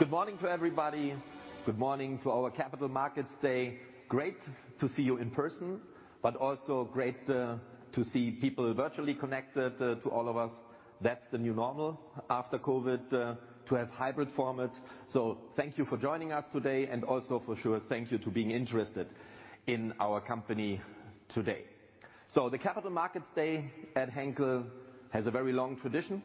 Good morning to everybody. Good morning to our Capital Markets Day. Great to see you in person, but also great to see people virtually connected to all of us. That's the new normal after COVID to have hybrid formats. Thank you for joining us today and also for sure thank you for being interested in our company today. The Capital Markets Day at Henkel has a very long tradition.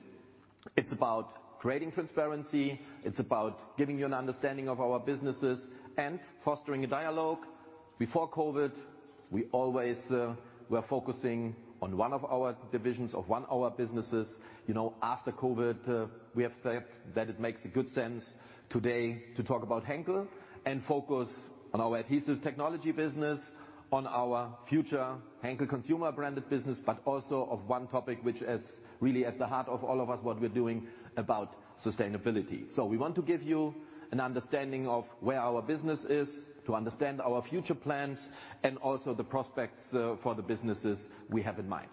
It's about creating transparency, it's about giving you an understanding of our businesses and fostering a dialogue. Before COVID, we always were focusing on 1 of our divisions or 1 of our businesses. You know, after COVID, we have felt that it makes good sense today to talk about Henkel and focus on our Adhesive Technologies business, on our future Henkel Consumer Brands business, but also on 1 topic which is really at the heart of all of us, what we're doing about sustainability. We want to give you an understanding of where our business is, to understand our future plans and also the prospects for the businesses we have in mind.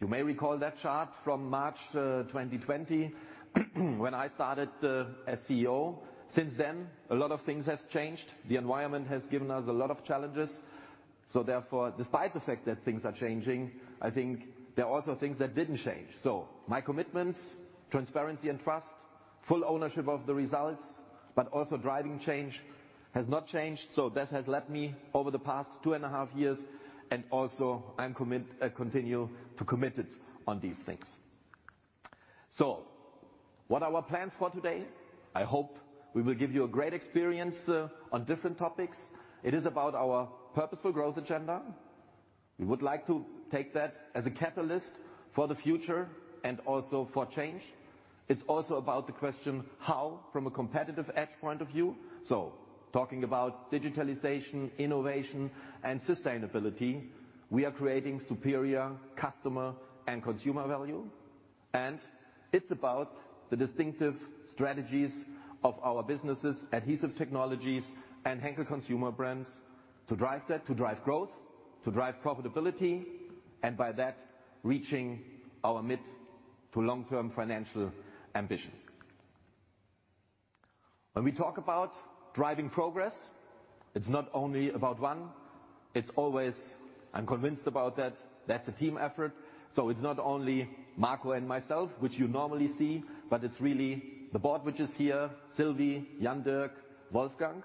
You may recall that chart from March 2020 when I started as CEO. Since then, a lot of things has changed. The environment has given us a lot of challenges. Therefore, despite the fact that things are changing, I think there are also things that didn't change. My commitments, transparency and trust, full ownership of the results, but also driving change has not changed. That has led me over the past 2 and a half years, and also I continue to be committed to these things. What are our plans for today? I hope we will give you a great experience on different topics. It is about our Purposeful Growth agenda. We would like to take that as a catalyst for the future and also for change. It's also about the question, how, from a competitive edge point of view, talking about digitalization, innovation and sustainability, we are creating superior customer and consumer value. It's about the distinctive strategies of our businesses, Adhesive Technologies and Henkel Consumer Brands, to drive that, to drive growth, to drive profitability, and by that, reaching our mid to long-term financial ambition. When we talk about driving progress, it's not only about 1, it's always, I'm convinced about that's a team effort. It's not only Marco and myself which you normally see, but it's really the board which is here, Sylvie, Jan-Dirk, Wolfgang.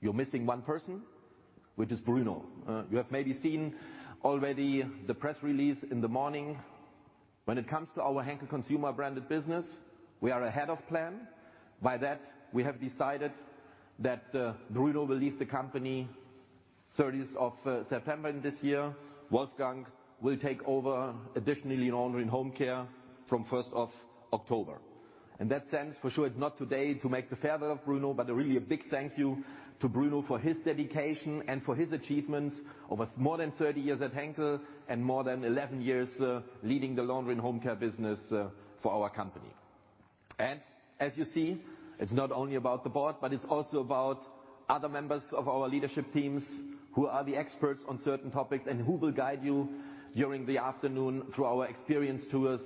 You're missing 1 person, which is Bruno. You have maybe seen already the press release in the morning. When it comes to our Henkel Consumer Brands business, we are ahead of plan. By that, we have decided that, Bruno will leave the company thirtieth of September in this year. Wolfgang will take over additionally in Laundry & Home Care from first of October. In that sense, for sure it's not today to make the farewell of Bruno, but really a big thank you to Bruno for his dedication and for his achievements over more than 30 years at Henkel and more than 11 years, leading the Laundry & Home Care business, for our company. As you see, it's not only about the board, but it's also about other members of our leadership teams who are the experts on certain topics and who will guide you during the afternoon through our experience tours,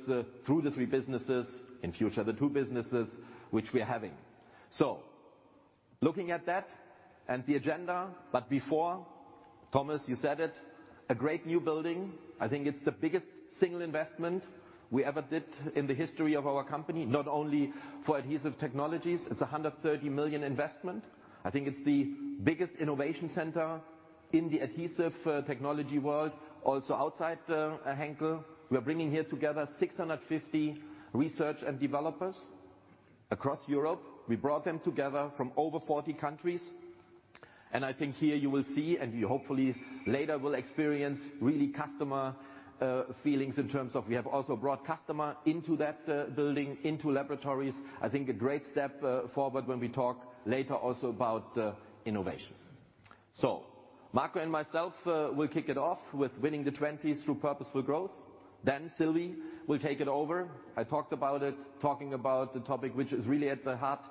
through the three businesses, in future, the two businesses which we are having. Looking at that and the agenda, but before, Thomas, you said it, a great new building. I think it's the biggest single investment we ever did in the history of our company, not only for Adhesive Technologies. It's a 130 million investment. I think it's the biggest innovation center in the adhesive technology world, also outside Henkel. We're bringing here together 650 research and developers across Europe. We brought them together from over 40 countries. I think here you will see, and you hopefully later will experience really customer feelings in terms of we have also brought customer into that building, into laboratories. I think a great step forward when we talk later also about innovation. Marco and myself will kick it off with winning the 20s through Purposeful Growth. Then Sylvie will take it over. I talked about it, talking about the topic which is really at the heart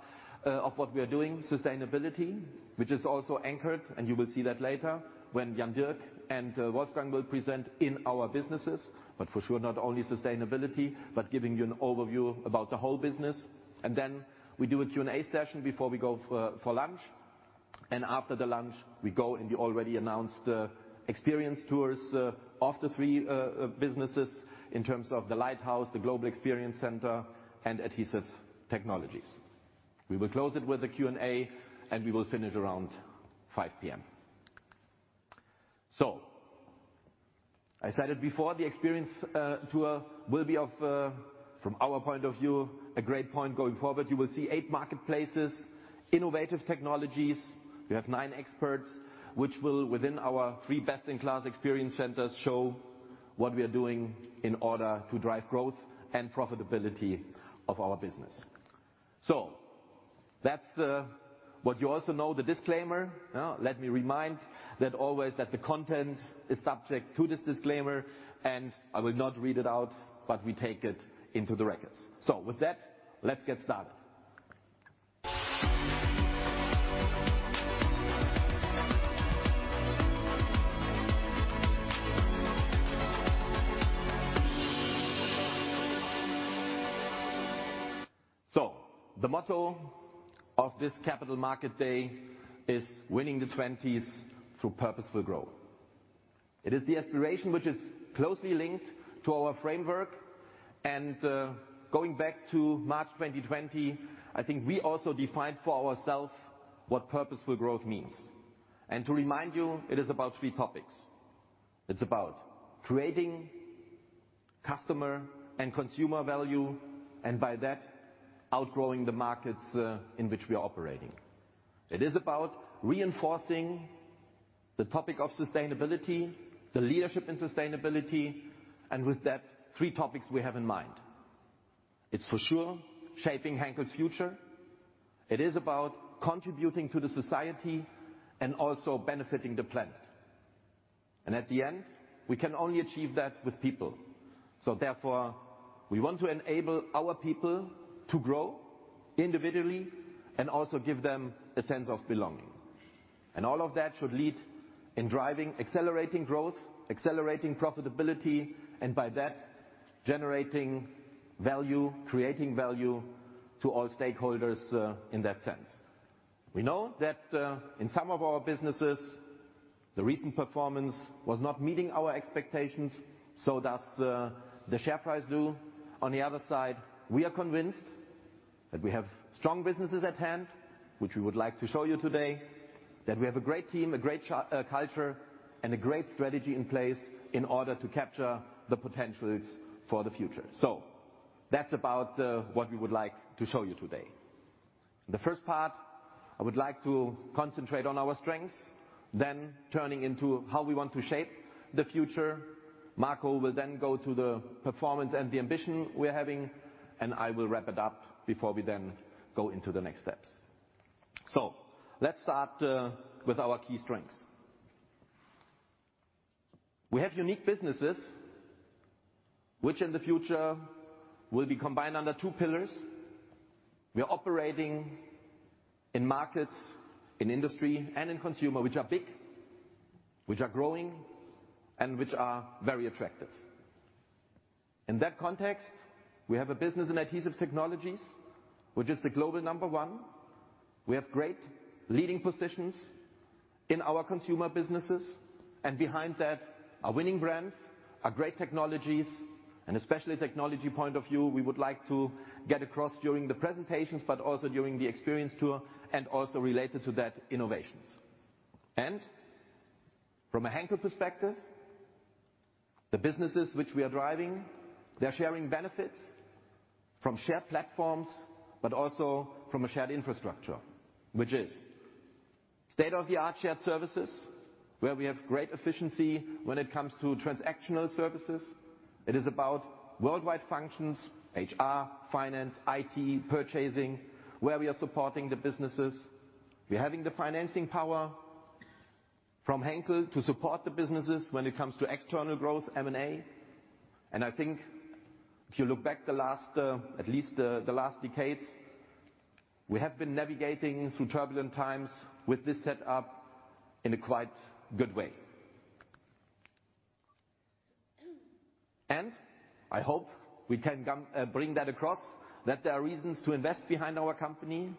of what we are doing, sustainability, which is also anchored, and you will see that later when Jan-Dirk and Wolfgang will present in our businesses, but for sure not only sustainability, but giving you an overview about the whole business. Then we do a Q&A session before we go for lunch. After the lunch, we go and we already announce the experience tours of the three businesses in terms of the Lighthouse, the Global Experience Center and Adhesive Technologies. We will close it with a Q&A, and we will finish around 5 P.M. I said it before, the experience tour will be of, from our point of view, a great point going forward. You will see eight marketplaces, innovative technologies. We have nine experts which will, within our three best-in-class experience centers, show what we are doing in order to drive growth and profitability of our business. That's what you also know, the disclaimer. Now let me remind that always that the content is subject to this disclaimer, and I will not read it out, but we take it into the records. With that, let's get started. The motto of this Capital Markets Day is Winning the '20s through Purposeful Growth. It is the aspiration which is closely linked to our framework. Going back to March 2020, I think we also defined for ourself what purposeful growth means. To remind you, it is about three topics. It's about creating customer and consumer value, and by that outgrowing the markets in which we are operating. It is about reinforcing the topic of sustainability, the leadership in sustainability, and with that, three topics we have in mind. It's for sure shaping Henkel's future. It is about contributing to the society and also benefiting the planet. At the end, we can only achieve that with people. Therefore, we want to enable our people to grow individually and also give them a sense of belonging. All of that should lead in driving accelerating growth, accelerating profitability, and by that generating value, creating value to all stakeholders, in that sense. We know that, in some of our businesses, the recent performance was not meeting our expectations, so does the share price do. On the other side, we are convinced that we have strong businesses at hand, which we would like to show you today. That we have a great team, a great culture, and a great strategy in place in order to capture the potentials for the future. That's about what we would like to show you today. The first part, I would like to concentrate on our strengths, then turning into how we want to shape the future. Marco will then go to the performance and the ambition we're having, and I will wrap it up before we then go into the next steps. Let's start with our key strengths. We have unique businesses which in the future will be combined under two pillars. We are operating in markets, in industry and in consumer, which are big, which are growing, and which are very attractive. In that context, we have a business in Adhesive Technologies, which is the global number 1. We have great leading positions in our consumer businesses, and behind that are winning brands, are great technologies, and especially technology point of view, we would like to get across during the presentations, but also during the experience tour, and also related to that, innovations. From a Henkel perspective, the businesses which we are driving, they're sharing benefits from shared platforms, but also from a shared infrastructure. Which is state-of-the-art shared services, where we have great efficiency when it comes to transactional services. It is about worldwide functions, HR, finance, IT, purchasing, where we are supporting the businesses. We're having the financing power from Henkel to support the businesses when it comes to external growth, M&A. I think if you look back at the last, at least, the last decades, we have been navigating through turbulent times with this setup in a quite good way. I hope we can come, bring that across, that there are reasons to invest behind our company.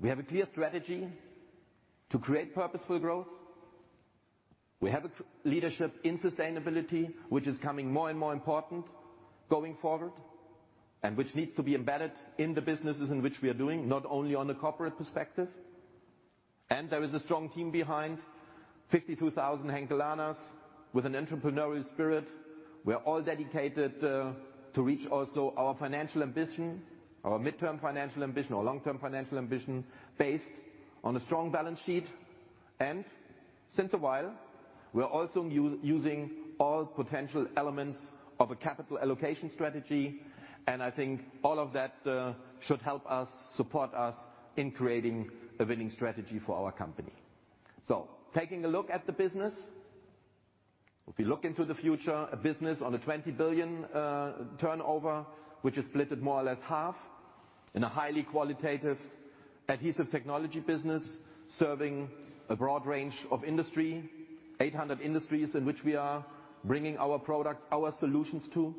We have a clear strategy to create Purposeful Growth. We have a leadership in sustainability, which is becoming more and more important going forward, and which needs to be embedded in the businesses in which we are doing, not only on a corporate perspective. There is a strong team behind, 52,000 Henkelers with an entrepreneurial spirit. We are all dedicated to reach also our financial ambition, our midterm financial ambition, our long-term financial ambition based on a strong balance sheet. Since a while, we are also using all potential elements of a capital allocation strategy. I think all of that should help us, support us in creating a winning strategy for our company. Taking a look at the business. If you look into the future, a business on a 20 billion turnover, which is split more or less half in a highly qualitative Adhesive Technologies business, serving a broad range of industry. 800 industries in which we are bringing our products, our solutions to.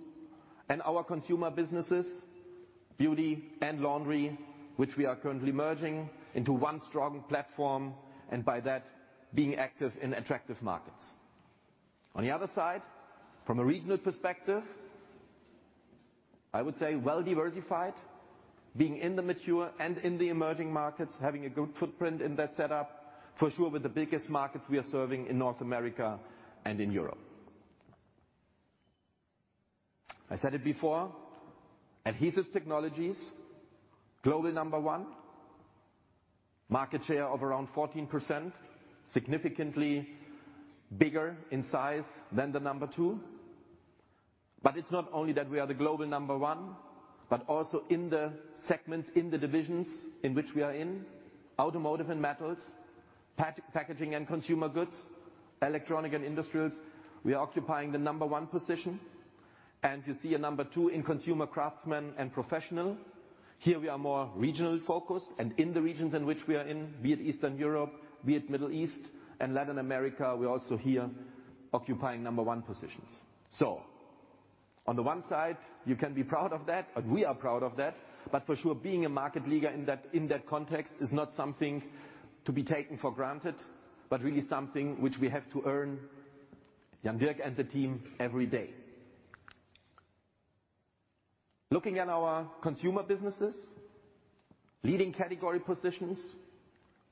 Our consumer businesses, beauty and laundry, which we are currently merging into 1 strong platform, and by that being active in attractive markets. On the other side, from a regional perspective, I would say well-diversified, being in the mature and in the emerging markets, having a good footprint in that setup. For sure, with the biggest markets we are serving in North America and in Europe. I said it before, Adhesive Technologies, global number 1. Market share of around 14%, significantly bigger in size than the number two. It's not only that we are the global number, but also in the segments, in the divisions in which we are in. Automotive and metals, packaging and consumer goods, electronics and industrials, we are occupying the number 1 position. You see a number two in consumer, craftsmen and professional. Here we are more regionally focused and in the regions in which we are in, be it Eastern Europe, be it Middle East and Latin America, we're also here occupying number 1 positions. On the one side, you can be proud of that, and we are proud of that. For sure, being a market leader in that, in that context is not something to be taken for granted, but really something which we have to earn, Jan-Dirk and the team, every day. Looking at our consumer businesses, leading category positions.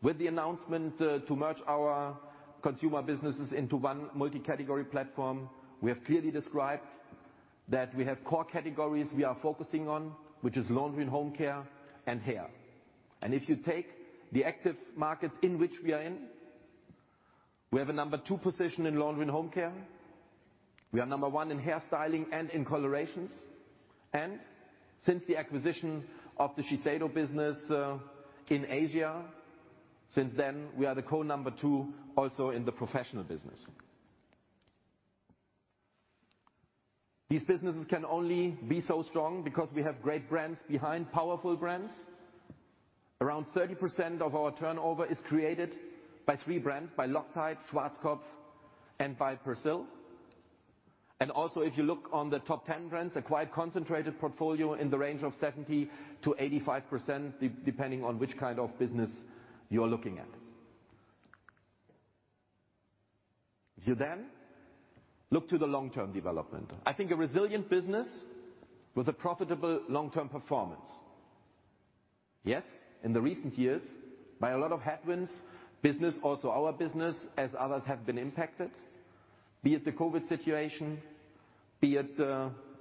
With the announcement to merge our consumer businesses into 1 multi-category platform, we have clearly described that we have core categories we are focusing on, which is Laundry & Home Care and hair. If you take the active markets in which we are in, we have a number 2 position in Laundry & Home Care. We are number one in hair styling and in colorations. Since the acquisition of the Shiseido business in Asia, since then, we are the core number 2, also in the professional business. These businesses can only be so strong because we have great brands behind, powerful brands. Around 30% of our turnover is created by three brands, by Loctite, Schwarzkopf, and by Persil. If you look on the top 10 brands, a quite concentrated portfolio in the range of 70%-85%, depending on which kind of business you're looking at. You then look to the long-term development. I think a resilient business with a profitable long-term performance. Yes, in recent years, by a lot of headwinds, business, also our business, as others have been impacted, be it the COVID situation, be it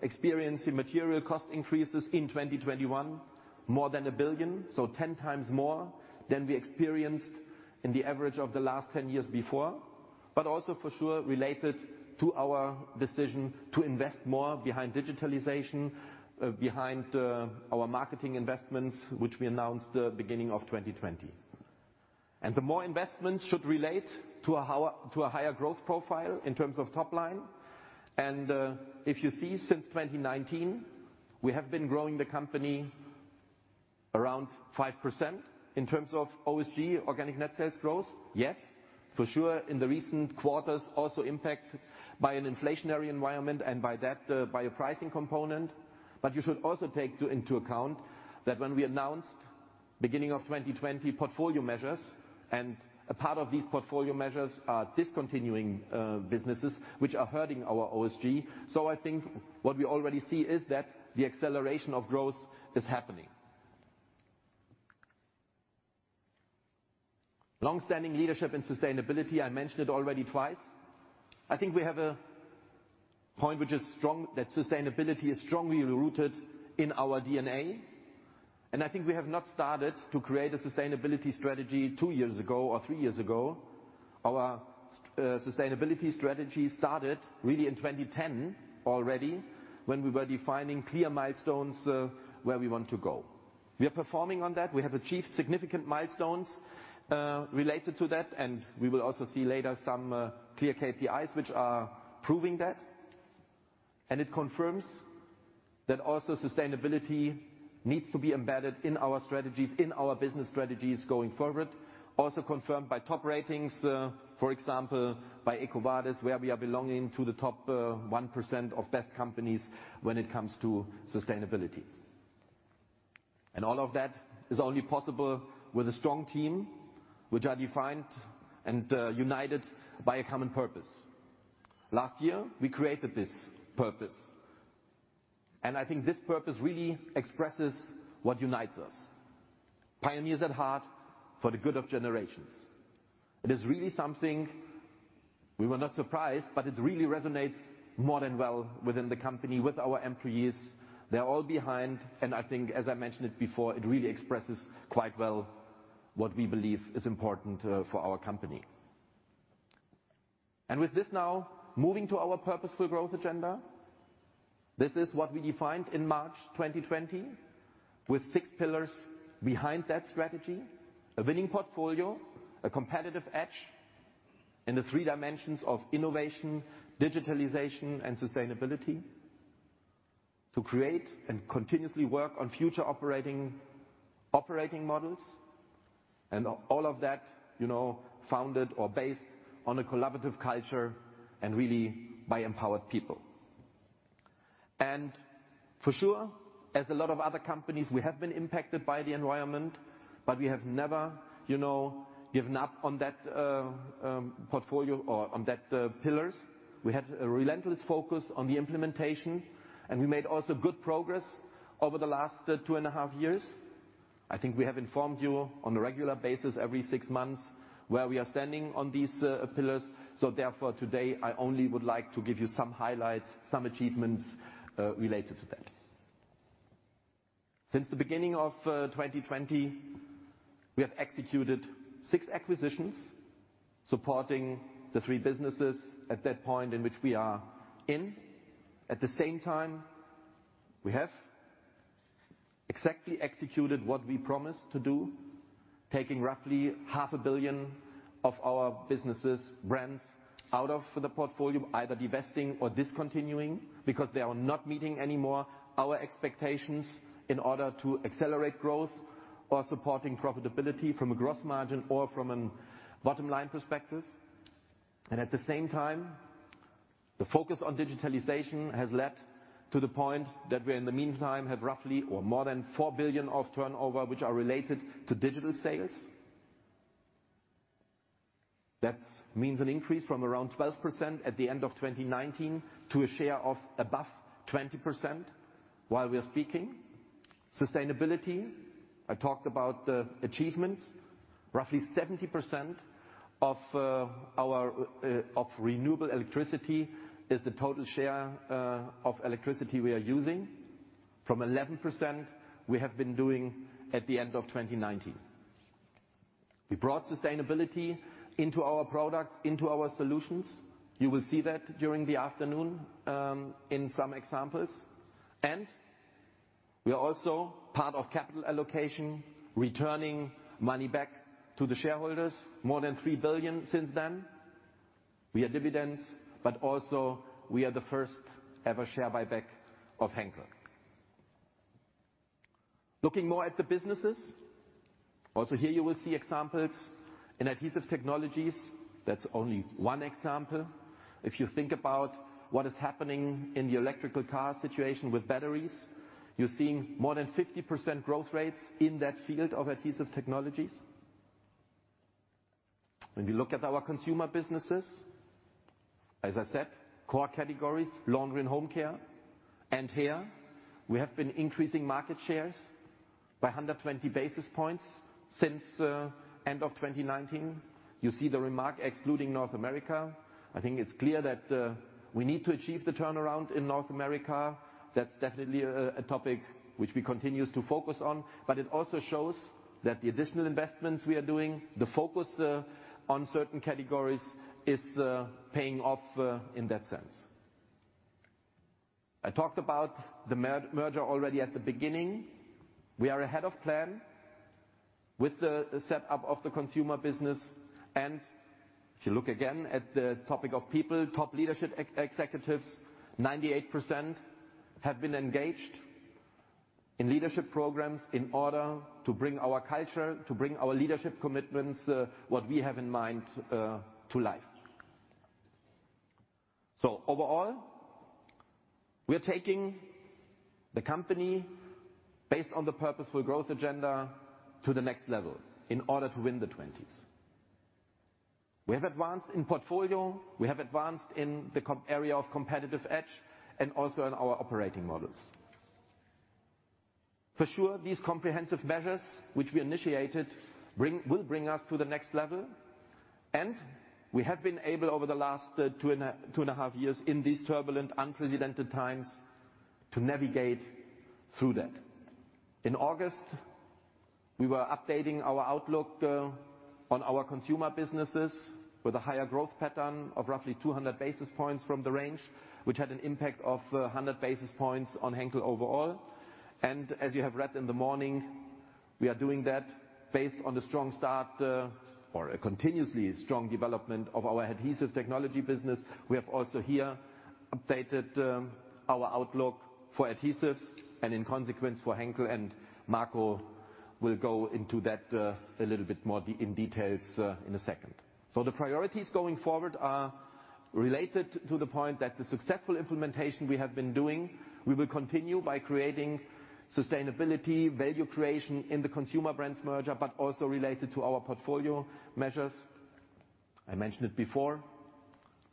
experiencing material cost increases in 2021, more than 1 billion, so 10 times more than we experienced in the average of the last 10 years before. Also for sure, related to our decision to invest more in digitalization, in our marketing investments, which we announced the beginning of 2020. The more investments should relate to a higher growth profile in terms of top line. If you see since 2019, we have been growing the company around 5% in terms of OSG, organic net sales growth. Yes, for sure, in the recent quarters, also impact by an inflationary environment and by that, by a pricing component. You should also take into account that when we announced beginning of 2020 portfolio measures, and a part of these portfolio measures are discontinuing businesses which are hurting our OSG. I think what we already see is that the acceleration of growth is happening. Long-standing leadership and sustainability, I mentioned it already twice. I think we have a point which is strong, that sustainability is strongly rooted in our DNA, and I think we have not started to create a sustainability strategy years ago or three years ago. Our sustainability strategy started really in 2010 already when we were defining clear milestones where we want to go. We are performing on that. We have achieved significant milestones related to that, and we will also see later some clear KPIs which are proving that. It confirms that also sustainability needs to be embedded in our strategies, in our business strategies going forward. Also confirmed by top ratings, for example, by EcoVadis, where we are belonging to the top 1% of best companies when it comes to sustainability. All of that is only possible with a strong team, which are defined and united by a common purpose. Last year, we created this purpose, and I think this purpose really expresses what unites us, pioneers at heart for the good of generations. It is really something. We were not surprised, but it really resonates more than well within the company with our employees. They're all behind, and I think as I mentioned it before, it really expresses quite well what we believe is important, for our company. With this now, moving to our Purposeful Growth agenda. This is what we defined in March 2020, with six pillars behind that strategy, a winning portfolio, a competitive edge, and the three dimensions of innovation, digitalization, and sustainability to create and continuously work on future operating models. All of that, you know, founded or based on a collaborative culture and really by empowered people. For sure, as a lot of other companies, we have been impacted by the environment, but we have never, you know, given up on that portfolio or on that pillars. We had a relentless focus on the implementation, and we made also good progress over the last and a half years. I think we have informed you on a regular basis every six months where we are standing on these pillars. Therefore, today I only would like to give you some highlights, some achievements related to that. Since the beginning of 2020, we have executed six acquisitions, supporting the three businesses at that point in which we are in. At the same time, we have exactly executed what we promised to do, taking roughly half a billion EUR of our businesses brands out of the portfolio, either divesting or discontinuing because they are not meeting anymore our expectations in order to accelerate growth or supporting profitability from a gross margin or from a bottom-line perspective. At the same time, the focus on digitalization has led to the point that we're in the meantime have roughly or more than 4 billion of turnover which are related to digital sales. That means an increase from around 12% at the end of 2019 to a share of above 20% while we are speaking. Sustainability, I talked about the achievements. Roughly 70% of our renewable electricity is the total share of electricity we are using from 11% we have been doing at the end of 2019. We brought sust ainability into our products, into our solutions. You will see that during the afternoon in some examples. We are also part of capital allocation, returning money back to the shareholders. More than 3 billion since then. We have dividends, but also we are the first ever share buyback of Henkel. Looking more at the businesses. Also, here you will see examples. In Adhesive Technologies, that's only one example. If you think about what is happening in the electric car situation with batteries, you're seeing more than 50% growth rates in that field of Adhesive Technologies. When we look at our consumer businesses, as I said, core categories, Laundry & Home Care. Here we have been increasing market shares by 120 basis points since end of 2019. You see the remark excluding North America. I think it's clear that we need to achieve the turnaround in North America. That's definitely a topic which we continue to focus on. It also shows that the additional investments we are doing, the focus on certain categories is paying off in that sense. I talked about the merger already at the beginning. We are ahead of plan with the set up of the consumer business. If you look again at the topic of people, top leadership executives, 98% have been engaged in leadership programs in order to bring our culture, to bring our leadership commitments, what we have in mind, to life. Overall, we are taking the company based on the Purposeful Growth agenda to the next level in order to win the twenties. We have advanced in portfolio, we have advanced in the area of competitive edge and also in our operating models. For sure, these comprehensive measures which we initiated will bring us to the next level. We have been able, over the last two and a half years in these turbulent, unprecedented times to navigate through that. In August, we were updating our outlook on our consumer businesses with a higher growth pattern of roughly 200 basis points from the range, which had an impact of 100 basis points on Henkel overall. As you have read in the morning, we are doing that based on the strong start or a continuously strong development of our Adhesive Technologies business. We have also here updated our outlook for adhesives and in consequence for Henkel and Marco will go into that a little bit more in details in a second. The priorities going forward are related to the point that the successful implementation we have been doing, we will continue by creating sustainable value creation in the Consumer Brands merger, but also related to our portfolio measures. I mentioned it before.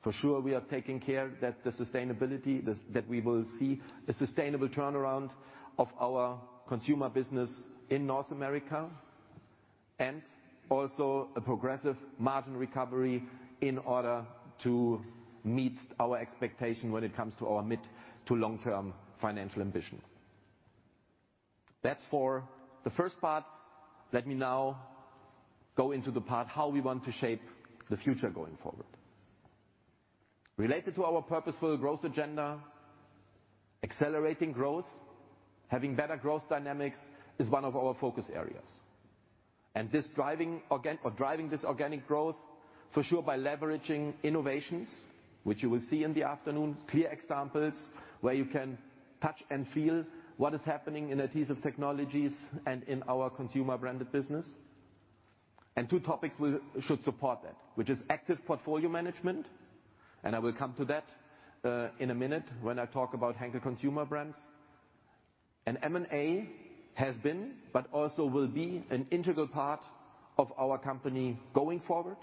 For sure, we are taking care that the sustainability that we will see a sustainable turnaround of our consumer business in North America and also a progressive margin recovery in order to meet our expectation when it comes to our mid to long-term financial ambition. That's for the first part. Let me now go into the part how we want to shape the future going forward. Related to our Purposeful Growth agenda, accelerating growth, having better growth dynamics is one of our focus areas. Driving this organic growth for sure by leveraging innovations which you will see in the afternoon, clear examples where you can touch and feel what is happening in Adhesive Technologies and in our consumer brands business. Two topics we should support that, which is active portfolio management, and I will come to that, in a minute when I talk about Henkel Consumer Brands. M&A has been but also will be an integral part of our company going forward.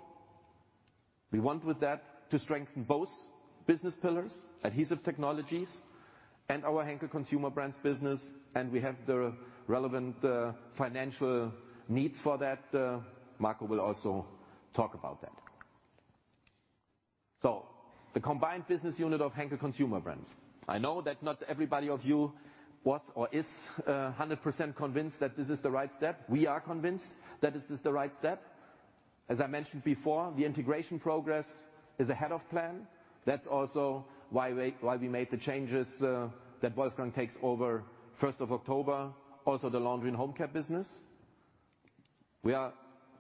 We want with that to strengthen both business pillars, Adhesive Technologies and our Henkel Consumer Brands business, and we have the relevant, financial means for that. Marco will also talk about that. The combined business unit of Henkel Consumer Brands. I know that not everybody of you was or is, 100% convinced that this is the right step. We are convinced that this is the right step. As I mentioned before, the integration progress is ahead of plan. That's also why we made the changes that Wolfgang takes over first of October, also the Laundry & Home Care business. We are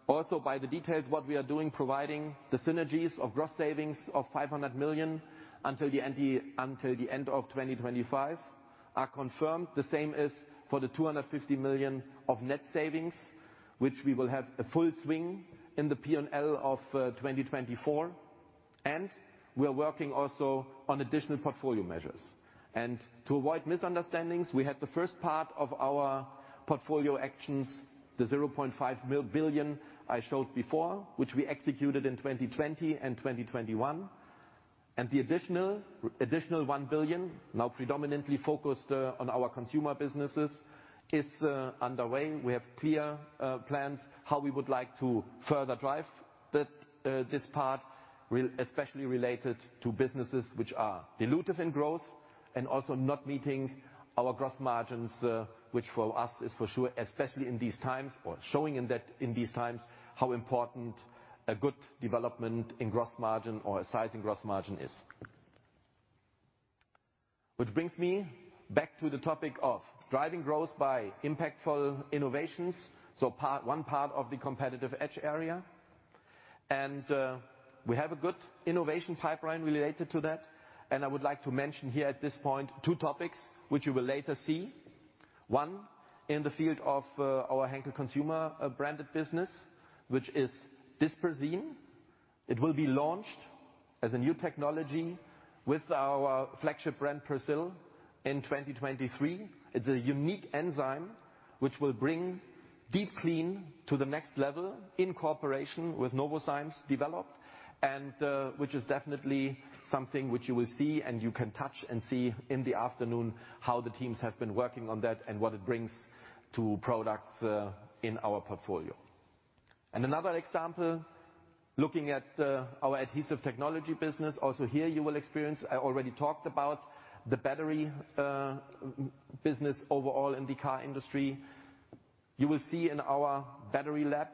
also providing the details of what we are doing, providing the synergies of gross savings of 500 million until the end of 2025, are confirmed. The same is for the 250 million of net savings, which we will have a full swing in the P&L of 2024. We are working also on additional portfolio measures. To avoid misunderstandings, we had the first part of our portfolio actions, the 0.5 billion I showed before, which we executed in 2020 and 2021. The additional one billion, now predominantly focused on our consumer businesses, is underway. We have clear plans how we would like to further drive this part especially related to businesses which are dilutive in growth and also not meeting our gross margins which for us is for sure especially in these times showing how important a good development in gross margin or a size in gross margin is. Which brings me back to the topic of driving growth by impactful innovations, so one part of the competitive edge area. We have a good innovation pipeline related to that. I would like to mention here at this point two topics which you will later see. One, in the field of our Henkel Consumer Brands business, which is Dispersin. It will be launched as a new technology with our flagship brand, Persil, in 2023. It's a unique enzyme which will bring deep clean to the next level developed in cooperation with Novozymes, which is definitely something which you will see and you can touch and see in the afternoon how the teams have been working on that and what it brings to products in our portfolio. Another example, looking at our Adhesive Technologies business, also here you will experience. I already talked about the battery business overall in the car industry. You will see in our battery lab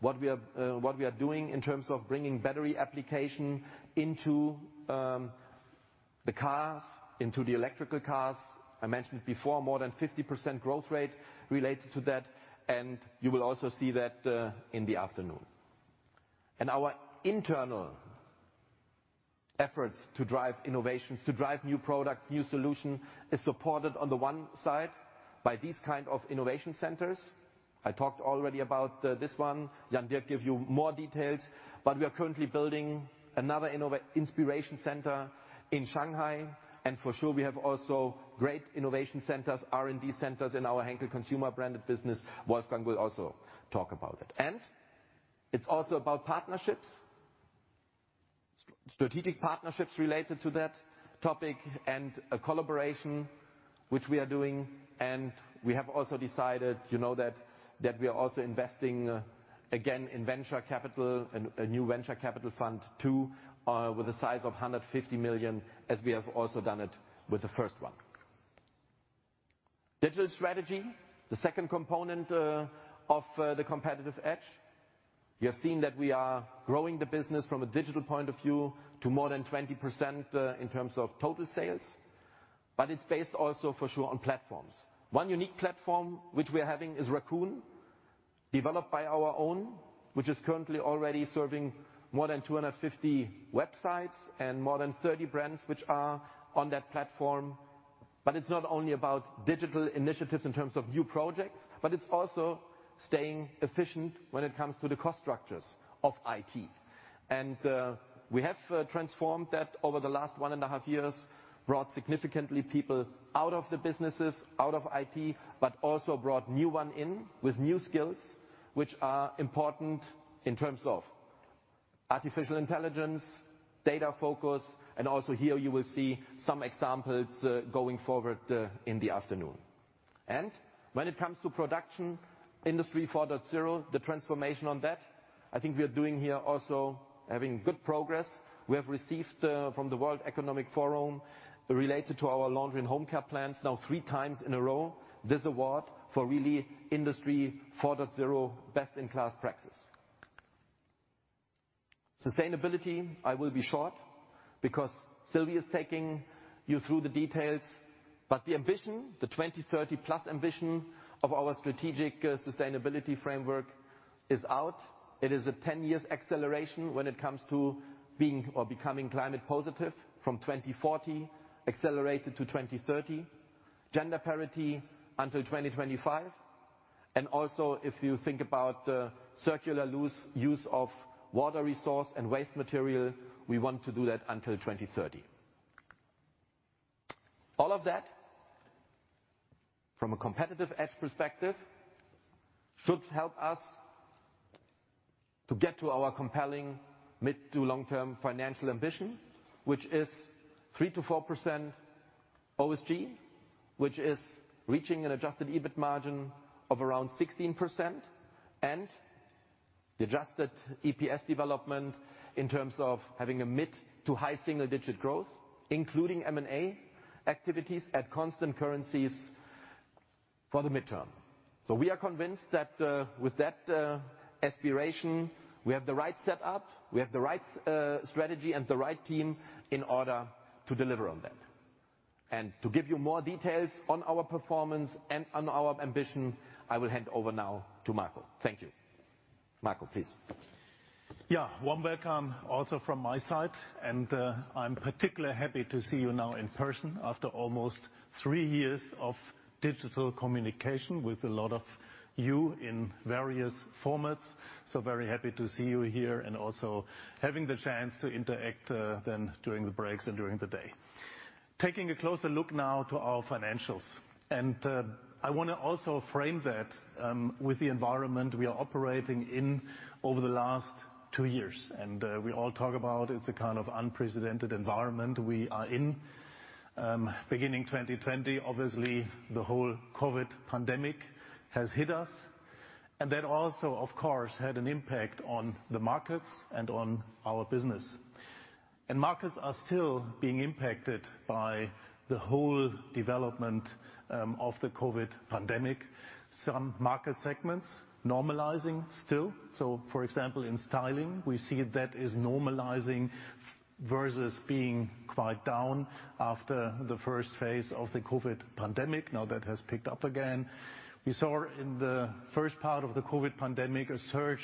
what we are doing in terms of bringing battery application into the cars, into the electric cars. I mentioned before, more than 50% growth rate related to that, and you will also see that in the afternoon. Our internal efforts to drive innovations, to drive new products, new solution, is supported on the one side by these kind of innovation centers. I talked already about this one. Jan-Dirk give you more details. We are currently building another innovation center in Shanghai, and for sure we have also great innovation centers, R&D centers in our Henkel Consumer Brands business. Wolfgang will also talk about it. It's also about partnerships, strategic partnerships related to that topic and a collaboration which we are doing. We have also decided, you know that we are also investing, again, in venture capital and a new venture capital fund too, with a size of 150 million, as we have also done it with the first one. Digital strategy, the second component, of the competitive edge. You have seen that we are growing the business from a digital point of view to more than 20%, in terms of total sales, but it's based also for sure on platforms. One unique platform which we're having is RAQN, developed by our own, which is currently already serving more than 250 websites and more than 30 brands which are on that platform. It's not only about digital initiatives in terms of new projects, but it's also staying efficient when it comes to the cost structures of IT. We have transformed that over the last one and a half years, brought significantly people out of the businesses, out of IT, but also brought new one in with new skills, which are important in terms of artificial intelligence, data focus, and also here you will see some examples, going forward, in the afternoon. When it comes to production, Industry 4.0, the transformation on that, I think we are doing here also having good progress. We have received from the World Economic Forum related to our Laundry & Home Care plans now three times in a row this award for really Industry 4.0 best-in-class practices. Sustainability, I will be short because Sylvie is taking you through the details. The ambition, the 2030+ ambition of our strategic sustainability framework is out. It is a 10-year acceleration when it comes to being or becoming climate positive from 2040 accelerated to 2030. Gender parity until 2025. If you think about the circular use of water resource and waste material, we want to do that until 2030. All of that, from a competitive edge perspective, should help us to get to our compelling mid- to long-term financial ambition, which is 3%-4% OSG, which is reaching an adjusted EBIT margin of around 16% and the adjusted EPS development in terms of having a mid-to-high single digit growth, including M&A activities at constant currencies for the midterm. We are convinced that, with that, aspiration, we have the right setup, we have the right, strategy, and the right team in order to deliver on that. To give you more details on our performance and on our ambition, I will hand over now to Marco. Thank you. Marco, please. Yeah. Warm welcome also from my side, and, I'm particularly happy to see you now in person after almost three years of digital communication with a lot of you in various formats. Very happy to see you here and also having the chance to interact, then during the breaks and during the day. Taking a closer look now to our financials, and, I wanna also frame that, with the environment we are operating in over the last two years. We all talk about it's a kind of unprecedented environment we are in. Beginning 2020, obviously, the whole COVID pandemic has hit us, and that also, of course, had an impact on the markets and on our business. Markets are still being impacted by the whole development, of the COVID pandemic. Some market segments normalizing still. For example, in styling, we see that is normalizing versus being quite down after the first phase of the COVID pandemic. Now that has picked up again. We saw in the first part of the COVID pandemic a surge,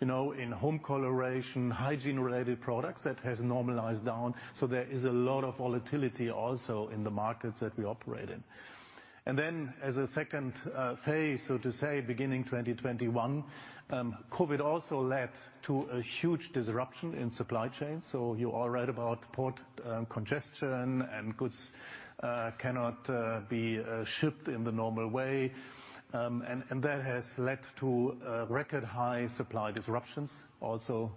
you know, in home coloration, hygiene-related products that has normalized down. There is a lot of volatility also in the markets that we operate in. Then as a second phase, so to say, beginning 2021, COVID also led to a huge disruption in supply chain. You all read about port congestion and goods cannot be shipped in the normal way. That has led to record high supply disruptions also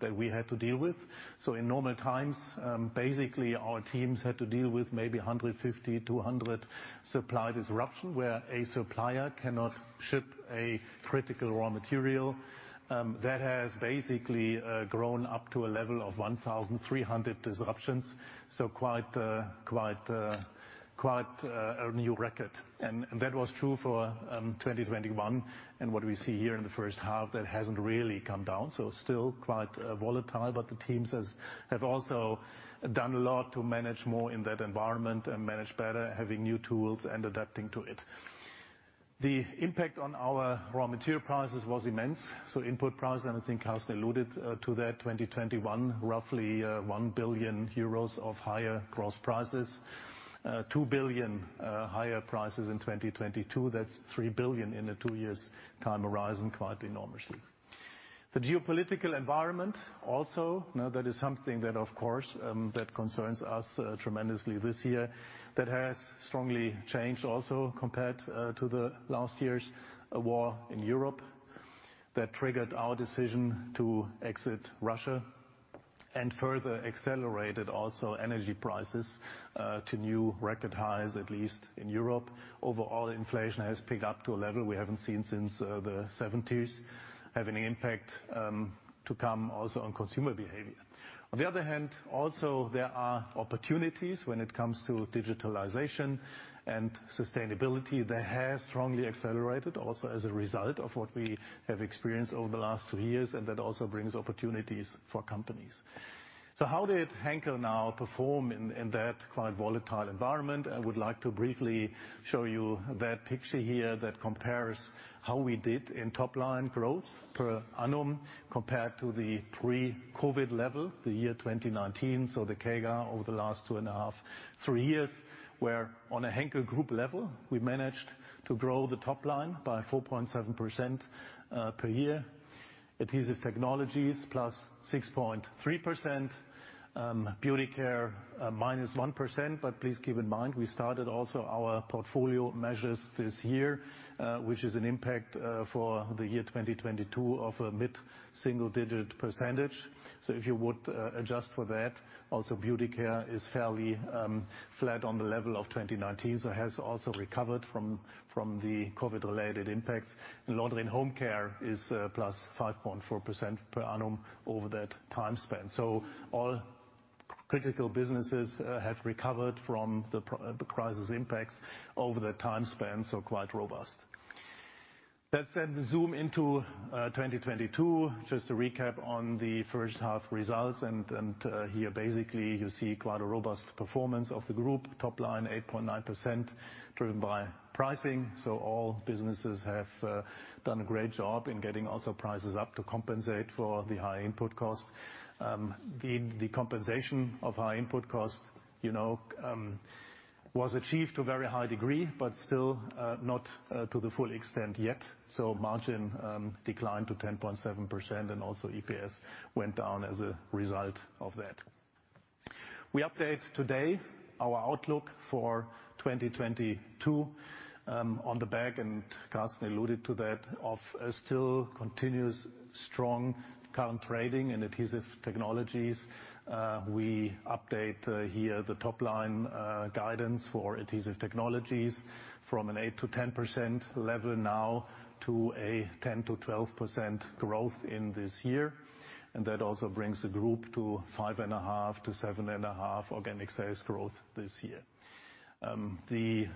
that we had to deal with. In normal times, basically, our teams had to deal with maybe 150-200 supply disruption where a supplier cannot ship a critical raw material. That has basically grown up to a level of 1,300 disruptions, quite a new record. That was true for 2021. What we see here in the first half, that hasn't really come down, still quite volatile. The teams have also done a lot to manage more in that environment and manage better, having new tools and adapting to it. The impact on our raw material prices was immense, so input prices, and I think Carsten alluded to that, 2021, roughly 1 billion euros of higher gross prices. Two billion higher prices in 2022. That's 3 billion in a 2-year time horizon, quite enormously. The geopolitical environment also, now that is something that of course that concerns us tremendously this year, that has strongly changed also compared to the last year's war in Europe that triggered our decision to exit Russia and further accelerated also energy prices to new record highs, at least in Europe. Overall, inflation has picked up to a level we haven't seen since the 1970s, having an impact to come also on consumer behavior. On the other hand, also, there are opportunities when it comes to digitalization and sustainability that has strongly accelerated also as a result of what we have experienced over the last 2 years, and that also brings opportunities for companies. How did Henkel now perform in that quite volatile environment? I would like to briefly show you that picture here that compares how we did in top line growth per annum compared to the pre-COVID level, the year 2019, so the CAGR over the last 2.5 to 3 years, where on a Henkel Group level, we managed to grow the top line by 4.7% per year. Adhesive Technologies +6.3%. Beauty Care -1%, but please keep in mind, we started also our portfolio measures this year, which is an impact for the year 2022 of a mid-single digit percentage. If you would adjust for that, also Beauty Care is fairly flat on the level of 2019, so has also recovered from the COVID-related impacts. Laundry & Home Care is +5.4% per annum over that time span. All critical businesses have recovered from the crisis impacts over the time span, so quite robust. Let's zoom into 2022, just to recap on the first half results, and here basically you see quite a robust performance of the group. Top line, 8.9%, driven by pricing. All businesses have done a great job in getting also prices up to compensate for the high input costs. The compensation of high input costs, you know, was achieved to a very high degree, but still not to the full extent yet. Margin declined to 10.7%, and also EPS went down as a result of that. We update today our outlook for 2022, on the back, and Carsten alluded to that, of a still continuous strong current trading in Adhesive Technologies. We update here the top line guidance for Adhesive Technologies from an 8%-10% level now to a 10%-12% growth this year. That also brings the group to 5.5%-7.5% organic sales growth this year. The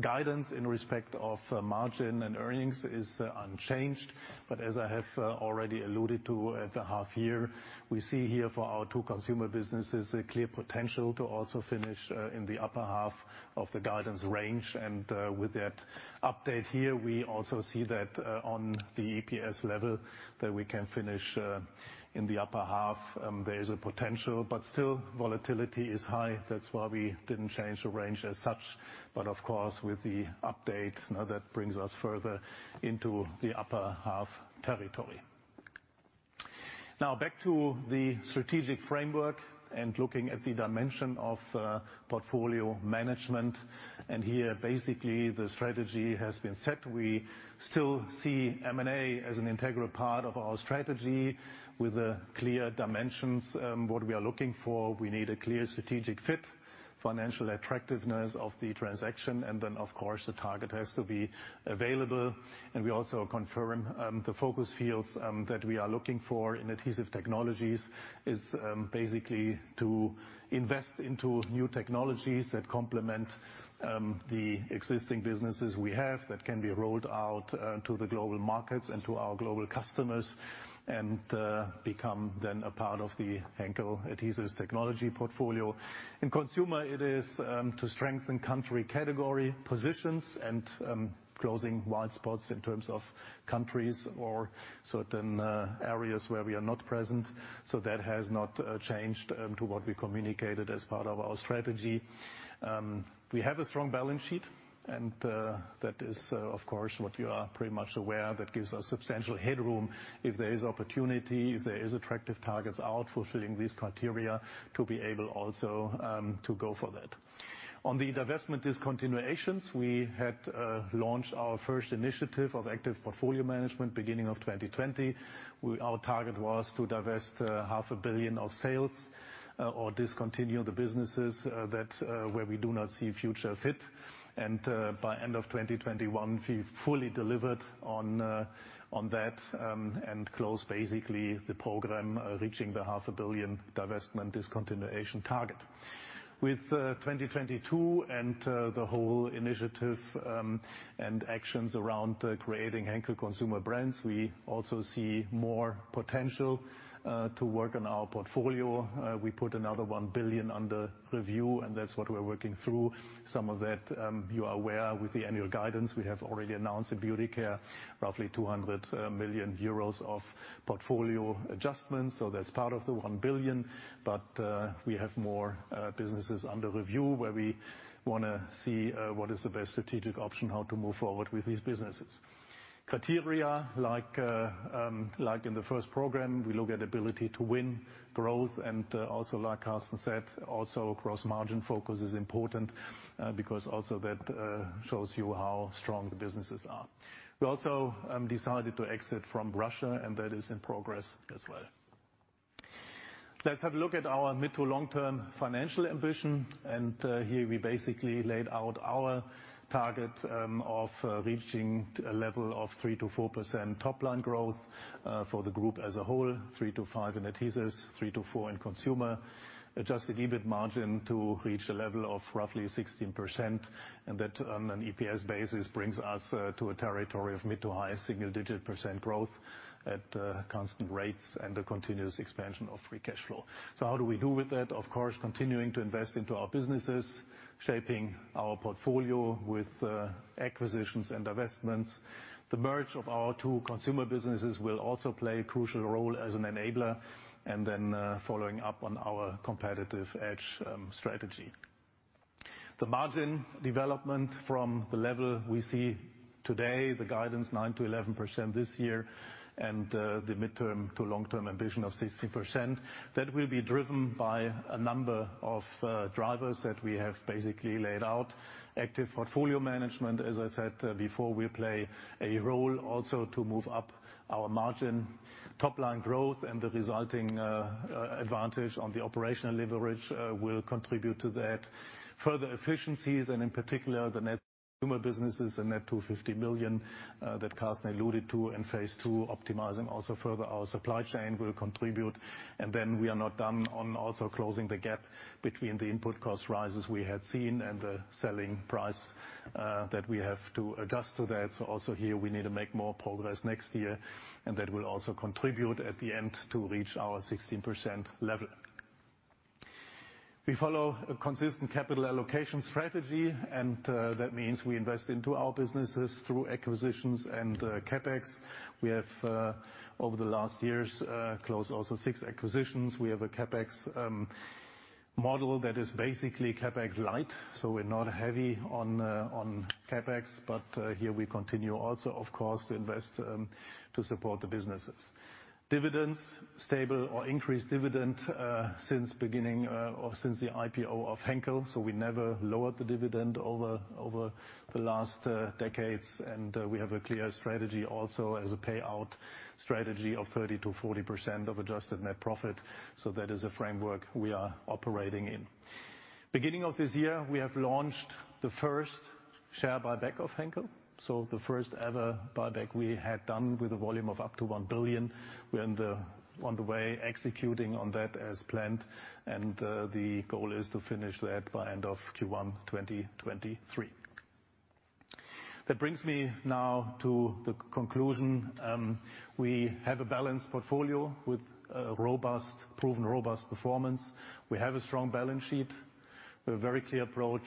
guidance in respect of margin and earnings is unchanged. As I have already alluded to at the half year, we see here for our two consumer businesses a clear potential to also finish in the upper half of the guidance range. With that update here, we also see that on the EPS level that we can finish in the upper half. There is a potential, but still volatility is high. That's why we didn't change the range as such. Of course, with the update, now that brings us further into the upper half territory. Now back to the strategic framework and looking at the dimension of portfolio management. Here, basically, the strategy has been set. We still see M&A as an integral part of our strategy with clear dimensions. What we are looking for, we need a clear strategic fit, financial attractiveness of the transaction, and then of course, the target has to be available. We also confirm the focus fields that we are looking for in Adhesive Technologies is basically to invest into new technologies that complement the existing businesses we have that can be rolled out to the global markets and to our global customers and become then a part of the Henkel Adhesive Technologies portfolio. In Consumer it is to strengthen country category positions and closing wide spots in terms of countries or certain areas where we are not present. That has not changed to what we communicated as part of our strategy. We have a strong balance sheet, and that is of course what you are pretty much aware that gives us substantial headroom if there is opportunity, if there is attractive targets out fulfilling these criteria to be able also to go for that. On the divestment discontinuations, we had launched our first initiative of active portfolio management beginning of 2020. Our target was to divest EUR half a billion of sales or discontinue the businesses that where we do not see future fit. By end of 2021, we've fully delivered on that and closed basically the program, reaching the EUR half a billion divestment discontinuation target. With 2022 and the whole initiative and actions around creating Henkel Consumer Brands, we also see more potential to work on our portfolio. We put another 1 billion under review, and that's what we're working through. Some of that, you are aware with the annual guidance. We have already announced in Beauty Care roughly 200 million euros of portfolio adjustments, so that's part of the 1 billion. We have more businesses under review where we wanna see what is the best strategic option, how to move forward with these businesses. Criteria like in the first program, we look at ability to win growth and also like Carsten said, also gross margin focus is important, because also that shows you how strong the businesses are. We also decided to exit from Russia and that is in progress as well. Let's have a look at our mid- to long-term financial ambition. Here we basically laid out our target of reaching a level of 3%-4% top line growth for the group as a whole, 3%-5% in Adhesives, 3%-4% in Consumer. Adjusted EBIT margin to reach a level of roughly 16%. That on an EPS basis brings us to a territory of mid- to high-single-digit % growth at constant rates and a continuous expansion of free cash flow. How do we do with that? Of course, continuing to invest into our businesses, shaping our portfolio with acquisitions and divestments. The merger of our two consumer businesses will also play a crucial role as an enabler and then following up on our competitive edge strategy. The margin development from the level we see today, the guidance 9%-11% this year, and the midterm to long-term ambition of 16%, that will be driven by a number of drivers that we have basically laid out. Active portfolio management, as I said before, will play a role also to move up our margin. Top line growth and the resulting advantage on the operational leverage will contribute to that. Further efficiencies and in particular, the net consumer businesses, a net 250 million, that Carsten alluded to in phase two, optimizing also further our supply chain will contribute. Then we are not done on also closing the gap between the input cost rises we had seen and the selling price, that we have to adjust to that. Also here, we need to make more progress next year, and that will also contribute at the end to reach our 16% level. We follow a consistent capital allocation strategy, and, that means we invest into our businesses through acquisitions and, CapEx. We have, over the last years, closed also six acquisitions. We have a CapEx model that is basically CapEx light, so we're not heavy on CapEx, but here we continue also, of course, to invest to support the businesses. Dividends, stable or increased dividend since beginning or since the IPO of Henkel. We never lowered the dividend over the last decades. We have a clear strategy also as a payout strategy of 30%-40% of adjusted net profit. That is a framework we are operating in. Beginning of this year, we have launched the first share buyback of Henkel. The first ever buyback we had done with a volume of up to 1 billion. We're on the way executing on that as planned, and the goal is to finish that by end of Q1 2023. That brings me now to the conclusion. We have a balanced portfolio with a robust, proven performance. We have a strong balance sheet with a very clear approach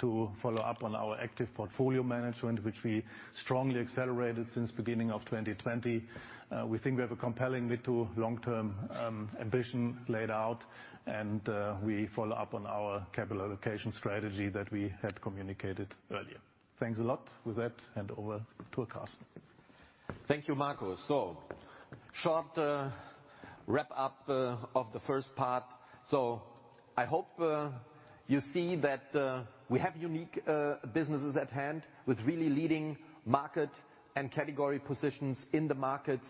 to follow up on our active portfolio management, which we strongly accelerated since beginning of 2020. We think we have a compelling lead to long-term ambition laid out, and we follow up on our capital allocation strategy that we had communicated earlier. Thanks a lot. With that, hand over to Carsten. Thank you, Marco. Short wrap up of the first part. I hope you see that we have unique businesses at hand with really leading market and category positions in the markets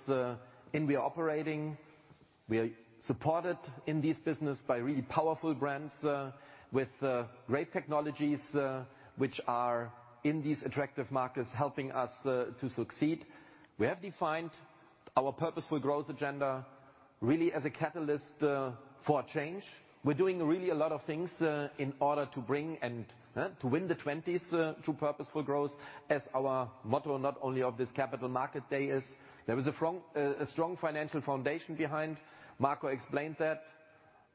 and we are operating. We are supported in this business by really powerful brands with great technologies which are in these attractive markets helping us to succeed. We have defined our Purposeful Growth agenda really as a catalyst for change. We're doing really a lot of things in order to bring and to win the twenties through Purposeful Growth as our motto, not only of this Capital Markets Day is. There is a strong financial foundation behind. Marco explained that.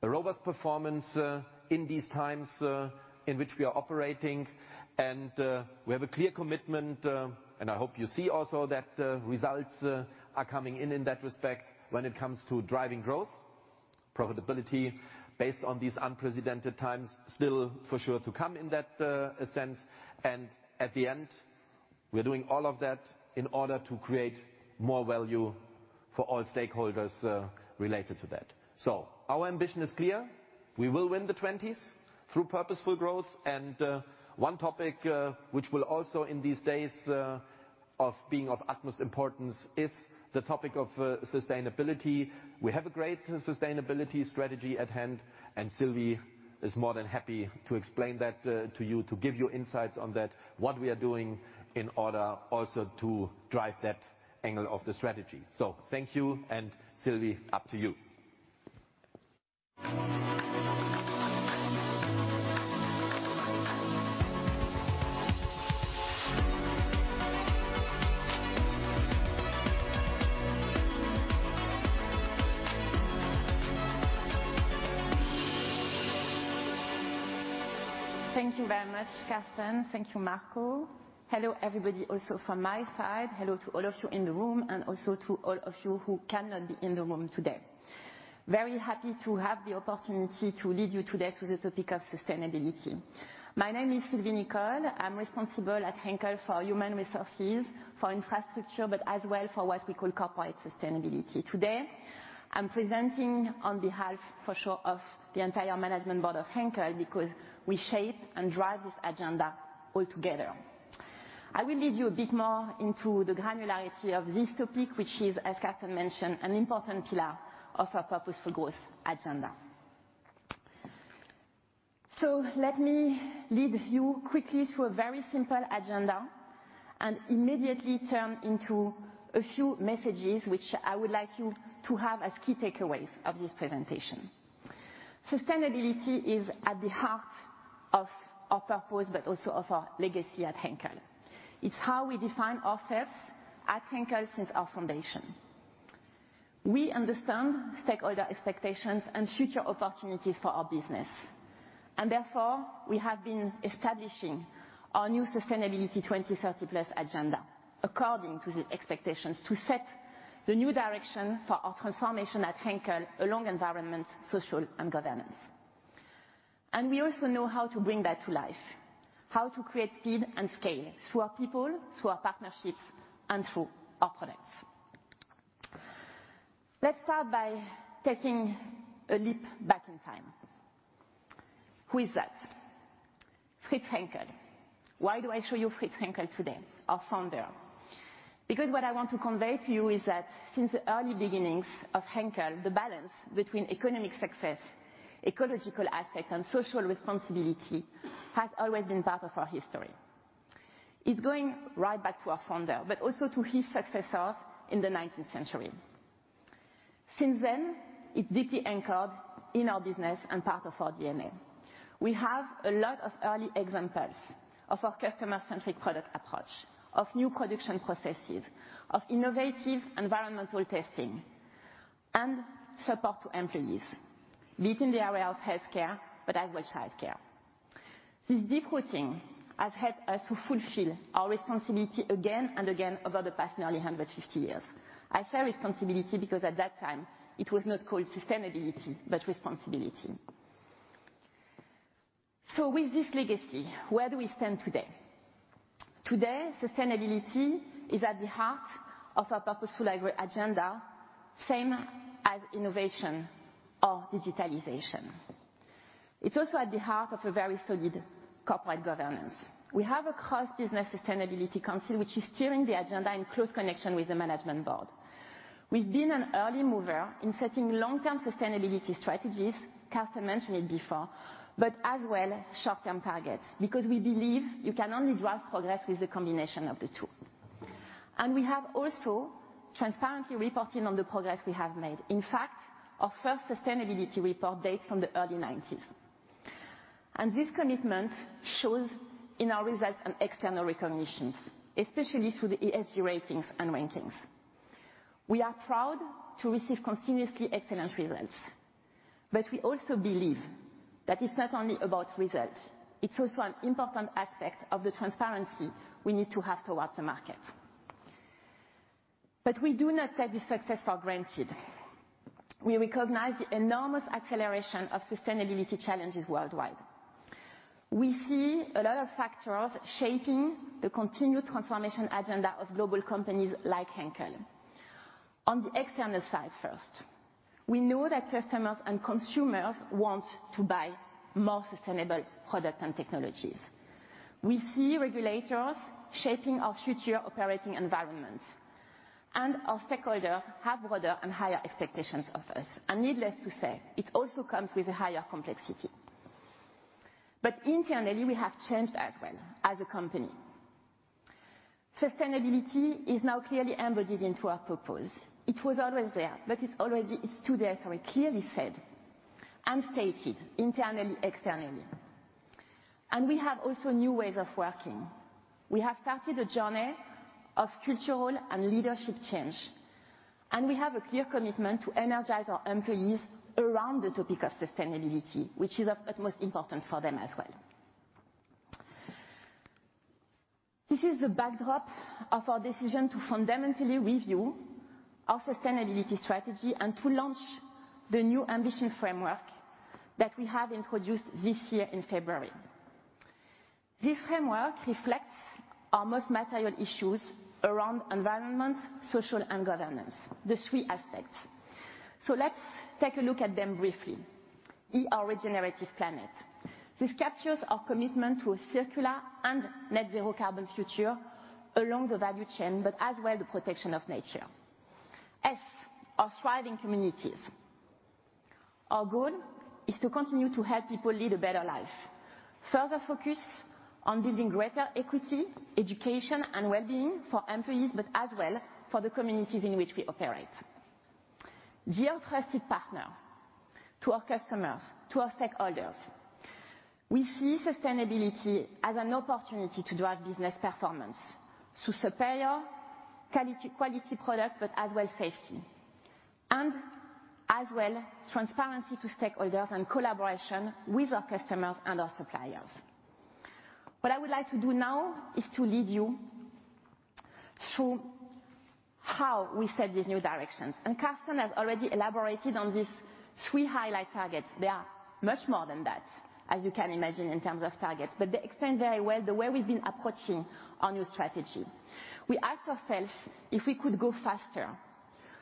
A robust performance in these times in which we are operating. We have a clear commitment, and I hope you see also that, results are coming in in that respect when it comes to driving growth, profitability based on these unprecedented times still for sure to come in that, sense. At the end, we're doing all of that in order to create more value for all stakeholders, related to that. Our ambition is clear. We will win the twenties through Purposeful Growth. One topic, which will also in these days, of being of utmost importance is the topic of, sustainability. We have a great sustainability strategy at hand, and Sylvie is more than happy to explain that, to you, to give you insights on that, what we are doing in order also to drive that angle of the strategy. Thank you, and Sylvie, up to you. Thank you very much, Carsten. Thank you, Marco. Hello, everybody. Also from my side, hello to all of you in the room and also to all of you who cannot be in the room today. Very happy to have the opportunity to lead you today through the topic of sustainability. My name is Sylvie Nicol. I'm responsible at Henkel for human resources, for infrastructure, but as well for what we call corporate sustainability. Today, I'm presenting on behalf, for sure, of the entire management board of Henkel because we shape and drive this agenda all together. I will lead you a bit more into the granularity of this topic, which is, as Carsten mentioned, an important pillar of our Purposeful Growth agenda. Let me lead you quickly through a very simple agenda and immediately turn into a few messages which I would like you to have as key takeaways of this presentation. Sustainability is at the heart of our purpose but also of our legacy at Henkel. It's how we define ourselves at Henkel since our foundation. We understand stakeholder expectations and future opportunities for our business, and therefore, we have been establishing our new Sustainability 2030+ agenda, according to the expectations, to set the new direction for our transformation at Henkel along environment, social, and governance. We also know how to bring that to life. How to create speed and scale through our people, through our partnerships, and through our products. Let's start by taking a leap back in time. Who is that? Fritz Henkel. Why do I show you Fritz Henkel today, our founder? Because what I want to convey to you is that since the early beginnings of Henkel, the balance between economic success, ecological aspect, and social responsibility has always been part of our history. It's going right back to our founder, but also to his successors in the nineteenth century. Since then, it's deeply anchored in our business and part of our DNA. We have a lot of early examples of our customer-centric product approach, of new production processes, of innovative environmental testing, and support to employees, be it in the area of healthcare, but as well childcare. This deep rooting has helped us to fulfill our responsibility again and again over the past nearly 150 years. I say responsibility because at that time it was not called sustainability, but responsibility. With this legacy, where do we stand today? Today, sustainability is at the heart of our purposeful agenda, same as innovation or digitalization. It's also at the heart of a very solid corporate governance. We have a cross-business sustainability council which is steering the agenda in close connection with the management board. We've been an early mover in setting long-term sustainability strategies, Carsten mentioned it before, but as well, short-term targets, because we believe you can only drive progress with the combination of the two. We have also transparently reporting on the progress we have made. In fact, our first sustainability report dates from the early 1990s. This commitment shows in our results and external recognitions, especially through the ESG ratings and rankings. We are proud to receive continuously excellent results, but we also believe that it's not only about results, it's also an important aspect of the transparency we need to have towards the market. We do not take this success for granted. We recognize the enormous acceleration of sustainability challenges worldwide. We see a lot of factors shaping the continued transformation agenda of global companies like Henkel. On the external side first, we know that customers and consumers want to buy more sustainable products and technologies. We see regulators shaping our future operating environments, and our stakeholders have broader and higher expectations of us. Needless to say, it also comes with a higher complexity. Internally, we have changed as well as a company. Sustainability is now clearly embodied into our purpose. It was always there, but it's today, so it clearly said and stated internally, externally. We have also new ways of working. We have started a journey of cultural and leadership change, and we have a clear commitment to energize our employees around the topic of sustainability, which is of utmost importance for them as well. This is the backdrop of our decision to fundamentally review our sustainability strategy and to launch the new ambition framework that we have introduced this year in February. This framework reflects our most material issues around environment, social, and governance, the three aspects. Let's take a look at them briefly. E, our regenerative planet. This captures our commitment to a circular and net zero carbon future along the value chain, but as well the protection of nature. S, our thriving communities. Our goal is to continue to help people lead a better life, further focus on building greater equity, education, and well-being for employees, but as well for the communities in which we operate. G, our trusted partner to our customers, to our stakeholders. We see sustainability as an opportunity to drive business performance to superior quality products, but as well safety and as well transparency to stakeholders and collaboration with our customers and our suppliers. What I would like to do now is to lead you through how we set these new directions, and Carsten has already elaborated on these three highlight targets. They are much more than that, as you can imagine, in terms of targets, but they explain very well the way we've been approaching our new strategy. We asked ourselves if we could go faster.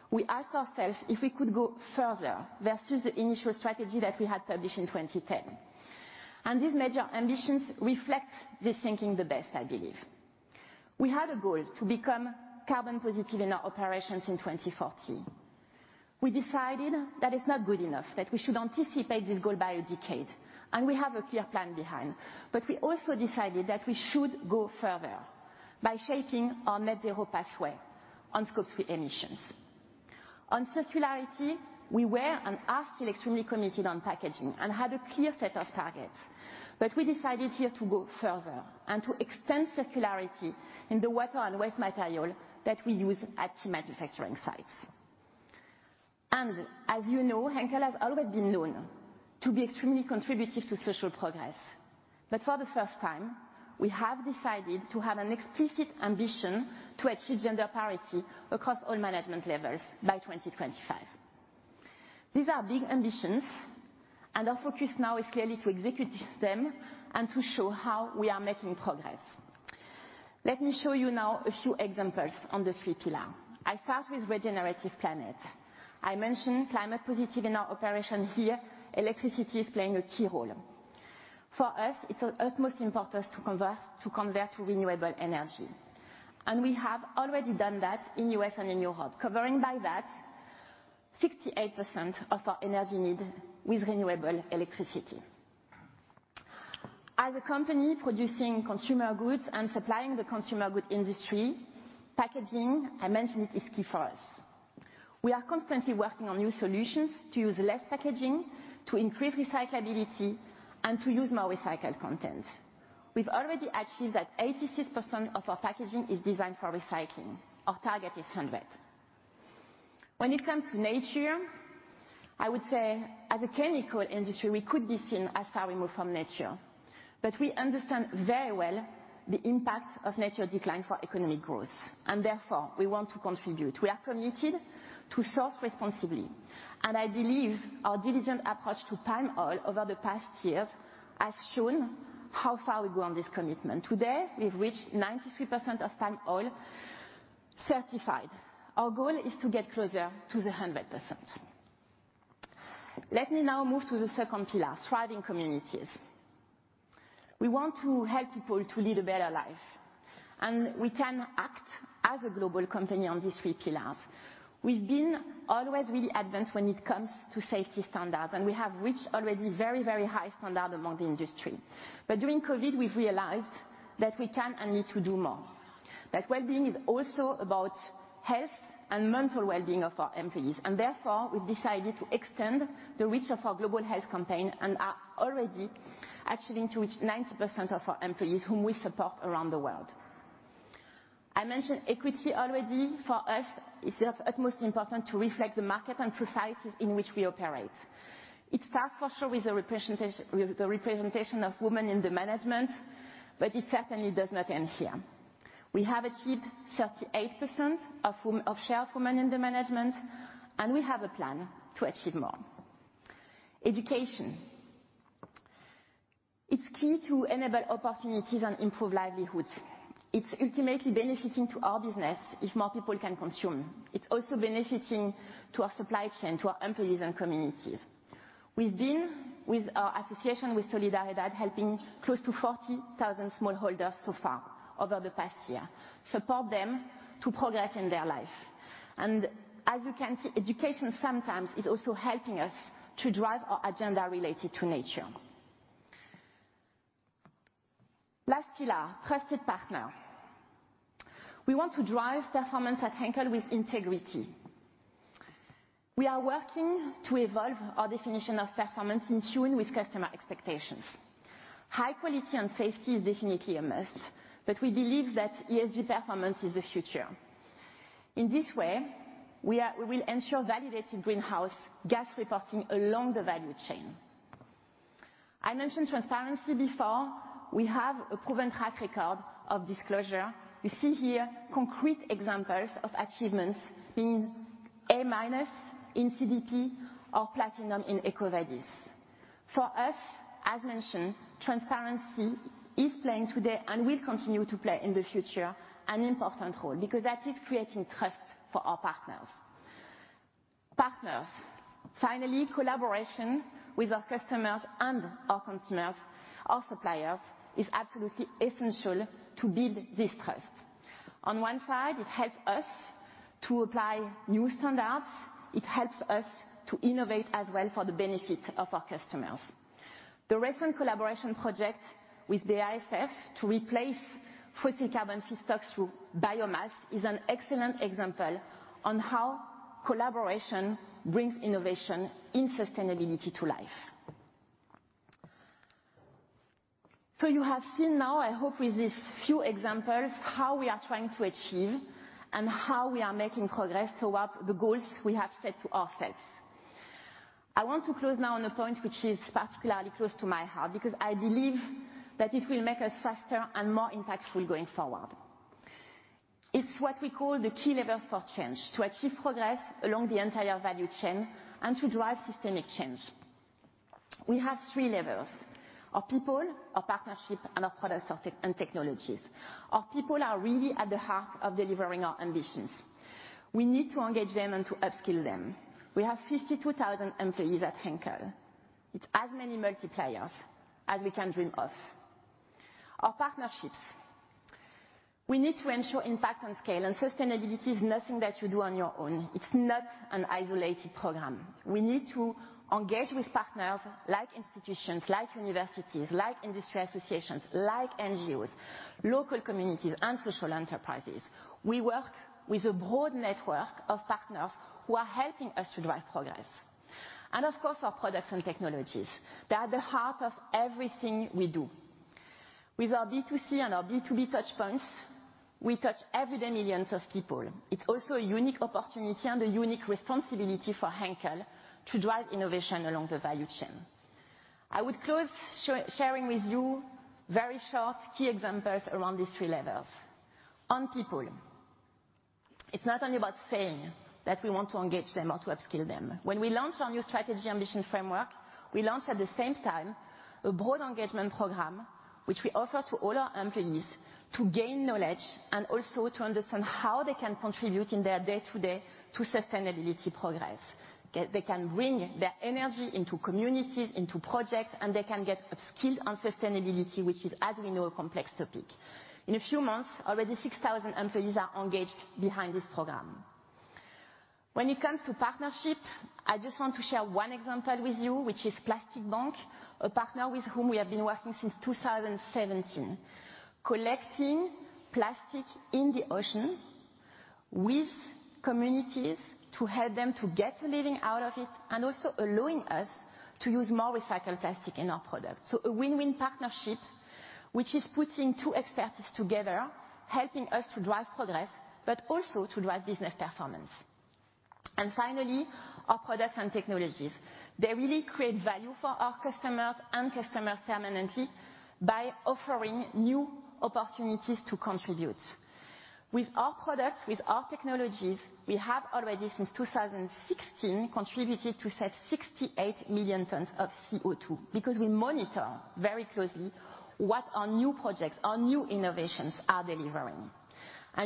We asked ourselves if we could go further versus the initial strategy that we had published in 2010. These major ambitions reflect this thinking the best, I believe. We had a goal to become carbon positive in our operations in 2014. We decided that it's not good enough, that we should anticipate this goal by a decade, and we have a clear plan behind. We also decided that we should go further by shaping our net zero pathway on Scope 3 emissions. On circularity, we were and are still extremely committed on packaging and had a clear set of targets. We decided here to go further and to extend circularity in the water and waste material that we use at key manufacturing sites. As you know, Henkel has always been known to be extremely contributive to social progress. For the first time, we have decided to have an explicit ambition to achieve gender parity across all management levels by 2025. These are big ambitions and our focus now is clearly to execute them and to show how we are making progress. Let me show you now a few examples on the three pillar. I start with regenerative planet. I mentioned climate positive in our operation here, electricity is playing a key role. For us, it's of utmost importance to convert to renewable energy. We have already done that in U.S. and in Europe, covering by that 68% of our energy need with renewable electricity. As a company producing consumer goods and supplying the consumer goods industry, packaging, I mentioned, is key for us. We are constantly working on new solutions to use less packaging, to increase recyclability, and to use more recycled content. We've already achieved that 86% of our packaging is designed for recycling. Our target is 100. When it comes to nature, I would say as a chemical industry, we could be seen as how we move from nature. We understand very well the impact of nature decline for economic growth and therefore we want to contribute. We are committed to source responsibly, and I believe our diligent approach to palm oil over the past years has shown how far we go on this commitment. Today, we've reached 93% of palm oil certified. Our goal is to get closer to the 100%. Let me now move to the second pillar, thriving communities. We want to help people to lead a better life, and we can act as a global company on these three pillars. We've been always really advanced when it comes to safety standards, and we have reached already very, very high standard among the industry. during COVID, we've realized that we can and need to do more, that well-being is also about health and mental well-being of our employees, and therefore we've decided to extend the reach of our global health campaign and are already actually to reach 90% of our employees whom we support around the world. I mentioned equity already. For us, it is of utmost importance to reflect the market and societies in which we operate. It starts for sure with the representation of women in the management, but it certainly does not end here. We have achieved 38% share of women in the management, and we have a plan to achieve more. Education. It's key to enable opportunities and improve livelihoods. It's ultimately beneficial to our business if more people can consume. It's also benefiting to our supply chain, to our employees and communities. We've been, with our association with Solidaridad, helping close to 40,000 smallholders so far over the past year, support them to progress in their life. As you can see, education sometimes is also helping us to drive our agenda related to nature. Last pillar, trusted partner. We want to drive performance at Henkel with integrity. We are working to evolve our definition of performance in tune with customer expectations. High quality and safety is definitely a must, but we believe that ESG performance is the future. In this way, we will ensure validated greenhouse gas reporting along the value chain. I mentioned transparency before. We have a proven track record of disclosure. You see here concrete examples of achievements being A-minus in CDP or platinum in EcoVadis. For us, as mentioned, transparency is playing today and will continue to play in the future an important role because that is creating trust for our partners. Partners. Finally, collaboration with our customers and our consumers, our suppliers is absolutely essential to build this trust. On one side it helps us to apply new standards. It helps us to innovate as well for the benefit of our customers. The recent collaboration project with the BASF to replace fossil carbon stocks through biomass is an excellent example on how collaboration brings innovation in sustainability to life. You have seen now, I hope with these few examples, how we are trying to achieve and how we are making progress towards the goals we have set to ourselves. I want to close now on a point which is particularly close to my heart because I believe that it will make us faster and more impactful going forward. It's what we call the key levers for change. To achieve progress along the entire value chain and to drive systemic change. We have three levers, our people, our partnership, and our products and technologies. Our people are really at the heart of delivering our ambitions. We need to engage them and to upskill them. We have 52,000 employees at Henkel. It's as many multipliers as we can dream of. Our partnerships. We need to ensure impact on scale and sustainability is nothing that you do on your own. It's not an isolated program. We need to engage with partners like institutions, like universities, like industry associations, like NGOs, local communities, and social enterprises. We work with a broad network of partners who are helping us to drive progress. Of course, our products and technologies. They are the heart of everything we do. With our B2C and our B2B touchpoints, we touch every day millions of people. It's also a unique opportunity and a unique responsibility for Henkel to drive innovation along the value chain. I would close by sharing with you very short key examples around these three levers. On people, it's not only about saying that we want to engage them or to upskill them. When we launched our new strategy ambition framework, we launched at the same time a broad engagement program which we offer to all our employees to gain knowledge and also to understand how they can contribute in their day-to-day to sustainability progress. They can bring their energy into communities, into projects, and they can get upskilled on sustainability which is as we know a complex topic. In a few months already 6,000 employees are engaged behind this program. When it comes to partnerships, I just want to share one example with you which is Plastic Bank, a partner with whom we have been working since 2017, collecting plastic in the ocean with communities to help them to get a living out of it and also allowing us to use more recycled plastic in our products. A win-win partnership which is putting two expertise together, helping us to drive progress but also to drive business performance. Finally, our products and technologies. They really create value for our customers and customers permanently by offering new opportunities to contribute. With our products, with our technologies we have already since 2016 contributed to save 68 million tons of CO2 because we monitor very closely what our new projects, our new innovations are delivering.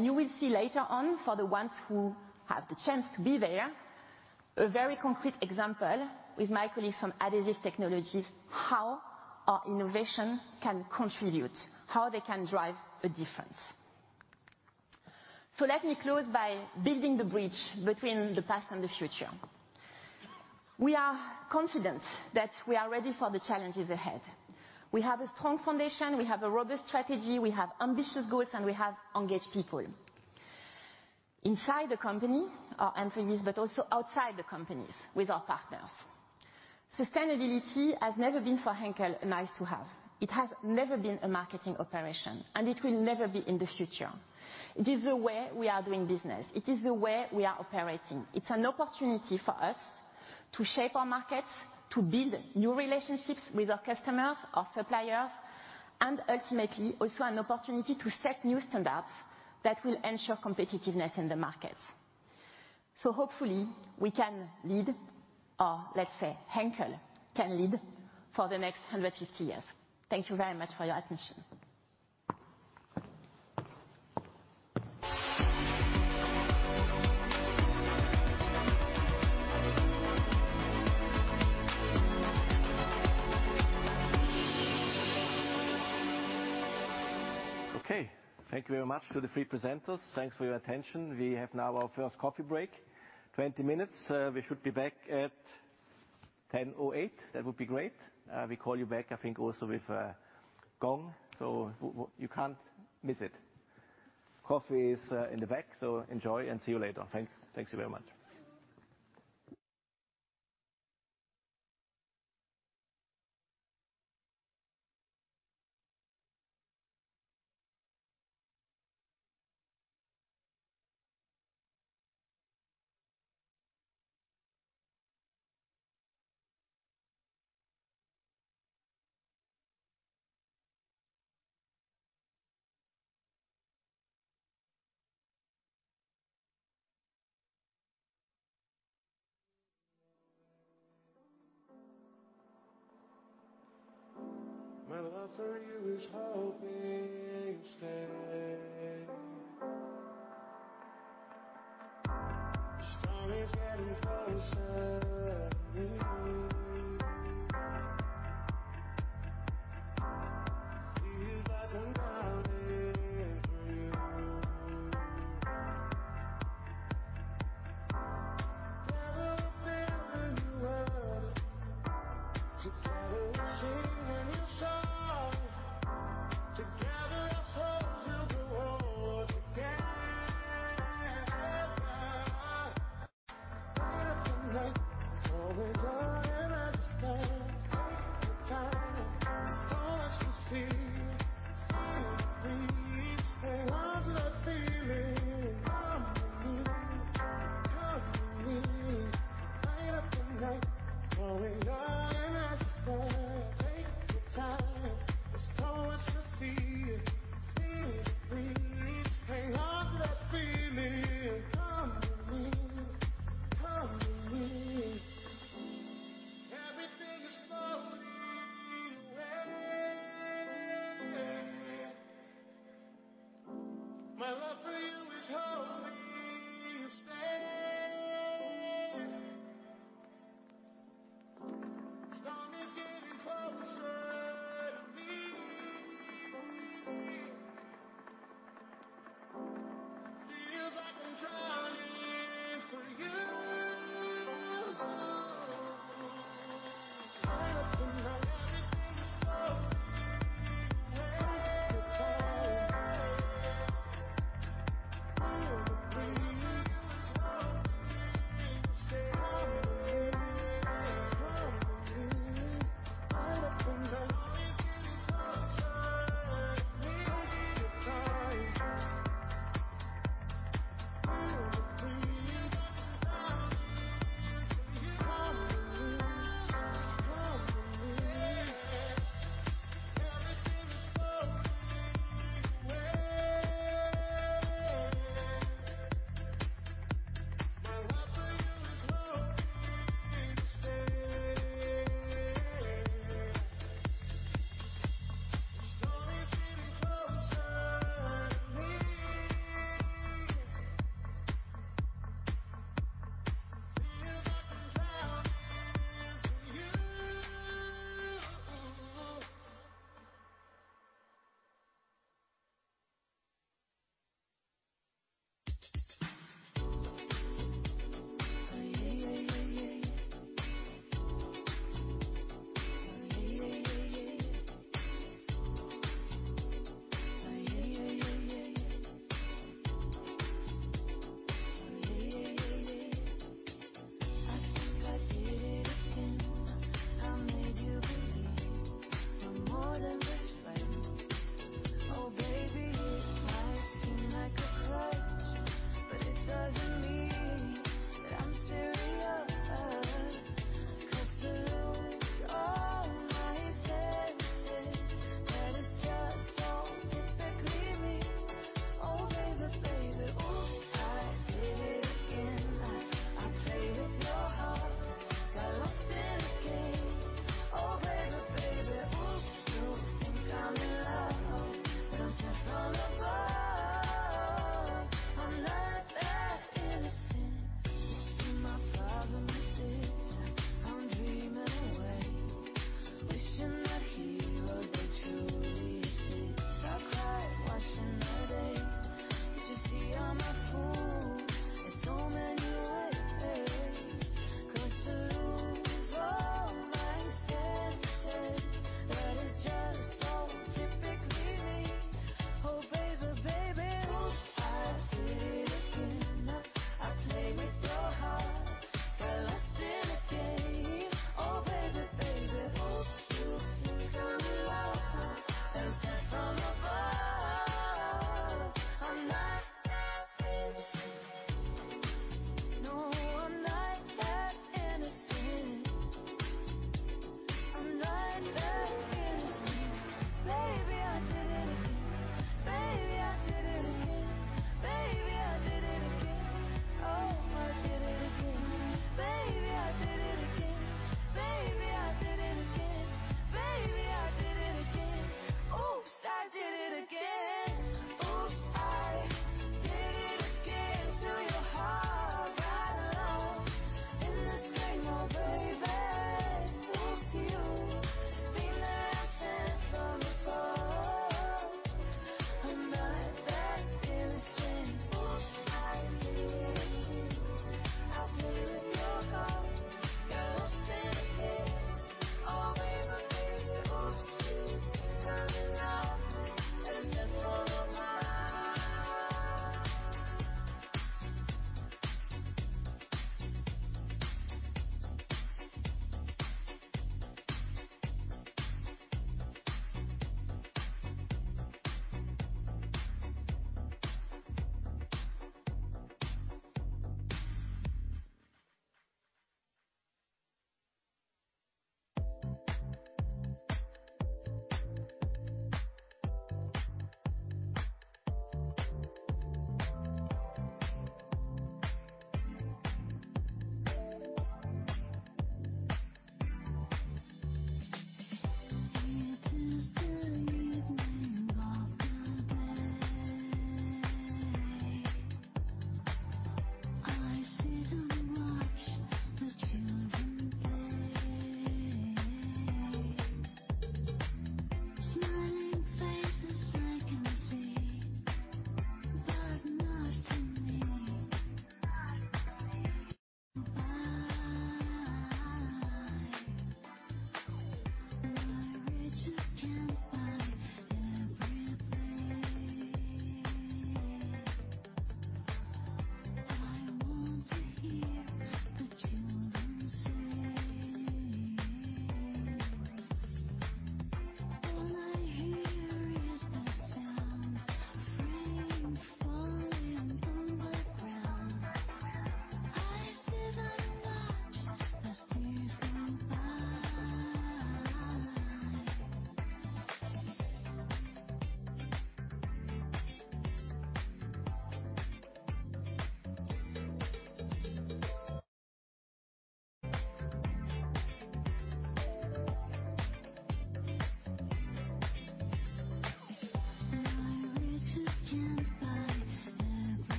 You will see later on for the ones who have the chance to be there. A very concrete example with my colleagues from Adhesive Technologies, how our innovation can contribute, how they can drive a difference. Let me close by building the bridge between the past and the future. We are confident that we are ready for the challenges ahead. We have a strong foundation. We have a robust strategy. We have ambitious goals, and we have engaged people inside the company, our employees, but also outside the companies with our partners. Sustainability has never been for Henkel a nice-to-have. It has never been a marketing operation, and it will never be in the future. It is the way we are doing business. It is the way we are operating. It's an opportunity for us to shape our markets, to build new relationships with our customers, our suppliers, and ultimately also an opportunity to set new standards that will ensure competitiveness in the markets. Hopefully we can lead, or let's say, Henkel can lead for the next 150 years. Thank you very much for your attention. Okay. Thank you very much to the three presenters. Thanks for your attention. We have now our first coffee break. 20 minutes. We should be back at 10:08 A.M. That would be great. We call you back, I think, also with gong, so you can't miss it. Coffee is in the back, so enjoy and see you later. Thank you very much.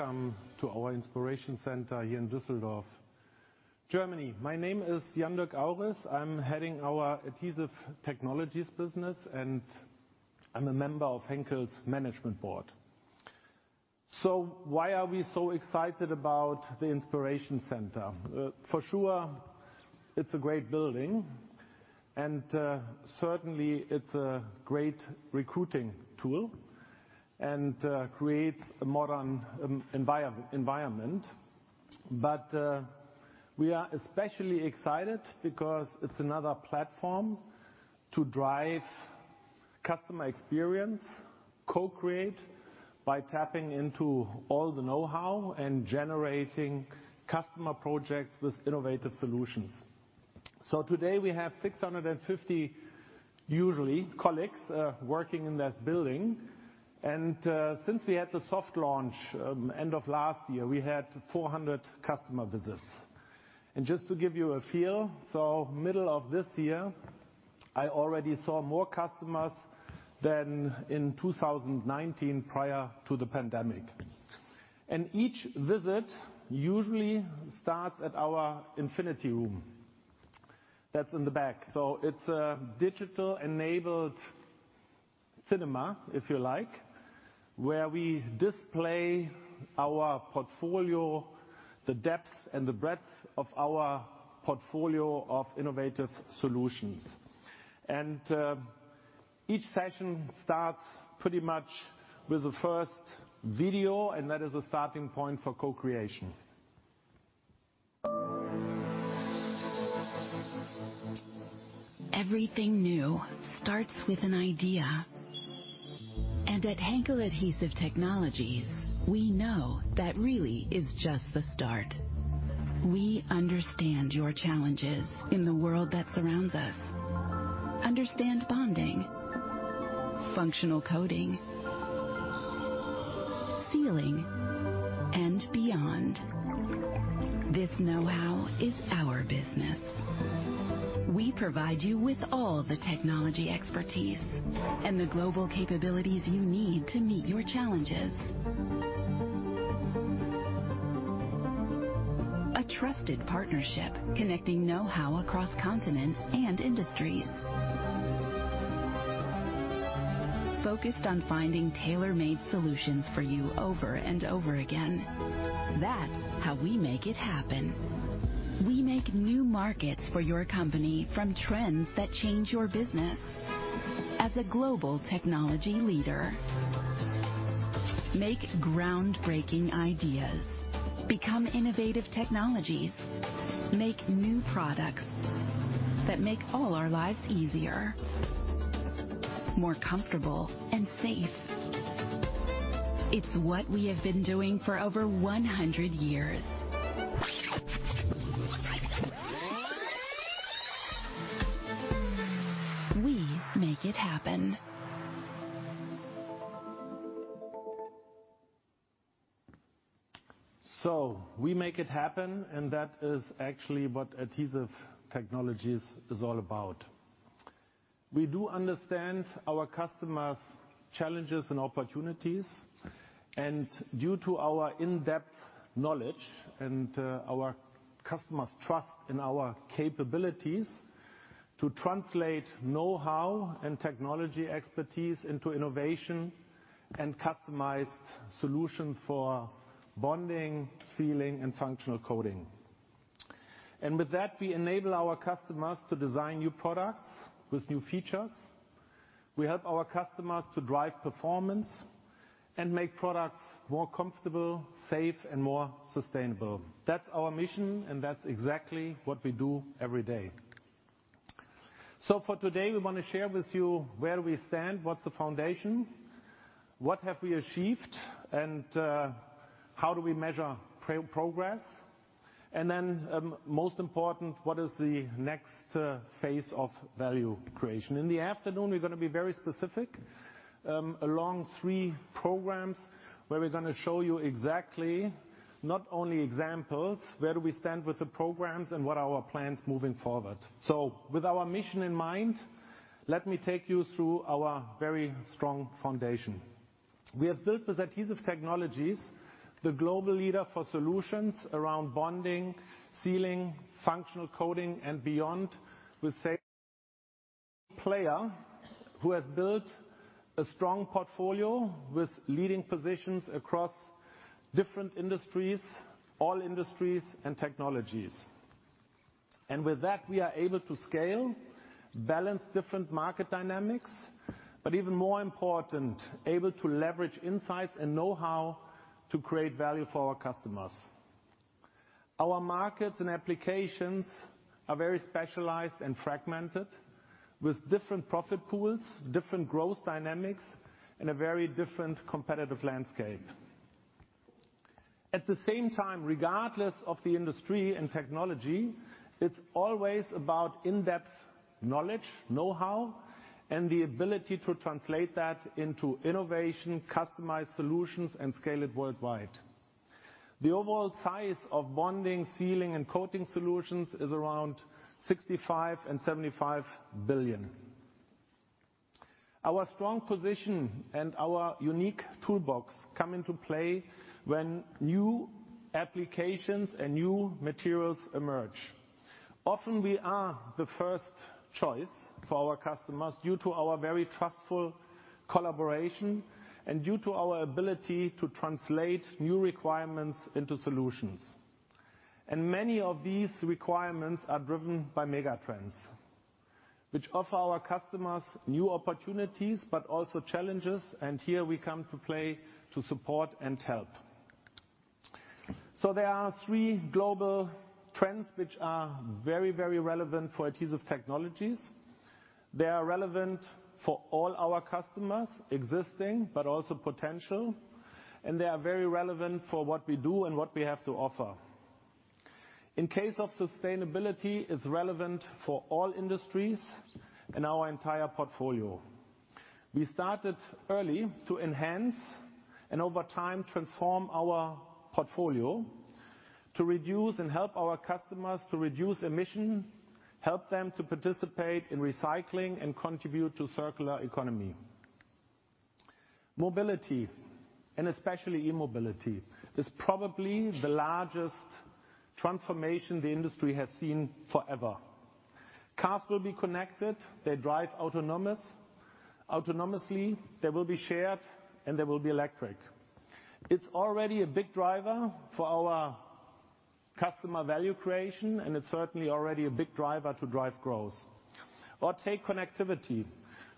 welcome to our Inspiration Center here in Düsseldorf, Germany. My name is Jan-Dirk Auris. I'm heading our Adhesive Technologies business, and I'm a member of Henkel's management board. Why are we so excited about the Inspiration Center? For sure, it's a great building, and certainly it's a great recruiting tool and creates a modern environment. We are especially excited because it's another platform to drive customer experience, co-create by tapping into all the know-how and generating customer projects with innovative solutions. Today we have 650, usually, colleagues working in this building. Since we had the soft launch end of last year, we had 400 customer visits. Just to give you a feel, middle of this year, I already saw more customers than in 2019 prior to the pandemic. Each visit usually starts at our infinity room. That's in the back. It's a digital-enabled cinema, if you like, where we display our portfolio, the depth and the breadth of our portfolio of innovative solutions. Each session starts pretty much with the first video, and that is a starting point for co-creation. Everything new starts with an idea. At Henkel Adhesive Technologies, we know that really is just the start. We understand your challenges in the world that surrounds us. Understand bonding, functional coating, sealing, and beyond. This know-how is our business. We provide you with all the technology expertise and the global capabilities you need to meet your challenges. A trusted partnership connecting know-how across continents and industries. Focused on finding tailor-made solutions for you over and over again. That's how we make it happen. We make new markets for your company from trends that change your business, as a global technology leader. Make groundbreaking ideas become innovative technologies. Make new products that make all our lives easier, more comfortable and safe. It's what we have been doing for over 100 years. We make it happen. We make it happen, and that is actually what Adhesive Technologies is all about. We do understand our customers' challenges and opportunities, and due to our in-depth knowledge and our customers trust in our capabilities to translate know-how and technology expertise into innovation and customized solutions for bonding, sealing, and functional coating. With that, we enable our customers to design new products with new features. We help our customers to drive performance and make products more comfortable, safe, and more sustainable. That's our mission, and that's exactly what we do every day. For today, we wanna share with you where we stand, what's the foundation, what have we achieved, and how do we measure progress. Then, most important, what is the next phase of value creation? In the afternoon, we're gonna be very specific along three programs, where we're gonna show you exactly not only examples, where do we stand with the programs and what are our plans moving forward. With our mission in mind, let me take you through our very strong foundation we have built with Adhesive Technologies, the global leader for solutions around bonding, sealing, functional coating, and beyond with such a player who has built a strong portfolio with leading positions across different industries, all industries and technologies. With that, we are able to scale, balance different market dynamics, but even more important, able to leverage insights and know-how to create value for our customers. Our markets and applications are very specialized and fragmented with different profit pools, different growth dynamics, and a very different competitive landscape. At the same time, regardless of the industry and technology, it's always about in-depth knowledge, know-how, and the ability to translate that into innovation, customized solutions, and scale it worldwide. The overall size of bonding, sealing, and coating solutions is around 65-75 billion. Our strong position and our unique Toolbox come into play when new applications and new materials emerge. Often, we are the first choice for our customers due to our very trustful collaboration and due to our ability to translate new requirements into solutions. Many of these requirements are driven by mega trends, which offer our customers new opportunities but also challenges, and here we come to play to support and help. There are three global trends which are very, very relevant for Adhesive Technologies. They are relevant for all our customers, existing but also potential, and they are very relevant for what we do and what we have to offer. In case of sustainability, it's relevant for all industries and our entire portfolio. We started early to enhance and over time transform our portfolio to reduce and help our customers to reduce emission, help them to participate in recycling, and contribute to circular economy. Mobility, and especially e-mobility, is probably the largest transformation the industry has seen forever. Cars will be connected, they drive autonomously, they will be shared, and they will be electric. It's already a big driver for our customer value creation, and it's certainly already a big driver to drive growth. Take connectivity,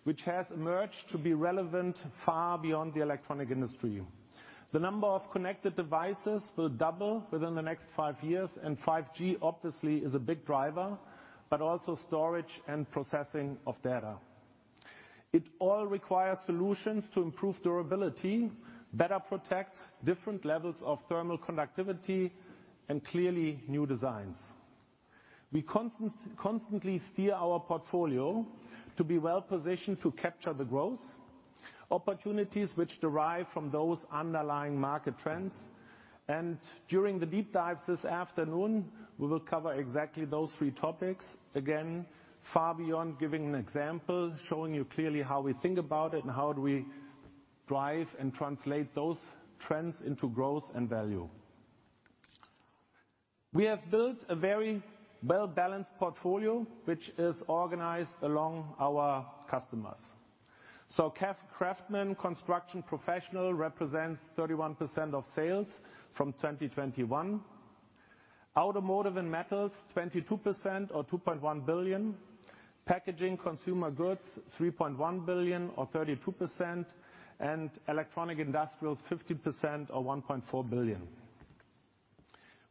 which has emerged to be relevant far beyond the electronic & industry. The number of connected devices will double within the next five years, and 5G obviously is a big driver, but also storage and processing of data. It all requires solutions to improve durability, better protect different levels of thermal conductivity, and clearly new designs. We constantly steer our portfolio to be well-positioned to capture the growth opportunities which derive from those underlying market trends. During the deep dives this afternoon, we will cover exactly those three topics. Again, far beyond giving an example, showing you clearly how we think about it and how do we drive and translate those trends into growth and value. We have built a very well-balanced portfolio, which is organized along our customers. Craftsman construction professional represents 31% of sales from 2021. Automotive & Metals, 22% or 2.1 billion. Packaging & Consumer Goods, 3.1 billion or 32%. Electronics & Industrials, 50% or 1.4 billion.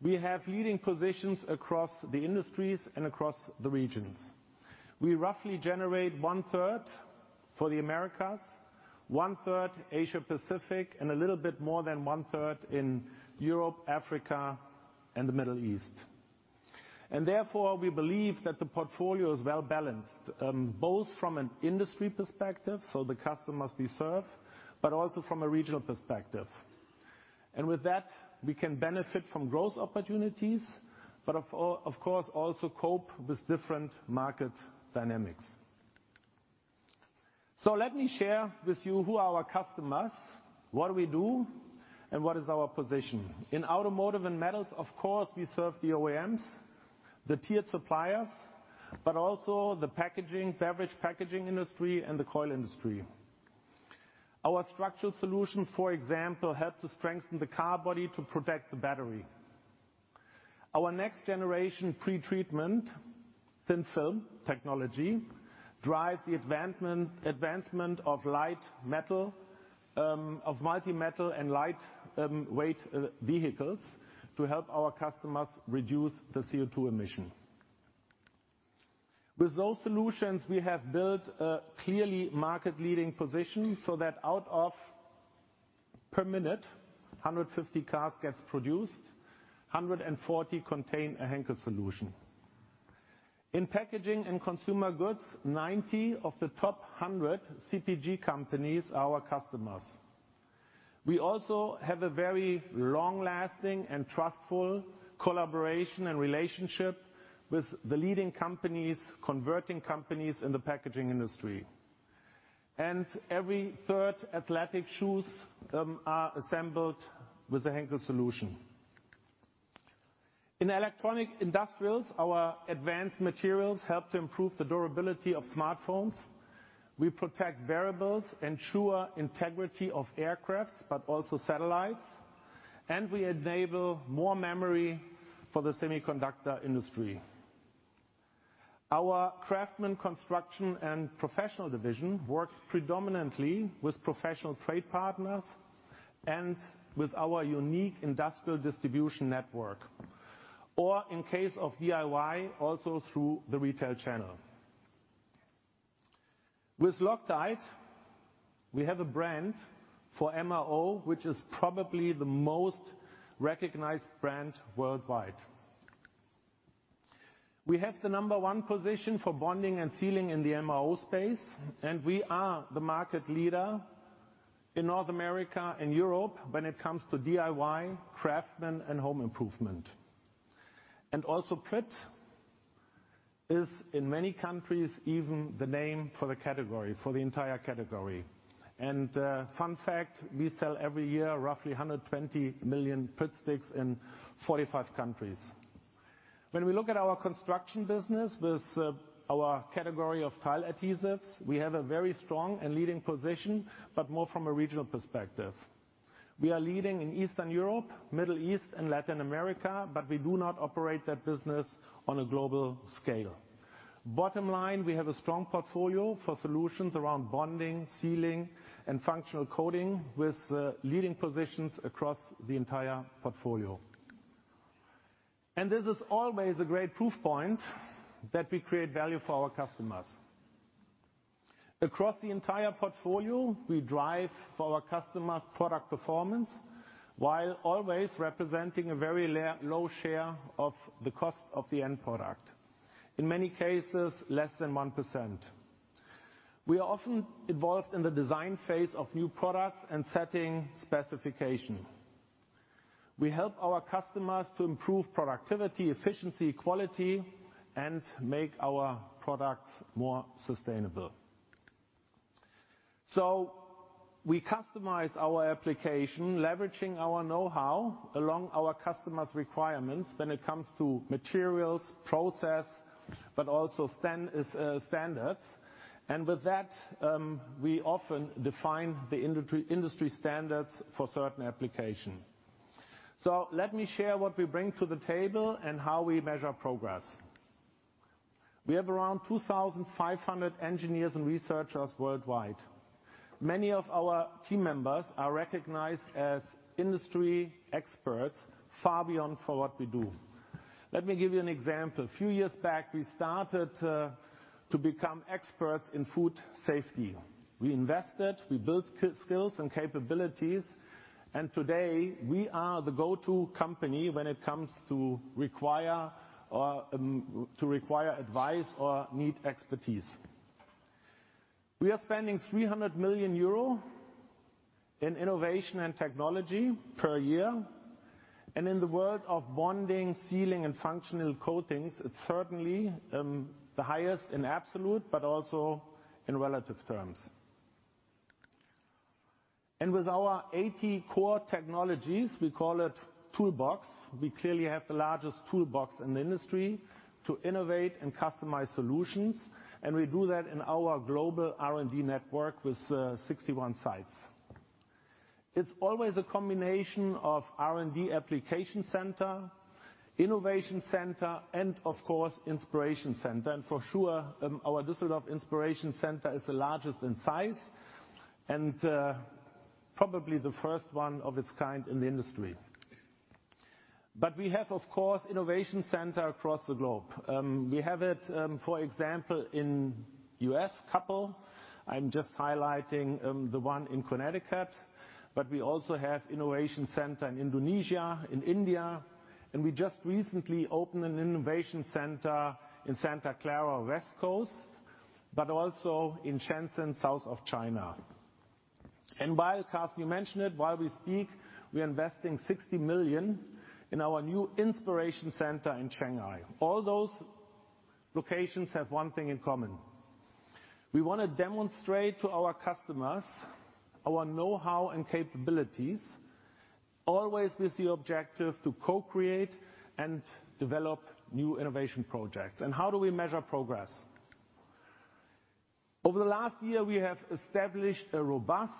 We have leading positions across the industries and across the regions. We roughly generate 1/3 for the Americas, 1/3 Asia Pacific, and a little bit more than 1/3 in Europe, Africa, and the Middle East. Therefore, we believe that the portfolio is well-balanced, both from an industry perspective, so the customers we serve, but also from a regional perspective. With that, we can benefit from growth opportunities, but of course, also cope with different market dynamics. Let me share with you who are our customers, what do we do, and what is our position. In automotive and metals, of course, we serve the OEMs, the tiered suppliers, but also the packaging, beverage packaging industry and the coil industry. Our structural solutions, for example, help to strengthen the car body to protect the battery. Our next generation pretreatment thin film technology drives the advancement of light metal, of multi-metal and lightweight vehicles to help our customers reduce the CO2 emission. With those solutions, we have built a clearly market-leading position so that every minute, 150 cars gets produced, 140 contain a Henkel solution. In packaging and consumer goods, 90 of the top 100 CPG companies are our customers. We also have a very long-lasting and trustful collaboration and relationship with the leading companies, converting companies in the packaging industry. Every third athletic shoes are assembled with a Henkel solution. In electronic industrials, our advanced materials help to improve the durability of smartphones. We protect wearables, ensure integrity of aircrafts, but also satellites. We enable more memory for the semiconductor industry. Our Craftsman Construction and Professional division works predominantly with professional trade partners and with our unique industrial distribution network. In case of DIY, also through the retail channel. With Loctite, we have a brand for MRO, which is probably the most recognized brand worldwide. We have the number one position for bonding and sealing in the MRO space, and we are the market leader in North America and Europe when it comes to DIY, craftsmen, and home improvement. Also Pritt is in many countries even the name for the category, for the entire category. Fun fact, we sell every year roughly 120 million Pritt Sticks in 45 countries. When we look at our construction business with our category of tile adhesives, we have a very strong and leading position, but more from a regional perspective. We are leading in Eastern Europe, Middle East, and Latin America, but we do not operate that business on a global scale. Bottom line, we have a strong portfolio for solutions around bonding, sealing, and functional coating with leading positions across the entire portfolio. This is always a great proof point that we create value for our customers. Across the entire portfolio, we drive for our customers' product performance, while always representing a very low share of the cost of the end product. In many cases, less than 1%. We are often involved in the design phase of new products and setting specification. We help our customers to improve productivity, efficiency, quality, and make our products more sustainable. We customize our application, leveraging our know-how along our customers' requirements when it comes to materials, process, but also standards. With that, we often define the industry standards for certain application. Let me share what we bring to the table and how we measure progress. We have around 2,500 engineers and researchers worldwide. Many of our team members are recognized as industry experts far beyond what we do. Let me give you an example. A few years back, we started to become experts in food safety. We invested, we built skills and capabilities, and today we are the go-to company when it comes to requiring advice or needing expertise. We are spending 300 million euro in innovation and technology per year. In the world of bonding, sealing, and functional coatings, it's certainly the highest in absolute, but also in relative terms. With our 80 core technologies, we call it Toolbox. We clearly have the largest toolbox in the industry to innovate and customize solutions, and we do that in our global R&D network with 61 sites. It's always a combination of R&D application center, innovation center, and of course, inspiration center. For sure, our Düsseldorf Inspiration Center is the largest in size and probably the first one of its kind in the industry. We have, of course, innovation center across the globe. We have it, for example, in U.S., couple. I'm just highlighting the one in Connecticut, but we also have innovation center in Indonesia, in India, and we just recently opened an innovation center in Santa Clara West Coast, but also in Shenzhen, south of China. While Carsten, you mentioned it, while we speak, we're investing 60 million in our new innovation center in Shanghai. All those locations have one thing in common. We wanna demonstrate to our customers our know-how and capabilities, always with the objective to co-create and develop new innovation projects. How do we measure progress? Over the last year, we have established a robust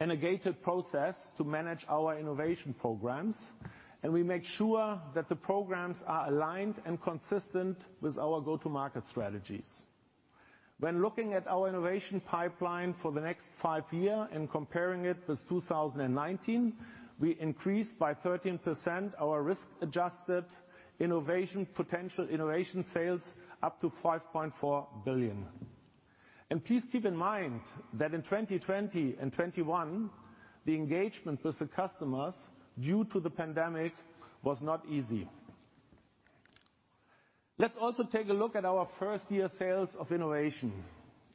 and a gated process to manage our innovation programs, and we make sure that the programs are aligned and consistent with our go-to-market strategies. When looking at our innovation pipeline for the next 5-year and comparing it with 2019, we increased by 13% our risk-adjusted innovation potential, innovation sales up to 5.4 billion. Please keep in mind that in 2020 and 2021, the engagement with the customers, due to the pandemic, was not easy. Let's also take a look at our first-year sales of innovation.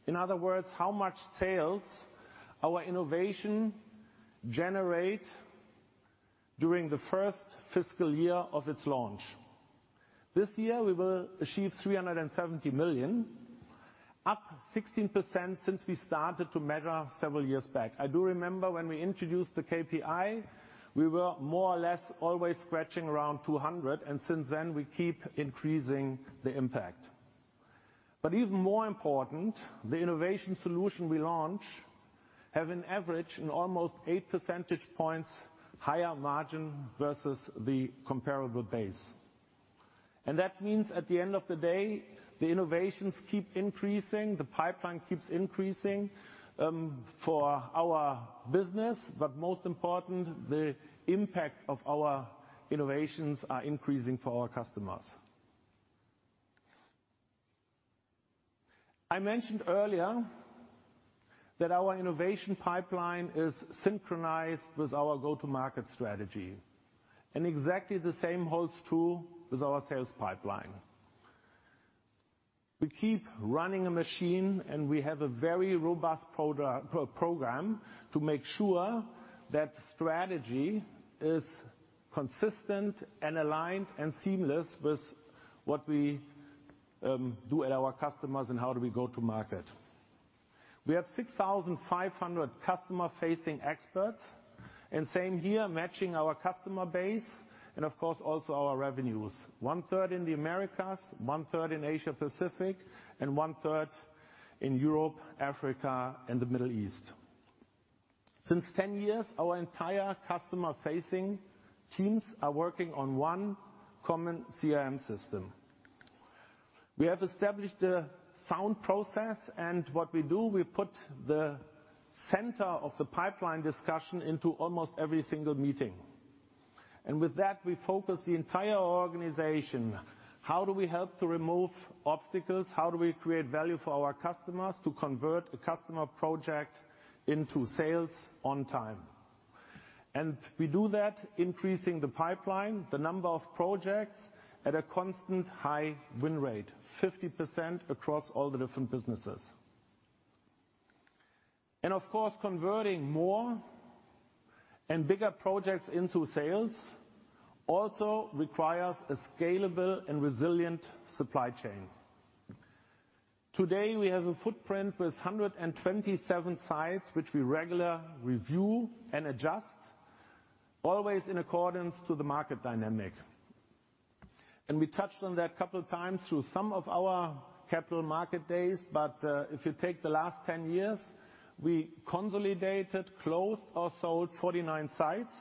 In other words, how much sales our innovation generate during the first fiscal year of its launch. This year we will achieve 370 million, up 16% since we started to measure several years back. I do remember when we introduced the KPI, we were more or less always scratching around 200 million, and since then, we keep increasing the impact. Even more important, the innovation solution we launch have an average, an almost 8 percentage points higher margin versus the comparable base. That means at the end of the day, the innovations keep increasing, the pipeline keeps increasing, for our business, but most important, the impact of our innovations are increasing for our customers. I mentioned earlier that our innovation pipeline is synchronized with our go-to-market strategy, and exactly the same holds true with our sales pipeline. We keep running a machine, and we have a very robust program to make sure that strategy is consistent and aligned and seamless with what we do at our customers and how do we go to market. We have 6,500 customer-facing experts, and same here, matching our customer base and of course, also our revenues. 1/3 in the Americas, 1/3 in Asia Pacific, and 1/3 in Europe, Africa, and the Middle East. Since 10 years, our entire customer-facing teams are working on one common CRM system. We have established a sound process, and what we do, we put the center of the pipeline discussion into almost every single meeting. With that, we focus the entire organization. How do we help to remove obstacles? How do we create value for our customers to convert a customer project into sales on time? We do that increasing the pipeline, the number of projects at a constant high win rate, 50% across all the different businesses. Of course, converting more and bigger projects into sales also requires a scalable and resilient supply chain. Today, we have a footprint with 127 sites, which we regularly review and adjust, always in accordance with the market dynamics. We touched on that a couple times through some of our Capital Markets Days, but if you take the last ten years, we consolidated, closed, or sold 49 sites.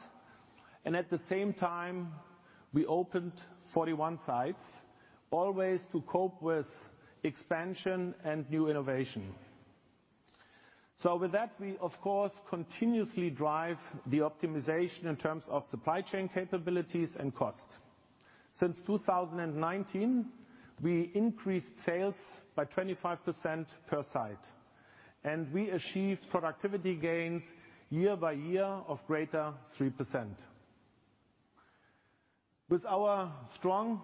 At the same time, we opened 41 sites, always to cope with expansion and new innovation. With that, we of course continuously drive the optimization in terms of supply chain capabilities and costs. Since 2019, we increased sales by 25% per site, and we achieved productivity gains year by year of greater than 3%. With our strong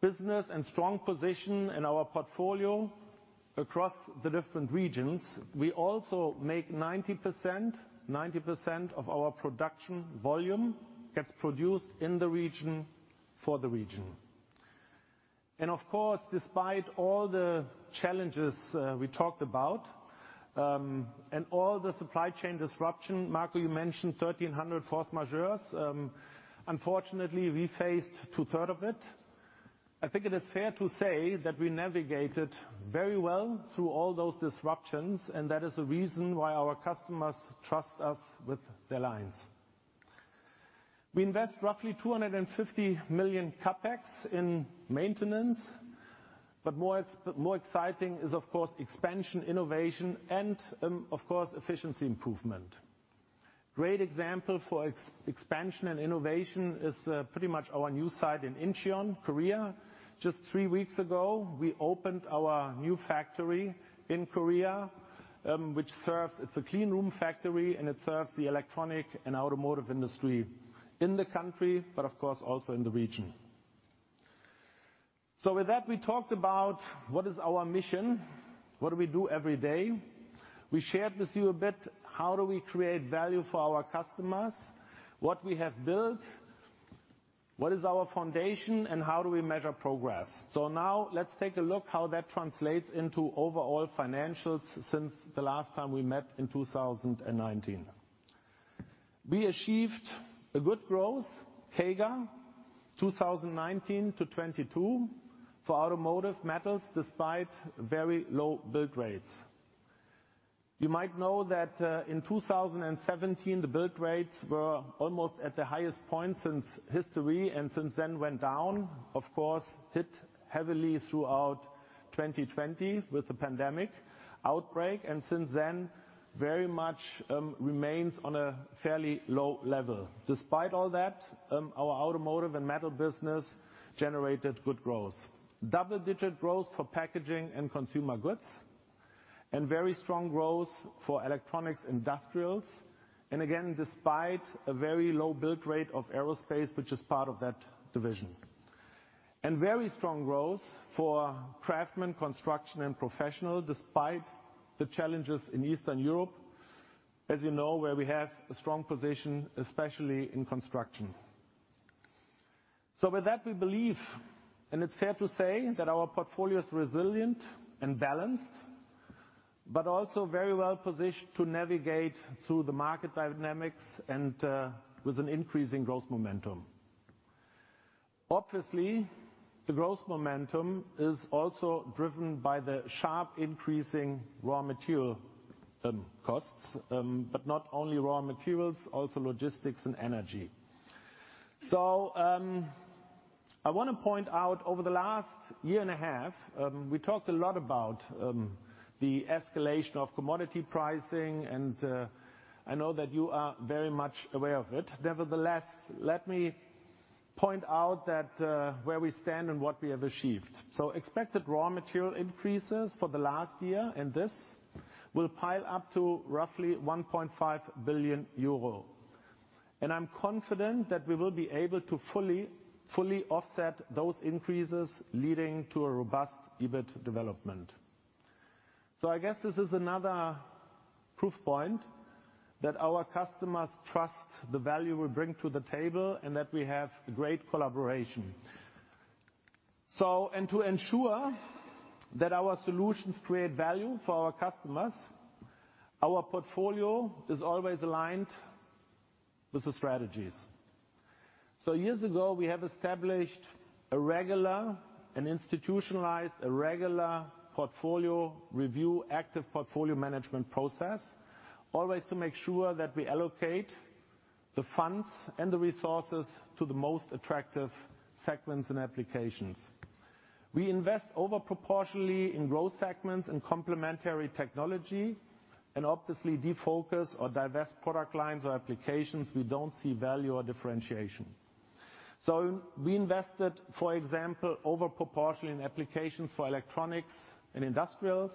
business and strong position in our portfolio across the different regions, we also make 90%. 90% of our production volume gets produced in the region for the region. Of course, despite all the challenges we talked about and all the supply chain disruption, Marco, you mentioned 1,300 force majeures. Unfortunately, we faced two-thirds of it. I think it is fair to say that we navigated very well through all those disruptions, and that is the reason why our customers trust us with their lines. We invest roughly 250 million CapEx in maintenance, but more exciting is of course expansion, innovation and, of course, efficiency improvement. Great example for expansion and innovation is pretty much our new site in Incheon, Korea. Just three weeks ago, we opened our new factory in Korea, which serves. It's a clean room factory, and it serves the electronics and automotive industry in the country, but of course also in the region. With that, we talked about what is our mission, what do we do every day. We shared with you a bit how do we create value for our customers, what we have built, what is our foundation, and how do we measure progress. Now let's take a look how that translates into overall financials since the last time we met in 2019. We achieved a good growth, CAGR, 2019 to 2022 for automotive metals, despite very low build rates. You might know that in 2017, the build rates were almost at the highest point since history and since then went down, of course, hit heavily throughout 2020 with the pandemic outbreak and since then, very much, remains on a fairly low level. Despite all that, our automotive and metal business generated good growth. Double-digit growth for packaging and consumer goods, and very strong growth for electronics industrials, and again, despite a very low build rate of aerospace, which is part of that division. Very strong growth for craftsmen, construction, and professional, despite the challenges in Eastern Europe, as you know, where we have a strong position, especially in construction. With that, we believe, and it's fair to say, that our portfolio is resilient and balanced, but also very well positioned to navigate through the market dynamics and, with an increasing growth momentum. Obviously, the growth momentum is also driven by the sharply increasing raw material costs, but not only raw materials, also logistics and energy. I wanna point out over the last year and a half, we talked a lot about the escalation of commodity pricing, and I know that you are very much aware of it. Nevertheless, let me point out that where we stand and what we have achieved. Expected raw material increases for the last year, and this will pile up to roughly 1.5 billion euro. I'm confident that we will be able to fully offset those increases leading to a robust EBIT development. I guess this is another proof point that our customers trust the value we bring to the table and that we have great collaboration. To ensure that our solutions create value for our customers, our portfolio is always aligned with the strategies. Years ago, we have established a regular institutionalized portfolio review, active portfolio management process, always to make sure that we allocate the funds and the resources to the most attractive segments and applications. We invest over proportionally in growth segments and complementary technology, and obviously defocus or divest product lines or applications we don't see value or differentiation. We invested, for example, over proportionally in applications for electronics and industrials,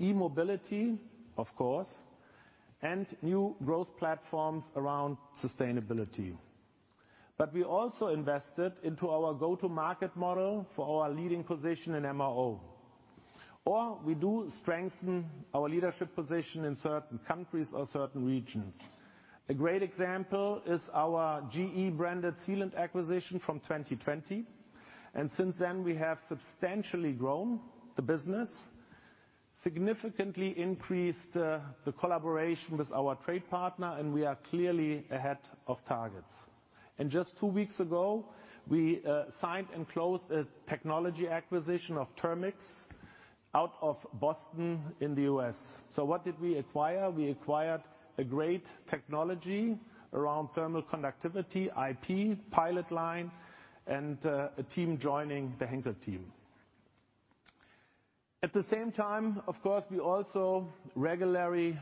e-mobility, of course, and new growth platforms around sustainability. We also invested into our go-to-market model for our leading position in MRO. We do strengthen our leadership position in certain countries or certain regions. A great example is our GE-branded sealant acquisition from 2020. Since then, we have substantially grown the business, significantly increased the collaboration with our trade partner, and we are clearly ahead of targets. Just two weeks ago, we signed and closed a technology acquisition of Thermexit out of Boston in the US. What did we acquire? We acquired a great technology around thermal conductivity, IP, pilot line, and a team joining the Henkel team. At the same time, of course, we also regularly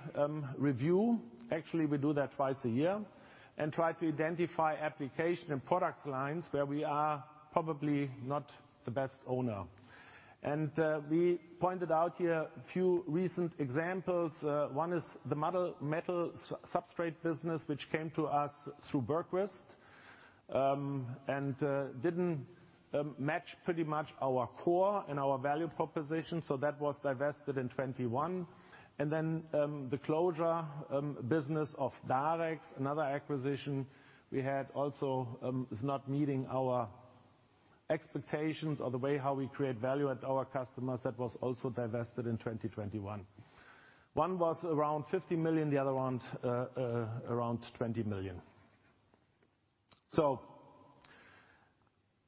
review. Actually, we do that twice a year and try to identify application and product lines where we are probably not the best owner. We pointed out here a few recent examples. One is the metal matrix substrate business which came to us through Bergquist and didn't match pretty much our core and our value proposition. That was divested in 2021. The closure business of Darex, another acquisition we had also, is not meeting our expectations or the way how we create value at our customers. That was also divested in 2021. One was around 50 million, the other one around 20 million.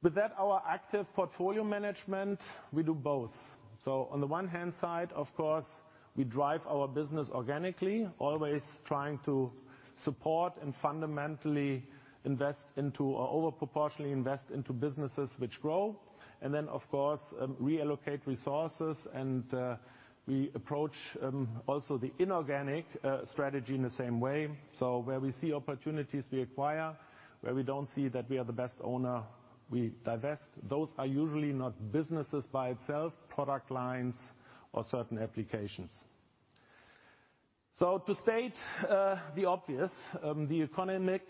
With that, our active portfolio management, we do both. On the one hand side, of course, we drive our business organically, always trying to support and fundamentally invest into, or over proportionally invest into businesses which grow. Of course, reallocate resources and we approach also the inorganic strategy in the same way. Where we see opportunities we acquire. Where we don't see that we are the best owner, we divest. Those are usually not businesses by itself, product lines or certain applications. To state the obvious, the economic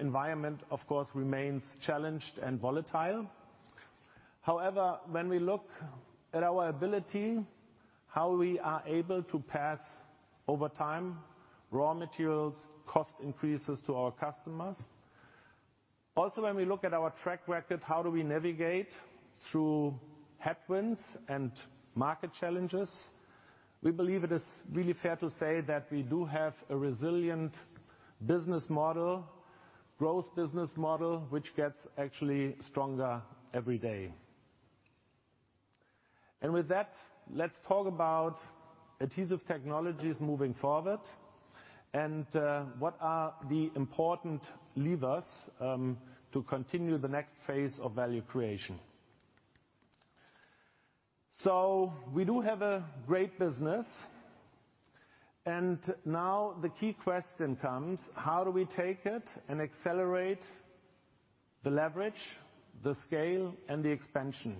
environment of course remains challenged and volatile. However, when we look at our ability, how we are able to pass, over time, raw materials cost increases to our customers. Also, when we look at our track record, how do we navigate through headwinds and market challenges? We believe it is really fair to say that we do have a resilient business model, growth business model, which gets actually stronger every day. With that, let's talk about Adhesive Technologies moving forward and what are the important levers to continue the next phase of value creation. We do have a great business. Now the key question comes, how do we take it and accelerate the leverage, the scale and the expansion?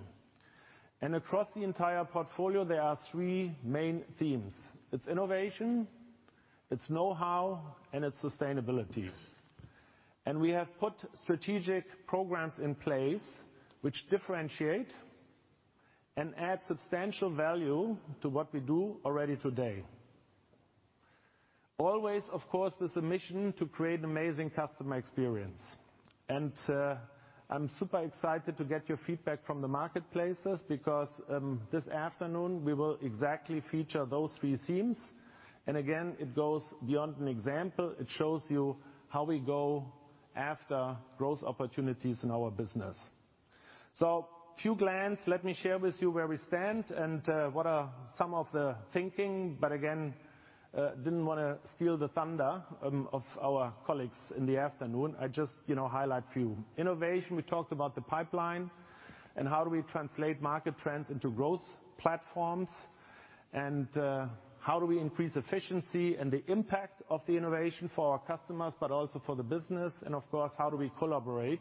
Across the entire portfolio, there are three main themes. It's innovation, it's know-how, and it's sustainability. We have put strategic programs in place which differentiate and add substantial value to what we do already today. Always, of course, with the mission to create amazing customer experience. I'm super excited to get your feedback from the marketplaces because this afternoon we will exactly feature those three themes. Again, it goes beyond an example. It shows you how we go after growth opportunities in our business. At a glance, let me share with you where we stand and what are some of the thinking, but again, didn't wanna steal the thunder of our colleagues in the afternoon. I just, you know, highlight a few. Innovation, we talked about the pipeline and how do we translate market trends into growth platforms, and how do we increase efficiency and the impact of the innovation for our customers, but also for the business. Of course, how do we collaborate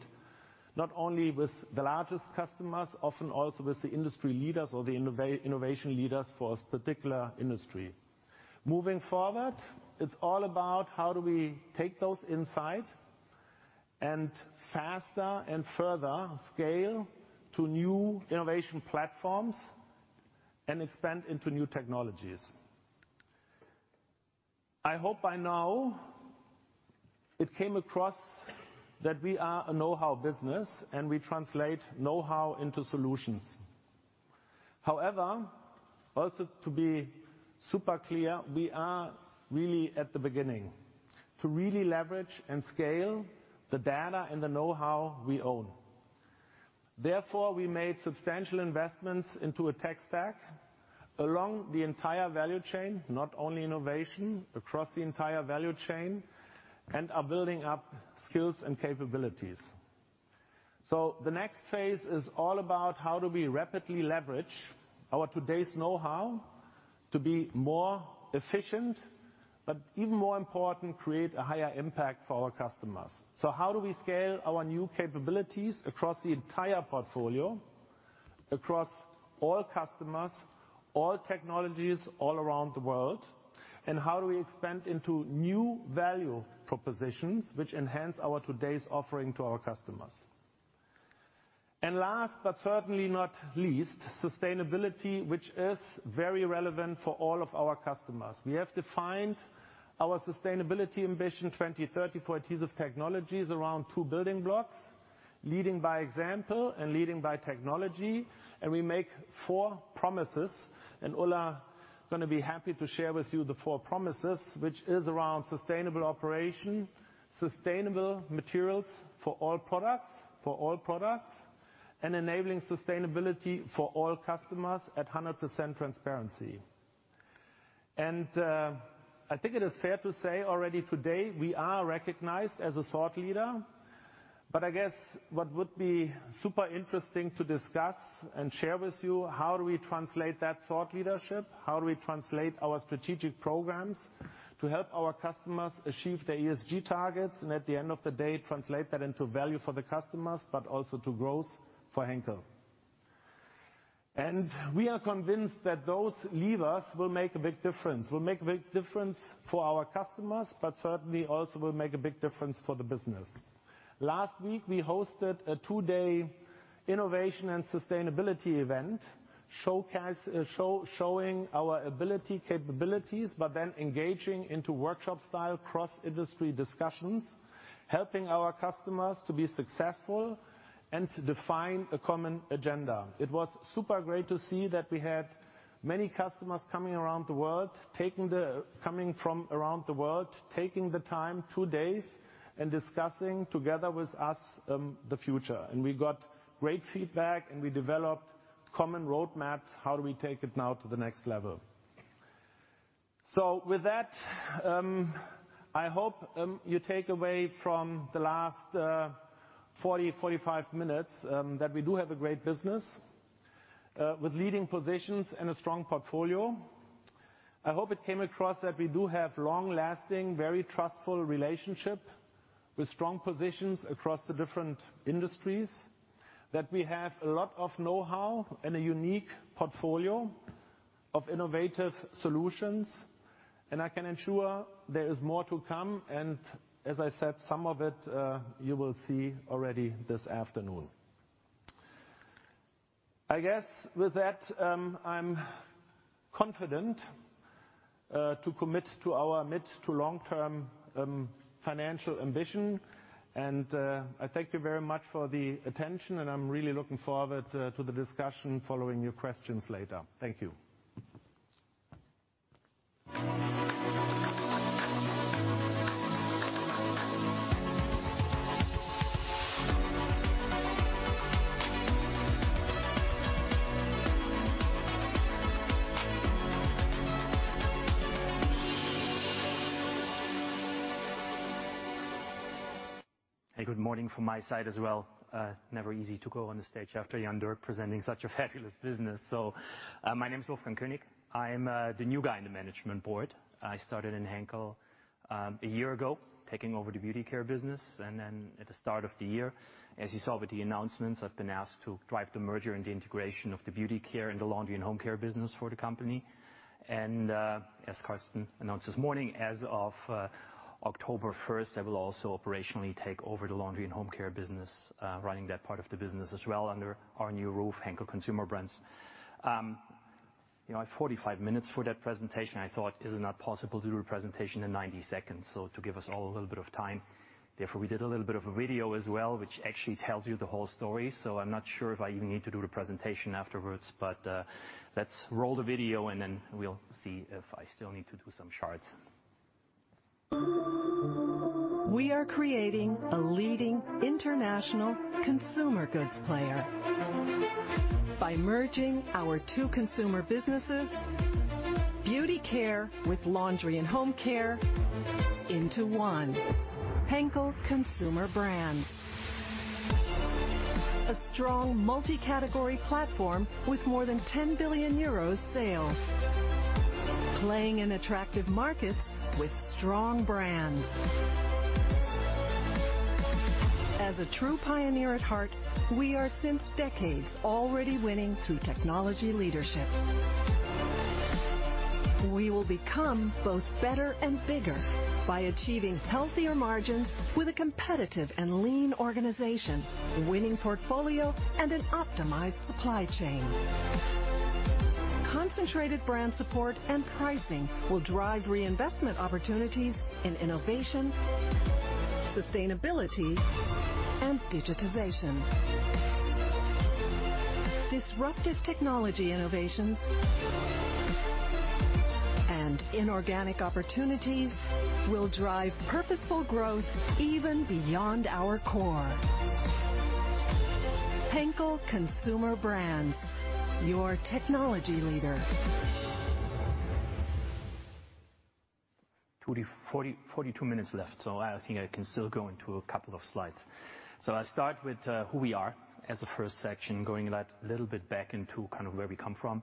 not only with the largest customers, often also with the industry leaders or the innovation leaders for a particular industry. Moving forward, it's all about how do we take those insight and faster and further scale to new innovation platforms and expand into new technologies. I hope by now it came across that we are a know-how business and we translate know-how into solutions. However, also to be super clear, we are really at the beginning to really leverage and scale the data and the know-how we own. Therefore, we made substantial investments into a tech stack along the entire value chain, not only innovation, across the entire value chain, and are building up skills and capabilities. The next phase is all about how do we rapidly leverage our today's know-how to be more efficient, but even more important, create a higher impact for our customers. How do we scale our new capabilities across the entire portfolio, across all customers, all technologies, all around the world? How do we expand into new value propositions which enhance our today's offering to our customers? Last but certainly not least, sustainability which is very relevant for all of our customers. We have defined our Sustainability Ambition 2030 for Adhesive Technologies around two building blocks, leading by example and leading by technology. We make four promises and Ulla, I'm gonna be happy to share with you the four promises, which is around sustainable operation, sustainable materials for all products, and enabling sustainability for all customers at 100% transparency. I think it is fair to say already today we are recognized as a thought leader, but I guess what would be super interesting to discuss and share with you, how do we translate that thought leadership? How do we translate our strategic programs to help our customers achieve their ESG targets, and at the end of the day, translate that into value for the customers, but also to growth for Henkel? We are convinced that those levers will make a big difference for our customers, but certainly also will make a big difference for the business. Last week, we hosted a two-day innovation and sustainability event, showing our ability, capabilities, but then engaging into workshop style, cross-industry discussions, helping our customers to be successful and to define a common agenda. It was super great to see that we had many customers coming from around the world, taking the time, two days, and discussing together with us the future. We got great feedback, and we developed common roadmaps, how do we take it now to the next level. With that, I hope you take away from the last 45 minutes that we do have a great business with leading positions and a strong portfolio. I hope it came across that we do have long-lasting, very trustful relationship with strong positions across the different industries, that we have a lot of know-how and a unique portfolio of innovative solutions, and I can ensure there is more to come, and as I said, some of it, you will see already this afternoon. I guess with that, I'm confident to commit to our mid to long-term financial ambition, and I thank you very much for the attention, and I'm really looking forward to the discussion following your questions later. Thank you. Hey, good morning from my side as well. Never easy to go on the stage after Jan-Dirk presenting such a fabulous business. My name is Wolfgang Koenig. I'm the new guy in the management board. I started in Henkel a year ago, taking over the Beauty Care business. Then at the start of the year, as you saw with the announcements, I've been asked to drive the merger and the integration of the Beauty Care and the Laundry & Home Care business for the company. As Carsten announced this morning, as of October first, I will also operationally take over the Laundry & Home Care business, running that part of the business as well under our new roof, Henkel Consumer Brands. You know, I have 45 minutes for that presentation. I thought, is it not possible to do a presentation in 90 seconds? To give us all a little bit of time, therefore, we did a little bit of a video as well, which actually tells you the whole story. I'm not sure if I even need to do the presentation afterwards, but, let's roll the video, and then we'll see if I still need to do some charts. We are creating a leading international consumer goods player by merging our two consumer businesses, Beauty Care with Laundry & Home Care, into one, Henkel Consumer Brands. A strong multi-category platform with more than 10 billion euros sales. Playing in attractive markets with strong brands. As a true pioneer at heart, we are since decades already winning through technology leadership. We will become both better and bigger by achieving healthier margins with a competitive and lean organization, winning portfolio, and an optimized supply chain. Concentrated brand support and pricing will drive reinvestment opportunities in innovation, sustainability, and digitization. Disruptive technology innovations and inorganic opportunities will drive Purposeful Growth even beyond our core. Henkel Consumer Brands, your technology leader. 42 minutes left, so I think I can still go into a couple of slides. I start with who we are as a first section, going that little bit back into kind of where we come from.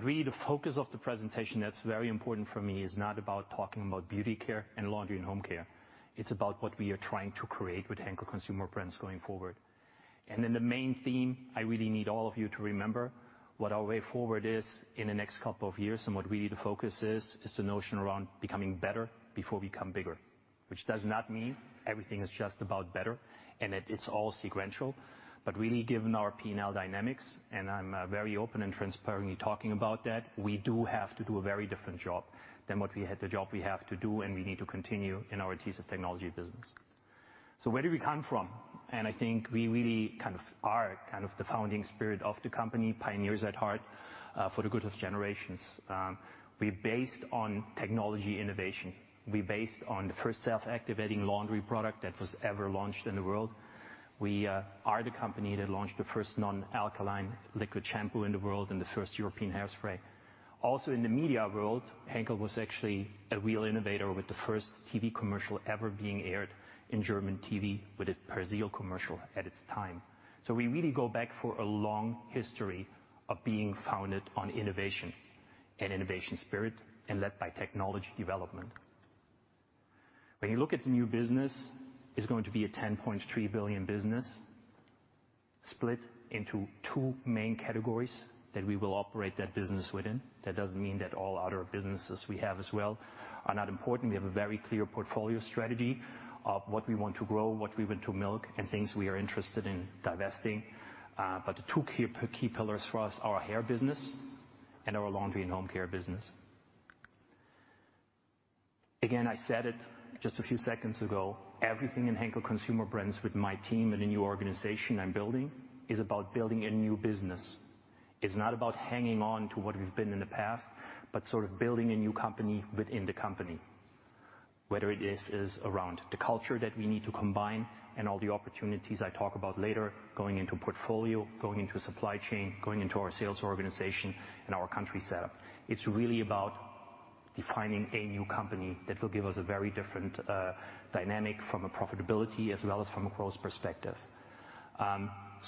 Really the focus of the presentation that's very important for me is not about talking about Beauty Care and Laundry & Home Care. It's about what we are trying to create with Henkel Consumer Brands going forward. Then the main theme I really need all of you to remember what our way forward is in the next couple of years, and what really the focus is the notion around becoming better before we become bigger. Which does not mean everything is just about better and that it's all sequential. Really, given our P&L dynamics, and I'm very open and transparently talking about that, we do have to do a very different job than what we had the job we have to do and we need to continue in our Adhesive Technologies business. Where do we come from? I think we really are the founding spirit of the company, pioneers at heart, for the good of generations. We're based on technology innovation. We're based on the first self-activating laundry product that was ever launched in the world. We are the company that launched the first non-alkaline liquid shampoo in the world and the first European hairspray. Also, in the media world, Henkel was actually a real innovator with the first TV commercial ever being aired in German TV with a Persil commercial at its time. We really go back for a long history of being founded on innovation and innovation spirit, and led by technology development. When you look at the new business, it's going to be a 10.3 billion business split into two main categories that we will operate that business within. That doesn't mean that all other businesses we have as well are not important. We have a very clear portfolio strategy of what we want to grow, what we want to milk, and things we are interested in divesting. The two key pillars for us are our hair business and our Laundry & Home Care business. Again, I said it just a few seconds ago, everything in Henkel Consumer Brands with my team and the new organization I'm building is about building a new business. It's not about hanging on to what we've been in the past, but sort of building a new company within the company. Whether this is around the culture that we need to combine and all the opportunities I talk about later, going into portfolio, going into supply chain, going into our sales organization and our country setup. It's really about defining a new company that will give us a very different, dynamic from a profitability as well as from a growth perspective.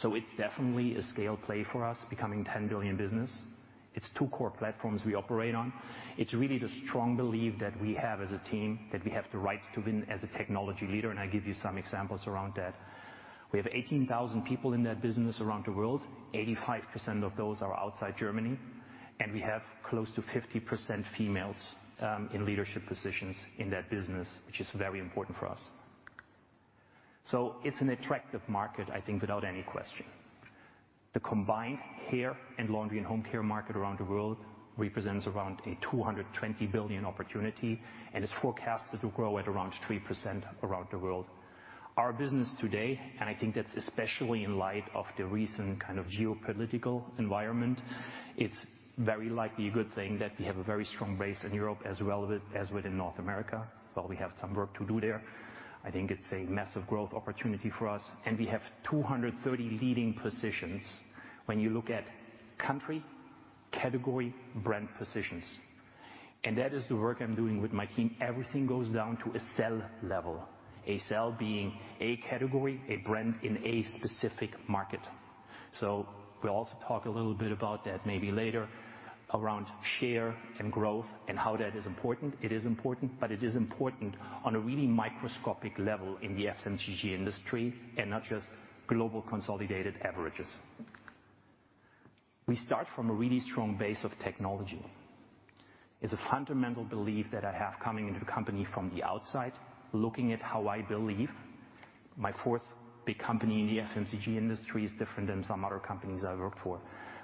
It's definitely a scale play for us becoming 10 billion business. It's two core platforms we operate on. It's really the strong belief that we have as a team, that we have the right to win as a technology leader, and I give you some examples around that. We have 18,000 people in that business around the world. 85% of those are outside Germany, and we have close to 50% females in leadership positions in that business, which is very important for us. It's an attractive market, I think, without any question. The combined hair and laundry and home care market around the world represents around 220 billion opportunity and is forecasted to grow at around 3% around the world. Our business today, and I think that's especially in light of the recent kind of geopolitical environment, it's very likely a good thing that we have a very strong base in Europe as relevant as within North America. While we have some work to do there, I think it's a massive growth opportunity for us, and we have 230 leading positions when you look at country, category, brand positions. That is the work I'm doing with my team. Everything goes down to a cell level, a cell being a category, a brand in a specific market. We'll also talk a little bit about that maybe later around share and growth and how that is important. It is important, but it is important on a really microscopic level in the FMCG industry and not just global consolidated averages. We start from a really strong base of technology. It's a fundamental belief that I have coming into the company from the outside, looking at how I believe my fourth big company in the FMCG industry is different than some other companies I've worked for.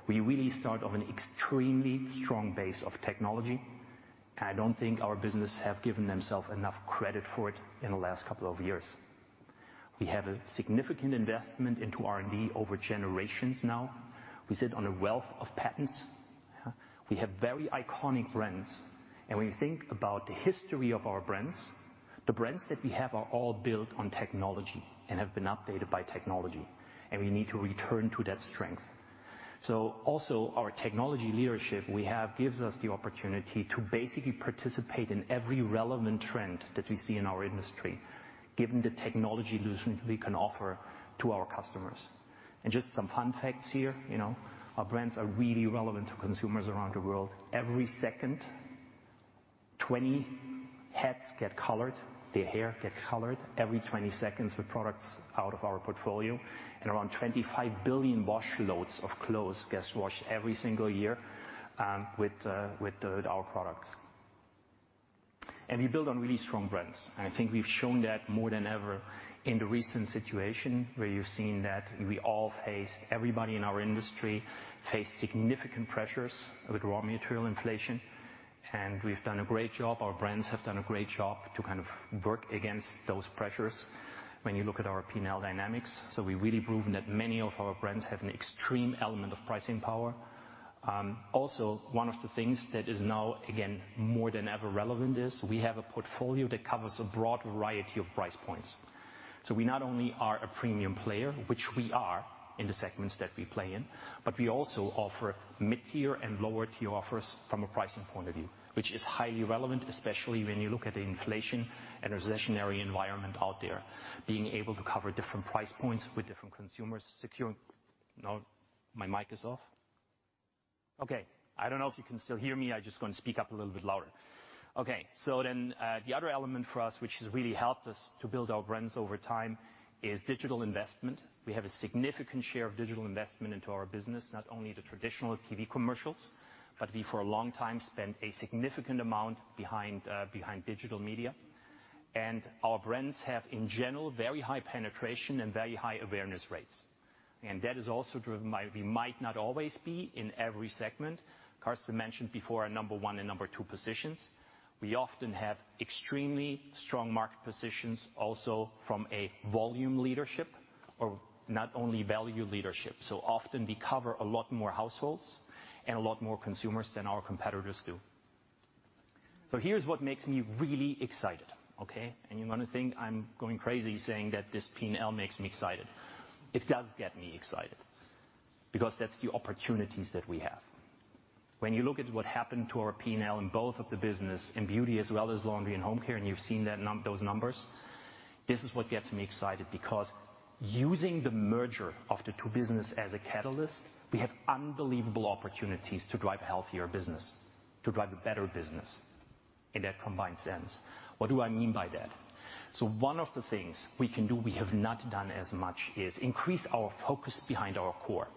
We really start on an extremely strong base of technology. I don't think our business have given themselves enough credit for it in the last couple of years. We have a significant investment into R&D over generations now. We sit on a wealth of patents. We have very iconic brands, and when you think about the history of our brands, the brands that we have are all built on technology and have been updated by technology, and we need to return to that strength. Also our technology leadership we have gives us the opportunity to basically participate in every relevant trend that we see in our industry, given the technology solutions we can offer to our customers. Just some fun facts here, you know, our brands are really relevant to consumers around the world. Every second, 20 heads get colored, their hair get colored every 20 seconds with products out of our portfolio. Around 25 billion wash loads of clothes gets washed every single year with our products. We build on really strong brands. I think we've shown that more than ever in the recent situation where you've seen that we all face, everybody in our industry face significant pressures with raw material inflation. We've done a great job, our brands have done a great job to kind of work against those pressures when you look at our P&L dynamics. We've really proven that many of our brands have an extreme element of pricing power. Also, one of the things that is now, again, more than ever relevant is we have a portfolio that covers a broad variety of price points. We not only are a premium player, which we are in the segments that we play in, but we also offer mid-tier and lower-tier offers from a pricing point of view, which is highly relevant, especially when you look at the inflation and recessionary environment out there. Being able to cover different price points with different consumers. Now my mic is off. Okay, I don't know if you can still hear me. I'm just going to speak up a little bit louder. Okay, the other element for us, which has really helped us to build our brands over time, is digital investment. We have a significant share of digital investment into our business, not only the traditional TV commercials, but we for a long time spent a significant amount behind digital media. Our brands have, in general, very high penetration and very high awareness rates. That is also driven by, we might not always be in every segment. Carsten mentioned before our number one and number two positions. We often have extremely strong market positions also from a volume leadership or not only value leadership. Often we cover a lot more households and a lot more consumers than our competitors do. Here's what makes me really excited, okay? You're gonna think I'm going crazy saying that this P&L makes me excited. It does get me excited because that's the opportunities that we have. When you look at what happened to our P&L in both of the business, in Beauty as well as Laundry & Home Care, and you've seen that those numbers, this is what gets me excited, because using the merger of the two business as a catalyst, we have unbelievable opportunities to drive healthier business, to drive a better business in that combined sense. What do I mean by that? One of the things we can do we have not done as much is increase our focus behind our core.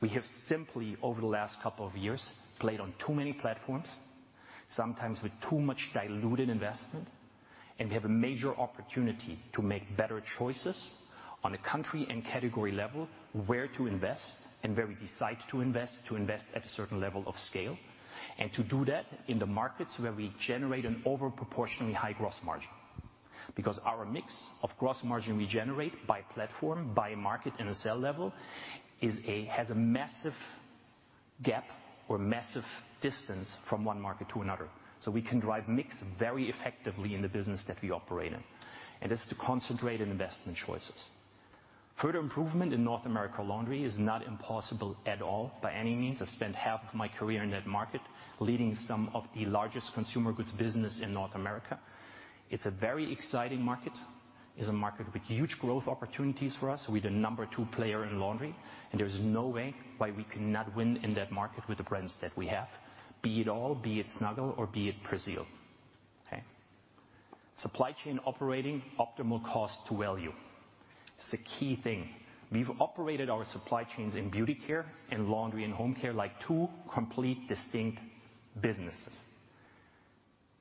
We have simply over the last couple of years played on too many platforms, sometimes with too much diluted investment, and we have a major opportunity to make better choices on a country and category level, where to invest and where we decide to invest, to invest at a certain level of scale, and to do that in the markets where we generate an over proportionally high gross margin. Because our mix of gross margin we generate by platform, by market, and sales level has a massive gap or massive distance from one market to another. We can drive mix very effectively in the business that we operate in, and it's to concentrate on investment choices. Further improvement in North America Laundry is not impossible at all by any means. I've spent half of my career in that market, leading some of the largest consumer goods business in North America. It's a very exciting market, is a market with huge growth opportunities for us. We're the number two player in laundry, and there is no way why we cannot win in that market with the brands that we have. Be it all, be it Snuggle, or be it Persil. Okay? Supply chain operating optimal cost to value is the key thing. We've operated our supply chains in Beauty Care and Laundry & Home Care like two complete distinct businesses.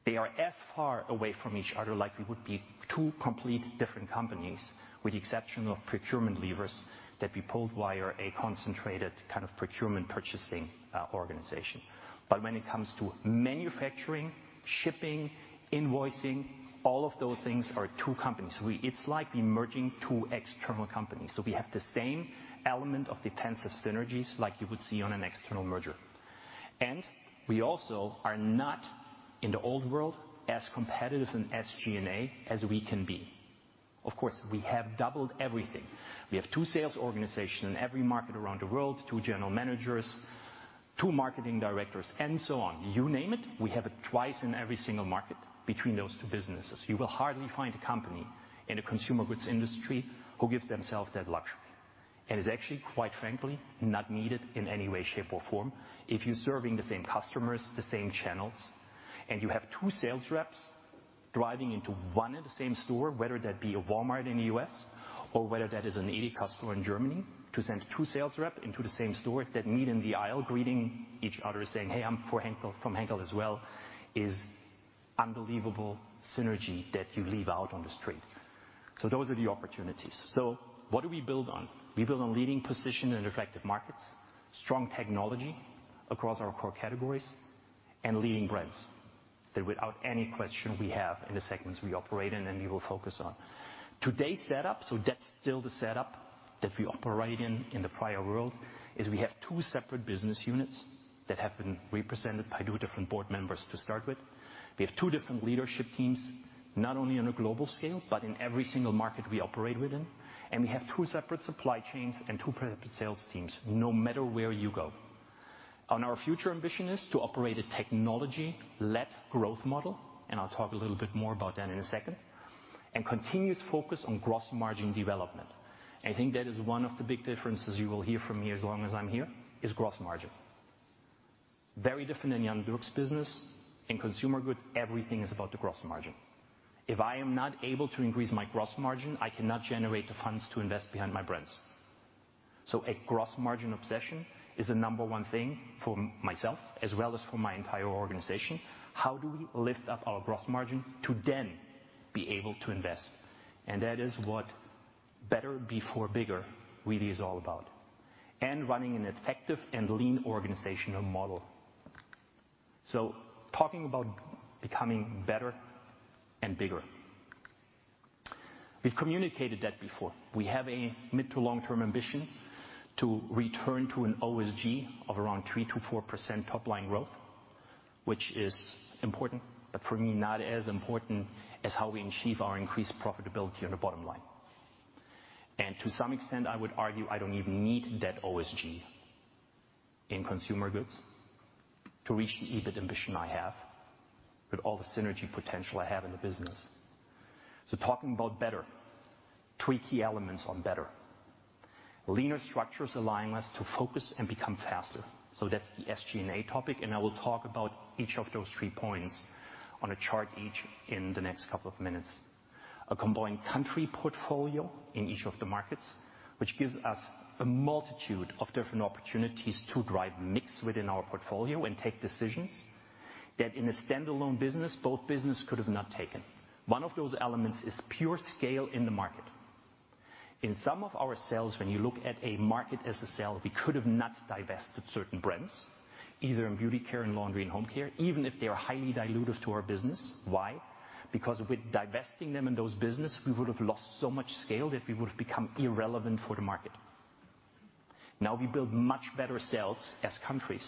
They are as far away from each other like we would be two complete different companies, with the exception of procurement levers that we pulled via a concentrated kind of procurement purchasing, organization. When it comes to manufacturing, shipping, invoicing, all of those things are two companies. It's like we're merging two external companies, so we have the same element of the expensive synergies like you would see on an external merger. We also are not in the old world as competitive in SG&A as we can be. Of course, we have doubled everything. We have two sales organization in every market around the world, two general managers, two marketing directors, and so on. You name it, we have it twice in every single market between those two businesses. You will hardly find a company in a consumer goods industry who gives themselves that luxury, and is actually, quite frankly, not needed in any way, shape, or form. If you're serving the same customers, the same channels, and you have two sales reps driving into one and the same store, whether that be a Walmart in the U.S. or whether that is an EDEKA store in Germany, to send two sales reps into the same store that meet in the aisle, greeting each other, saying, "Hey, I'm for Henkel, from Henkel as well," is unbelievable synergy that you leave out on the street. Those are the opportunities. What do we build on? We build on leading position in attractive markets, strong technology across our core categories, and leading brands that without any question we have in the segments we operate in and we will focus on. Today's setup, so that's still the setup that we operate in the prior world, is we have two separate business units that have been represented by two different board members to start with. We have two different leadership teams, not only on a global scale, but in every single market we operate within. We have two separate supply chains and two separate sales teams, no matter where you go. Our future ambition is to operate a technology-led growth model, and I'll talk a little bit more about that in a second, and continuous focus on gross margin development. I think that is one of the big differences you will hear from me as long as I'm here, is gross margin. Very different than Jan-Dirk Auris' business. In consumer goods, everything is about the gross margin. If I am not able to increase my gross margin, I cannot generate the funds to invest behind my brands. A gross margin obsession is the number one thing for myself as well as for my entire organization. How do we lift up our gross margin to then be able to invest? That is what better before bigger really is all about, and running an effective and lean organizational model. Talking about becoming better and bigger, we've communicated that before. We have a mid to long-term ambition to return to an OSG of around 3%-4% top line growth, which is important, but for me, not as important as how we achieve our increased profitability on the bottom line. To some extent, I would argue I don't even need that OSG in consumer goods to reach the EBIT ambition I have with all the synergy potential I have in the business. Talking about better, three key elements on better. Leaner structures allowing us to focus and become faster. That's the SG&A topic, and I will talk about each of those three points on a chart each in the next couple of minutes. A combined country portfolio in each of the markets, which gives us a multitude of different opportunities to drive mix within our portfolio and take decisions. That in a standalone business, both business could have not taken. One of those elements is pure scale in the market. In some of our sales, when you look at a market as a sale, we could have not divested certain brands, either in Beauty Care, in Laundry & Home Care, even if they are highly dilutive to our business. Why? Because with divesting them in those business, we would have lost so much scale that we would have become irrelevant for the market. Now, we build much better sales as countries,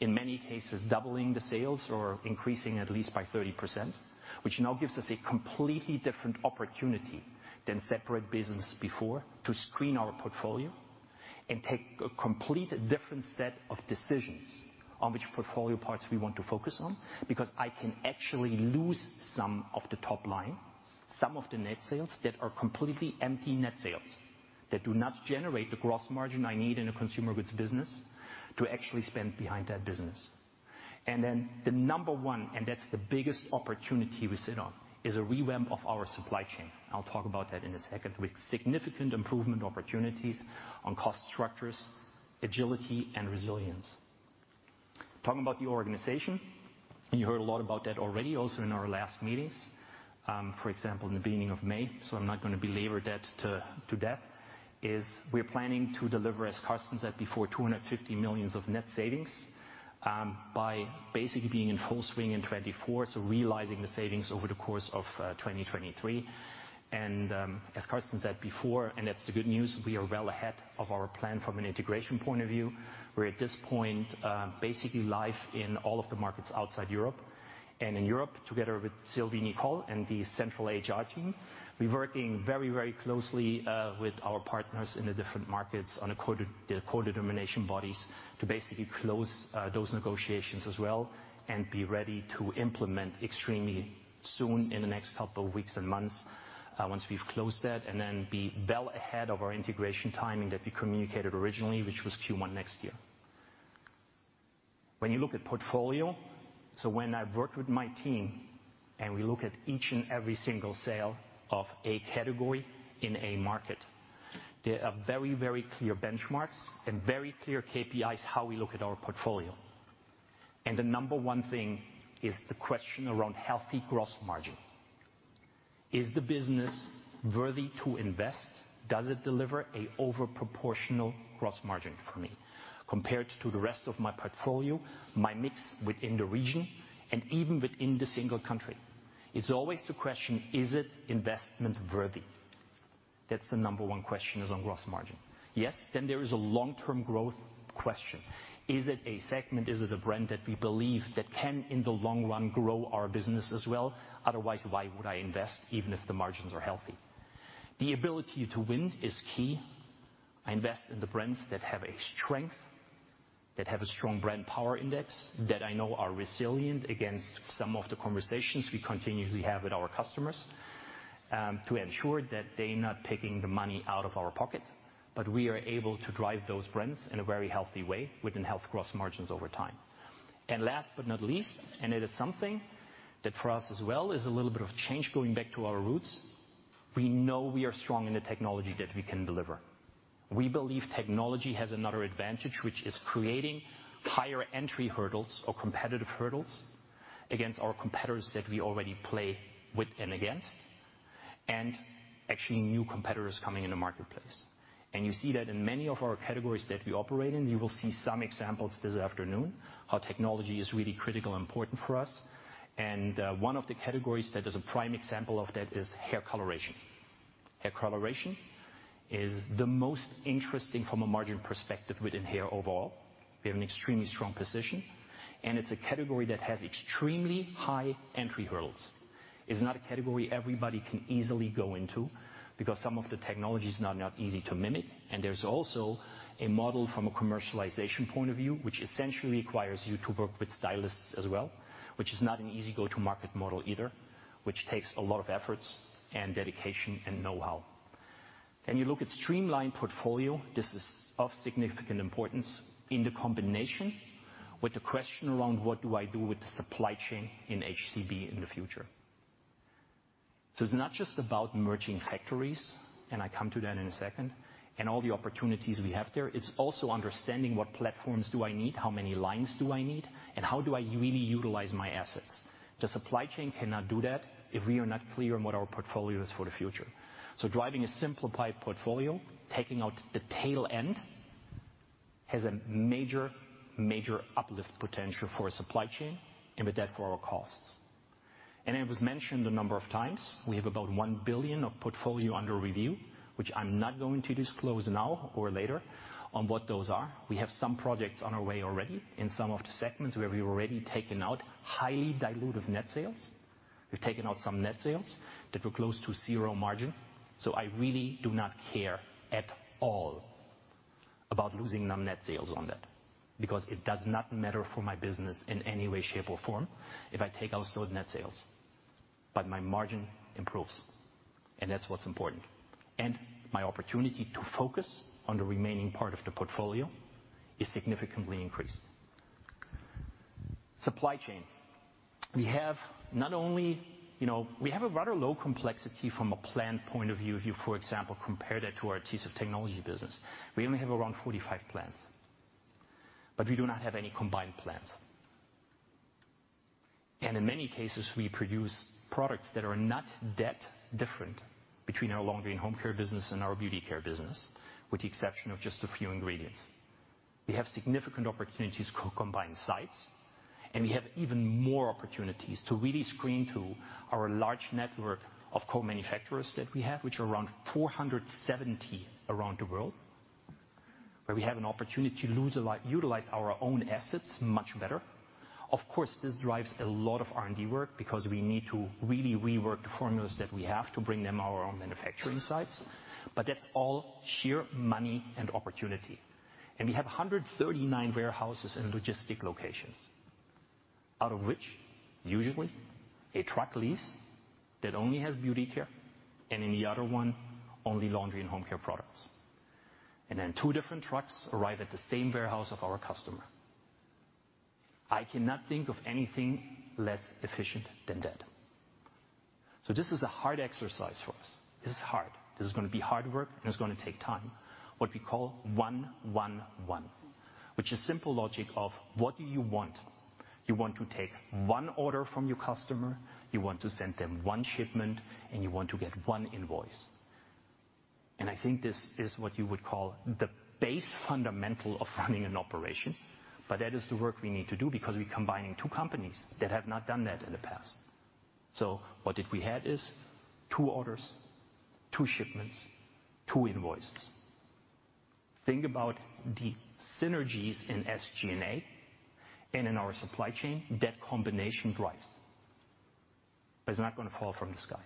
in many cases, doubling the sales or increasing at least by 30%, which now gives us a completely different opportunity than separate business before to screen our portfolio and take a completely different set of decisions on which portfolio parts we want to focus on, because I can actually lose some of the top line, some of the net sales that are completely empty net sales, that do not generate the gross margin I need in a consumer goods business to actually spend behind that business. The number one, and that's the biggest opportunity we sit on, is a revamp of our supply chain, I'll talk about that in a second, with significant improvement opportunities on cost structures, agility, and resilience. Talking about the organization, you heard a lot about that already, also in our last meetings, for example, in the beginning of May, so I'm not gonna belabor that to death. It's we're planning to deliver, as Carsten said before, 250 million of net savings by basically being in full swing in 2024, so realizing the savings over the course of 2023. As Carsten said before, and that's the good news, we are well ahead of our plan from an integration point of view. We're at this point, basically live in all of the markets outside Europe. In Europe, together with Sylvie Nicol and the central HR team, we're working very, very closely with our partners in the different markets on co-determination bodies to basically close those negotiations as well and be ready to implement extremely soon in the next couple weeks and months, once we've closed that, and then be well ahead of our integration timing that we communicated originally, which was Q1 next year. When you look at portfolio, when I've worked with my team and we look at each and every single sale of a category in a market, there are very, very clear benchmarks and very clear KPIs how we look at our portfolio. The number one thing is the question around healthy gross margin. Is the business worthy to invest? Does it deliver an overproportional gross margin for me compared to the rest of my portfolio, my mix within the region, and even within the single country? It's always the question, is it investment-worthy? That's the number one question is on gross margin. Yes, then there is a long-term growth question. Is it a segment, is it a brand that we believe that can, in the long run, grow our business as well? Otherwise, why would I invest even if the margins are healthy? The ability to win is key. I invest in the brands that have a strength, that have a strong brand power index, that I know are resilient against some of the conversations we continuously have with our customers, to ensure that they're not taking the money out of our pocket, but we are able to drive those brands in a very healthy way within healthy gross margins over time. Last but not least, and it is something that for us as well is a little bit of change going back to our roots, we know we are strong in the technology that we can deliver. We believe technology has another advantage, which is creating higher entry hurdles or competitive hurdles against our competitors that we already play with and against, and actually new competitors coming in the marketplace. You see that in many of our categories that we operate in. You will see some examples this afternoon how technology is really critical and important for us. One of the categories that is a prime example of that is hair coloration. Hair coloration is the most interesting from a margin perspective within hair overall. We have an extremely strong position, and it's a category that has extremely high entry hurdles. It's not a category everybody can easily go into because some of the technology is not easy to mimic. There's also a model from a commercialization point of view, which essentially requires you to work with stylists as well, which is not an easy go-to-market model either, which takes a lot of efforts and dedication and know-how. You look at streamlined portfolio. This is of significant importance in the combination with the question around what do I do with the supply chain in Henkel Consumer Brands We have some projects on our way already in some of the segments where we've already taken out highly dilutive net sales. We've taken out some net sales that were close to zero margin. I really do not care at all about losing the net sales on that because it does not matter for my business in any way, shape, or form if I take out those net sales. My margin improves, and that's what's important. My opportunity to focus on the remaining part of the portfolio is significantly increased. Supply chain. We have not only, you know, a rather low complexity from a plant point of view. If you, for example, compare that to our adhesive technology business. We only have around 45 plants, but we do not have any combined plants. In many cases, we produce products that are not that different between our Laundry & Home Care business and our Beauty Care business, with the exception of just a few ingredients. We have significant opportunities to combine sites, and we have even more opportunities to really screen to our large network of co-manufacturers that we have, which are around 470 around the world, where we have an opportunity to utilize our own assets much better. Of course, this drives a lot of R&D work because we need to really rework the formulas that we have to bring them to our own manufacturing sites, but that's all sheer money and opportunity. We have 139 warehouses in logistics locations, out of which usually a truck leaves that only has Beauty Care, and in the other one, only Laundry & Home Care products. Then two different trucks arrive at the same warehouse of our customer. I cannot think of anything less efficient than that. This is a hard exercise for us. This is hard. This is gonna be hard work, and it's gonna take time. What we call one, one, which is simple logic of what do you want? You want to take one order from your customer, you want to send them one shipment, and you want to get one invoice. I think this is what you would call the base fundamental of running an operation. That is the work we need to do because we're combining two companies that have not done that in the past. What we had is two orders, two shipments, two invoices. Think about the synergies in SG&A and in our supply chain that combination drives. It's not gonna fall from the sky.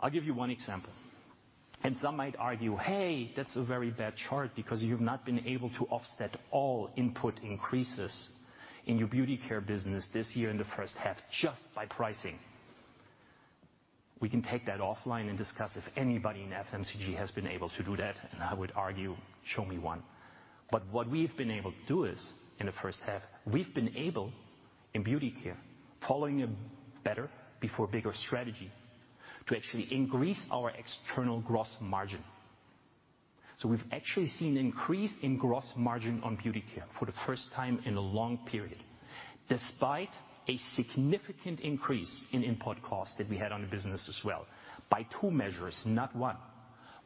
I'll give you one example, and some might argue, "Hey, that's a very bad chart because you've not been able to offset all input increases in your Beauty Care business this year in the first half just by pricing." We can take that offline and discuss if anybody in FMCG has been able to do that, and I would argue, show me one. What we've been able to do is in the first half, we've been able, in Beauty Care, following a better before bigger strategy, to actually increase our external gross margin. We've actually seen an increase in gross margin on Beauty Care for the first time in a long period, despite a significant increase in input costs that we had on the business as well by two measures, not one.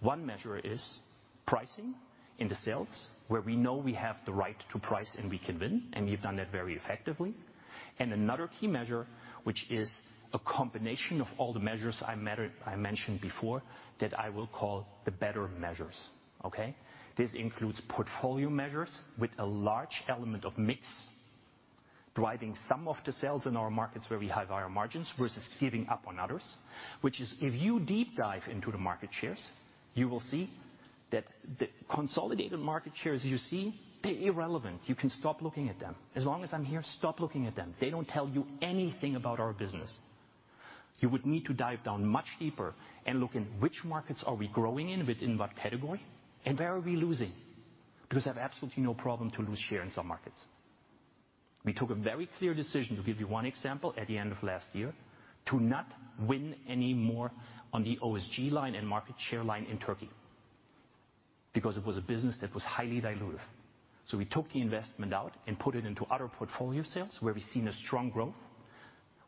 One measure is pricing in the sales, where we know we have the right to price and we can win, and we've done that very effectively. Another key measure, which is a combination of all the measures I mentioned before that I will call the better measures, okay? This includes portfolio measures with a large element of mix, driving some of the sales in our markets where we have higher margins versus giving up on others. Which is, if you deep dive into the market shares, you will see that the consolidated market shares you see, they're irrelevant. You can stop looking at them. As long as I'm here, stop looking at them. They don't tell you anything about our business. You would need to dive down much deeper and look in which markets are we growing in, within what category and where are we losing? Because I have absolutely no problem to lose share in some markets. We took a very clear decision, to give you one example, at the end of last year, to not win any more on the OSG line and market share line in Turkey because it was a business that was highly dilutive. We took the investment out and put it into other portfolio sales where we've seen a strong growth,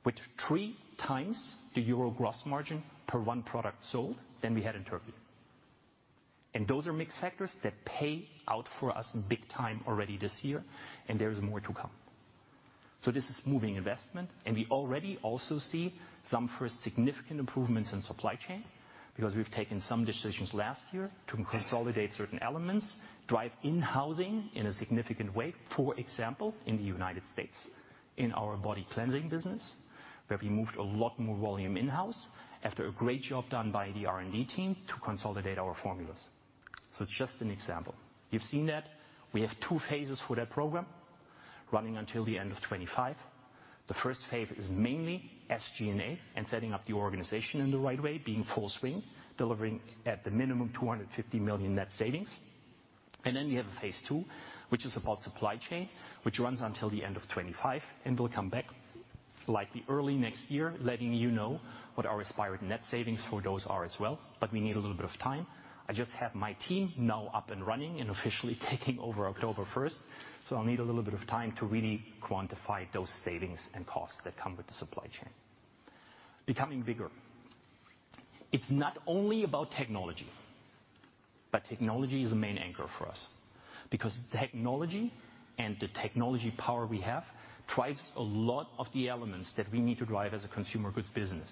which three times the euro gross margin per one product sold than we had in Turkey. Those are mix factors that pay out for us big time already this year, and there is more to come. This is moving investment, and we already also see some first significant improvements in supply chain because we've taken some decisions last year to consolidate certain elements, drive in-housing in a significant way. For example, in the United States, in our body cleansing business, where we moved a lot more volume in-house after a great job done by the R&D team to consolidate our formulas. It's just an example. You've seen that we have two phases for that program running until the end of 2025. The first phase is mainly SG&A and setting up the organization in the right way, being full swing, delivering at the minimum 250 million net savings. We have a phase two, which is about supply chain, which runs until the end of 2025, and we'll come back likely early next year, letting you know what our aspired net savings for those are as well. We need a little bit of time. I just have my team now up and running and officially taking over October 1. I'll need a little bit of time to really quantify those savings and costs that come with the supply chain. Becoming bigger. It's not only about technology, but technology is a main anchor for us because technology and the technology power we have drives a lot of the elements that we need to drive as a consumer goods business.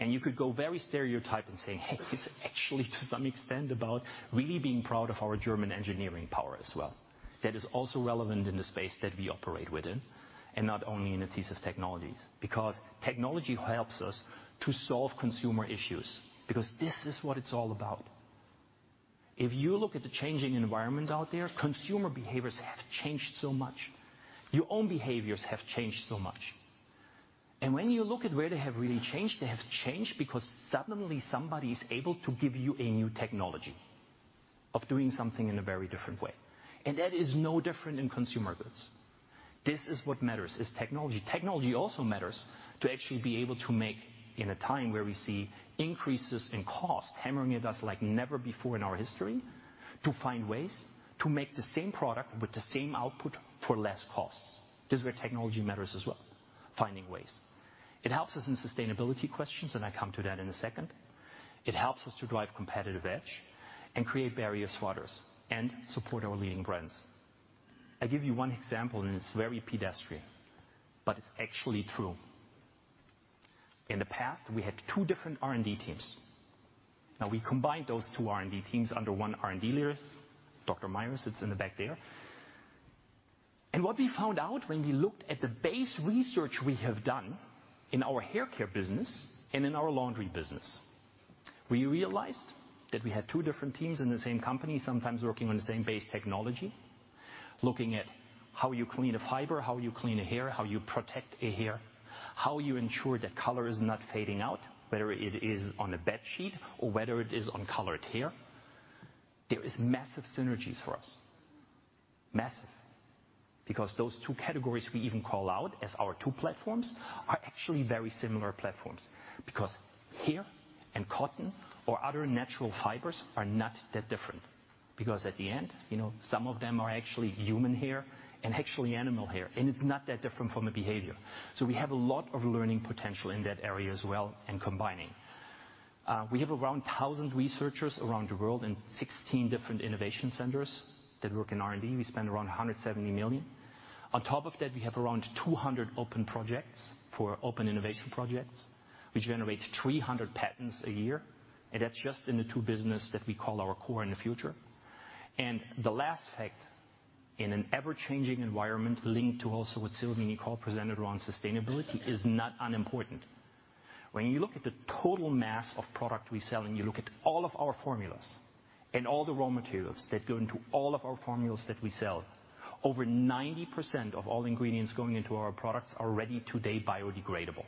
You could go very stereotypical and say, "Hey, it's actually to some extent about really being proud of our German engineering power as well." That is also relevant in the space that we operate within, and not only in the Adhesive Technologies. Technology helps us to solve consumer issues because this is what it's all about. If you look at the changing environment out there, consumer behaviors have changed so much. Your own behaviors have changed so much. When you look at where they have really changed, they have changed because suddenly somebody is able to give you a new technology of doing something in a very different way. That is no different in consumer goods. This is what matters, is technology. Technology also matters to actually be able to make, in a time where we see increases in cost hammering at us like never before in our history, to find ways to make the same product with the same output for less costs. This is where technology matters as well, finding ways. It helps us in sustainability questions, and I come to that in a second. It helps us to drive competitive edge and create barriers to entry and support our leading brands. I give you one example, and it's very pedestrian, but it's actually true. In the past, we had two different R&D teams. Now we combined those two R&D teams under one R&D leader. Dr. Miersch sits in the back there. What we found out when we looked at the basic research we have done in our haircare business and in our laundry business, we realized that we had two different teams in the same company, sometimes working on the same basic technology, looking at how you clean a fiber, how you clean a hair, how you protect a hair, how you ensure that color is not fading out, whether it is on a bed sheet or whether it is on colored hair. There is massive synergies for us. Massive. Because those two categories we even call out as our two platforms are actually very similar platforms. Because hair and cotton or other natural fibers are not that different, because at the end, you know, some of them are actually human hair and actually animal hair, and it's not that different from a behavior. We have a lot of learning potential in that area as well in combining. We have around 1,000 researchers around the world in 16 different innovation centers that work in R&D. We spend around 170 million. On top of that, we have around 200 open projects for open innovation projects. We generate 300 patents a year, and that's just in the two business that we call our core in the future. The last fact, in an ever-changing environment linked to also what Sylvie Nicol presented around sustainability is not unimportant. When you look at the total mass of product we sell, and you look at all of our formulas and all the raw materials that go into all of our formulas that we sell, over 90% of all ingredients going into our products are already today biodegradable.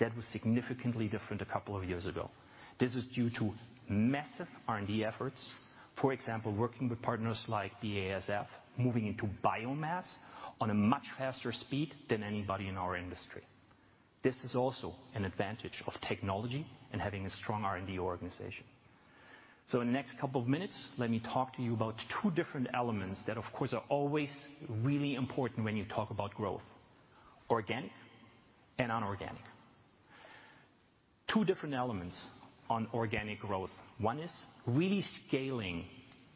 That was significantly different a couple of years ago. This is due to massive R&D efforts, for example, working with partners like BASF, moving into biomass on a much faster speed than anybody in our industry. This is also an advantage of technology and having a strong R&D organization. In the next couple of minutes, let me talk to you about two different elements that, of course, are always really important when you talk about growth, organic and non-organic. Two different elements on organic growth. One is really scaling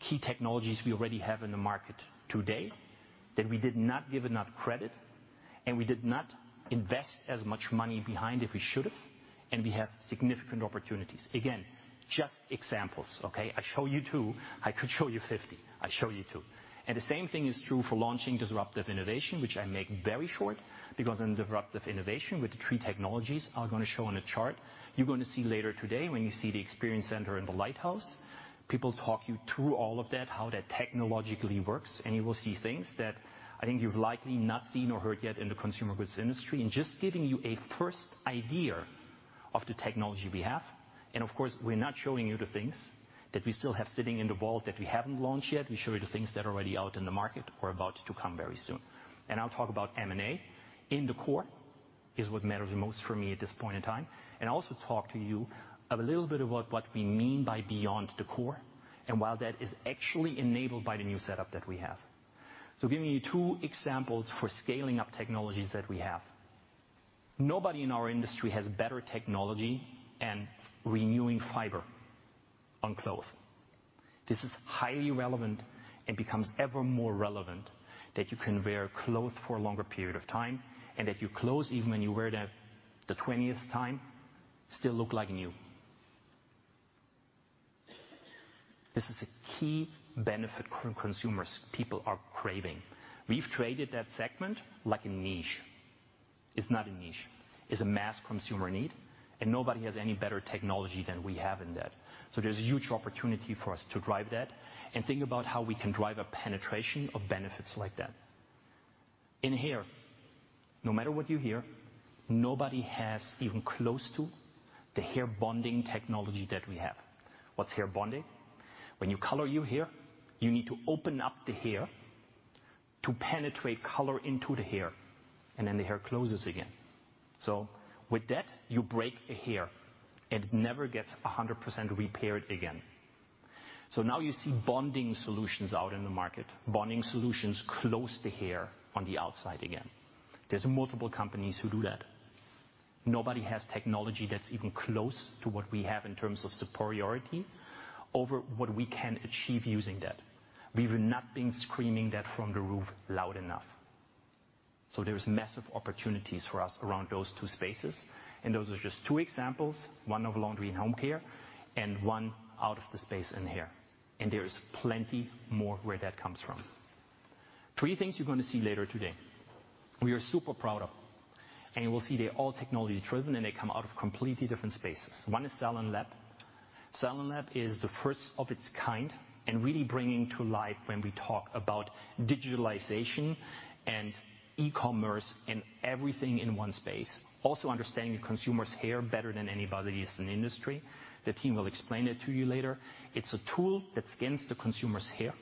key technologies we already have in the market today that we did not give enough credit, and we did not invest as much money behind it we should have, and we have significant opportunities. Again, just examples, okay? I show you 2. I could show you 50. I show you 2. The same thing is true for launching disruptive innovation, which I make very short because in disruptive innovation with the 3 technologies I'm gonna show on a chart, you're gonna see later today when you see the experience center in the lighthouse, people talk you through all of that, how that technologically works, and you will see things that I think you've likely not seen or heard yet in the consumer goods industry, and just giving you a first idea of the technology we have. Of course, we're not showing you the things that we still have sitting in the vault that we haven't launched yet. We show you the things that are already out in the market or about to come very soon. I'll talk about M&A in the core is what matters most for me at this point in time, and also talk to you a little bit about what we mean by beyond the core, and while that is actually enabled by the new setup that we have. Giving you two examples for scaling up technologies that we have. Nobody in our industry has better technology and renewing fiber on cloth. This is highly relevant and becomes ever more relevant that you can wear cloth for a longer period of time and that your clothes, even when you wear them the twentieth time, still look like new. This is a key benefit consumers, people are craving. We've traded that segment like a niche. It's not a niche. It's a mass consumer need, and nobody has any better technology than we have in that. So there's a huge opportunity for us to drive that and think about how we can drive a penetration of benefits like that. In hair, no matter what you hear, nobody has even close to the hair bonding technology that we have. What's hair bonding? When you color your hair, you need to open up the hair to penetrate color into the hair, and then the hair closes again. So with that, you break a hair, and it never gets 100% repaired again. So now you see bonding solutions out in the market, bonding solutions close the hair on the outside again. There's multiple companies who do that. Nobody has technology that's even close to what we have in terms of superiority over what we can achieve using that. We've not been screaming that from the rooftops loud enough. There is massive opportunities for us around those two spaces, and those are just two examples, one of laundry and home care, and one out of the space in hair. There is plenty more where that comes from. Three things you're gonna see later today we are super proud of, and we'll see they're all technology-driven, and they come out of completely different spaces. One is SalonLab. SalonLab is the first of its kind and really bringing to life when we talk about digitalization and e-commerce and everything in one space, also understanding the consumer's hair better than anybody is in the industry. The team will explain it to you later. It's a tool that scans the consumer's hair.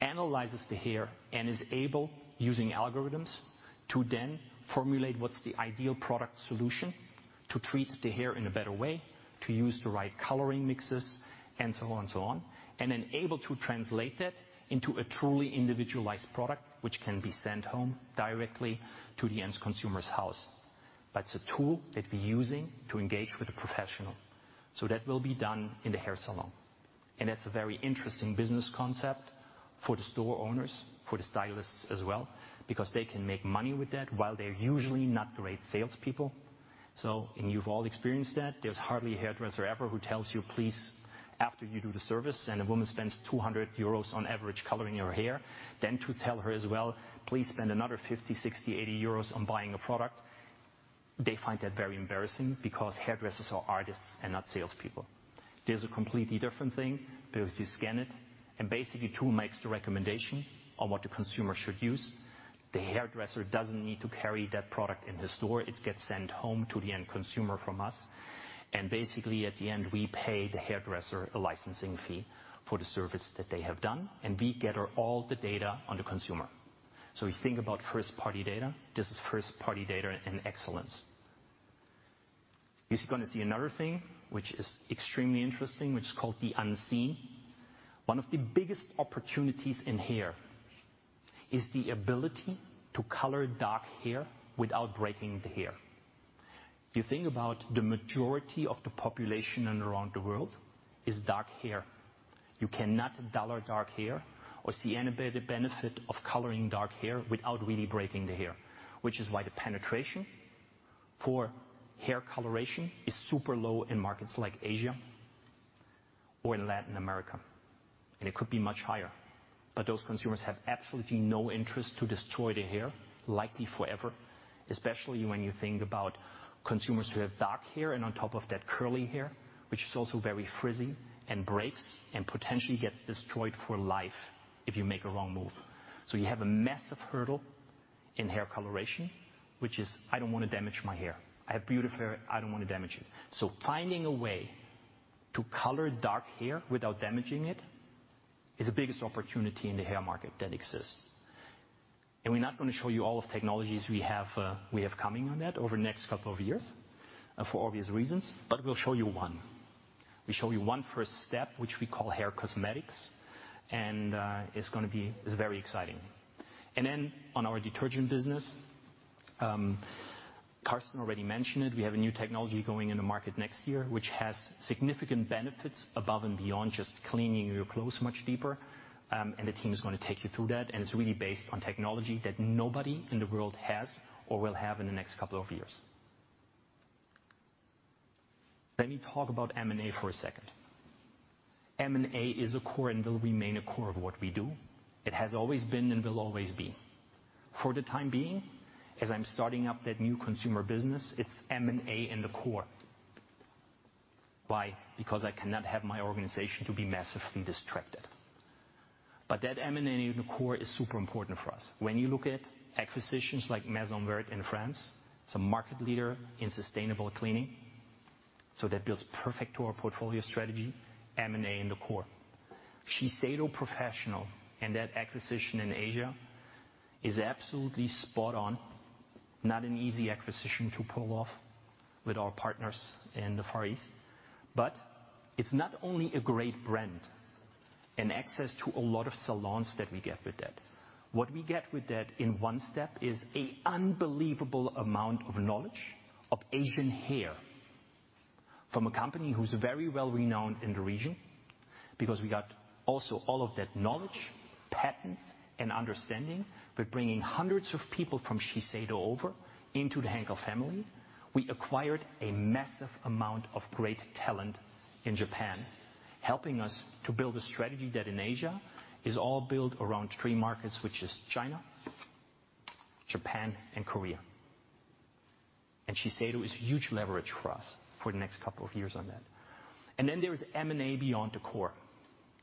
Analyzes the hair and is able, using algorithms, to then formulate what's the ideal product solution to treat the hair in a better way, to use the right coloring mixes, and so on and so on, and then able to translate that into a truly individualized product which can be sent home directly to the end consumer's house. That's a tool that we're using to engage with the professional. That will be done in the hair salon. That's a very interesting business concept for the store owners, for the stylists as well, because they can make money with that while they're usually not great salespeople. You've all experienced that. There's hardly a hairdresser ever who tells you, please, after you do the service, and a woman spends 200 euros on average coloring her hair, then to tell her as well, "Please spend another 50 euros, 60 euros, 80 euros on buying a product." They find that very embarrassing because hairdressers are artists and not salespeople. There's a completely different thing, because you scan it, and basically tool makes the recommendation on what the consumer should use. The hairdresser doesn't need to carry that product in the store. It gets sent home to the end consumer from us, and basically at the end, we pay the hairdresser a licensing fee for the service that they have done, and we gather all the data on the consumer. We think about first-party data. This is first-party data in excellence. You're gonna see another thing which is extremely interesting, which is called The Unseen. One of the biggest opportunities in hair is the ability to color dark hair without breaking the hair. If you think about the majority of the population around the world is dark hair. You cannot color dark hair or see any of the benefit of coloring dark hair without really breaking the hair, which is why the penetration for hair coloration is super low in markets like Asia or in Latin America, and it could be much higher. Those consumers have absolutely no interest to destroy their hair, likely forever, especially when you think about consumers who have dark hair and on top of that curly hair, which is also very frizzy and breaks and potentially gets destroyed for life if you make a wrong move. You have a massive hurdle in hair coloration, which is, I don't wanna damage my hair. I have beautiful hair. I don't wanna damage it. Finding a way to color dark hair without damaging it is the biggest opportunity in the hair market that exists. We're not gonna show you all of technologies we have coming on that over the next couple of years for obvious reasons, but we'll show you one. We show you one first step, which we call hair cosmetics, and it's gonna be. It's very exciting. Then on our detergent business, Carsten already mentioned it, we have a new technology going in the market next year, which has significant benefits above and beyond just cleaning your clothes much deeper. The team is gonna take you through that, and it's really based on technology that nobody in the world has or will have in the next couple of years. Let me talk about M&A for a second. M&A is a core and will remain a core of what we do. It has always been and will always be. For the time being, as I'm starting up that new consumer business, it's M&A in the core. Why? Because I cannot have my organization to be massively distracted. That M&A in the core is super important for us. When you look at acquisitions like Maison Verte in France, it's a market leader in sustainable cleaning, so that builds perfect to our portfolio strategy, M&A in the core. Shiseido Professional and that acquisition in Asia is absolutely spot on. Not an easy acquisition to pull off with our partners in the Far East. It's not only a great brand and access to a lot of salons that we get with that. What we get with that in one step is a unbelievable amount of knowledge of Asian hair from a company who's very well renowned in the region because we got also all of that knowledge, patents, and understanding. By bringing hundreds of people from Shiseido over into the Henkel family, we acquired a massive amount of great talent in Japan, helping us to build a strategy that in Asia is all built around three markets, which is China, Japan, and Korea. Shiseido is huge leverage for us for the next couple of years on that. Then there is M&A beyond the core.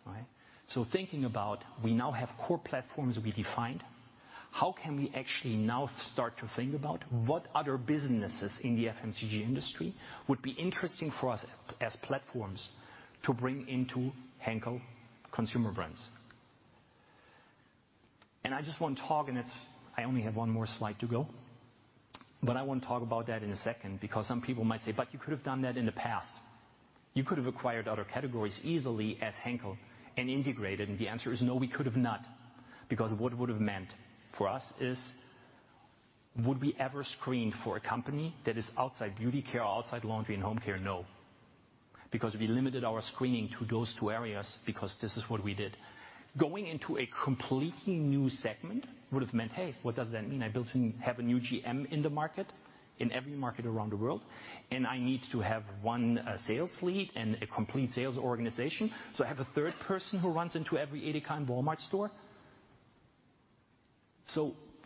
All right? Thinking about we now have core platforms we defined. How can we actually now start to think about what other businesses in the FMCG industry would be interesting for us as platforms to bring into Henkel Consumer Brands? I just wanna talk, and it's I only have one more slide to go, but I wanna talk about that in a second because some people might say, "But you could have done that in the past. You could have acquired other categories easily as Henkel and integrated." The answer is no, we could have not. Because what it would have meant for us is, would we ever screen for a company that is outside Beauty Care or outside Laundry & Home Care? No. Because we limited our screening to those two areas because this is what we did. Going into a completely new segment would have meant, hey, what does that mean? I have a new GM in the market in every market around the world, and I need to have one sales lead and a complete sales organization. I have a third person who runs into every EDEKA and Walmart store.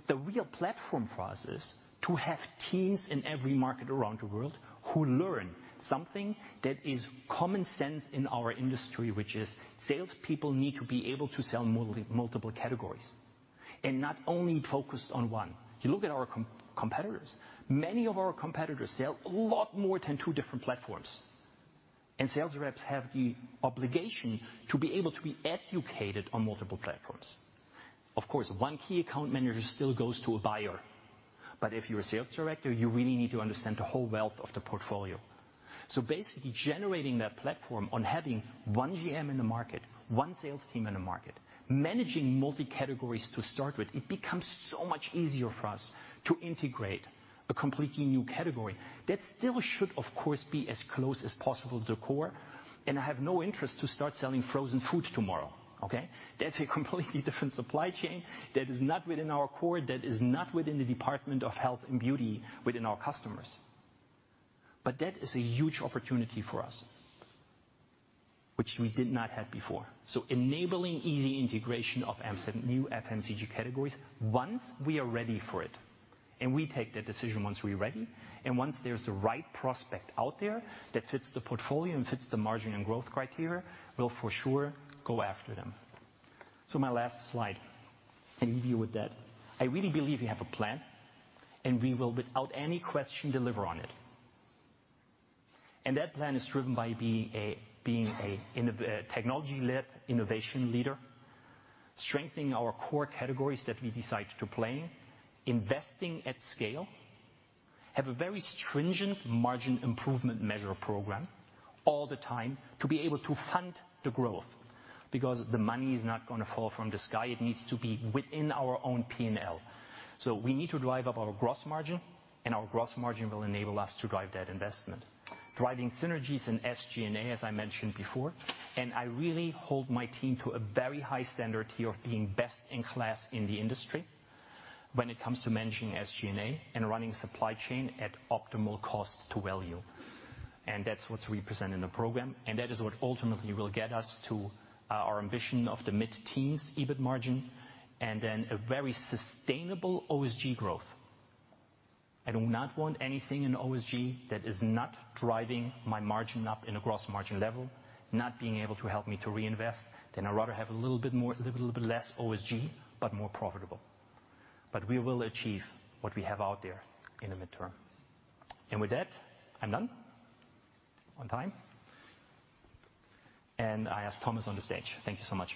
The real platform for us is to have teams in every market around the world who learn something that is common sense in our industry, which is salespeople need to be able to sell multiple categories and not only focused on one. If you look at our competitors, many of our competitors sell a lot more than two different platforms. Sales reps have the obligation to be able to be educated on multiple platforms. Of course, one key account manager still goes to a buyer, but if you're a sales director, you really need to understand the whole breadth of the portfolio. Basically generating that platform on having one GM in the market, one sales team in the market, managing multi-categories to start with, it becomes so much easier for us to integrate a completely new category that still should, of course, be as close as possible to the core. I have no interest to start selling frozen foods tomorrow, okay? That's a completely different supply chain that is not within our core, that is not within the department of health and beauty within our customers. That is a huge opportunity for us which we did not have before. Enabling easy integration of M-Cat, new FMCG categories once we are ready for it, and we take that decision once we are ready, and once there's the right prospect out there that fits the portfolio and fits the margin and growth criteria, we'll for sure go after them. My last slide, I leave you with that. I really believe we have a plan, and we will without any question, deliver on it. That plan is driven by being a technology-led innovation leader, strengthening our core categories that we decide to play in, investing at scale. Have a very stringent margin improvement measure program all the time to be able to fund the growth. Because the money is not gonna fall from the sky, it needs to be within our own P&L. We need to drive up our gross margin, and our gross margin will enable us to drive that investment. Driving synergies in SG&A, as I mentioned before. I really hold my team to a very high standard here of being best in class in the industry when it comes to managing SG&A and running supply chain at optimal cost to value. That's what's represented in the program, and that is what ultimately will get us to our ambition of the mid-teens EBIT margin, and then a very sustainable OSG growth. I do not want anything in OSG that is not driving my margin up in a gross margin level, not being able to help me to reinvest. I'd rather have a little bit less OSG, but more profitable. We will achieve what we have out there in the midterm. With that, I'm done on time, and I ask Thomas on the stage. Thank you so much.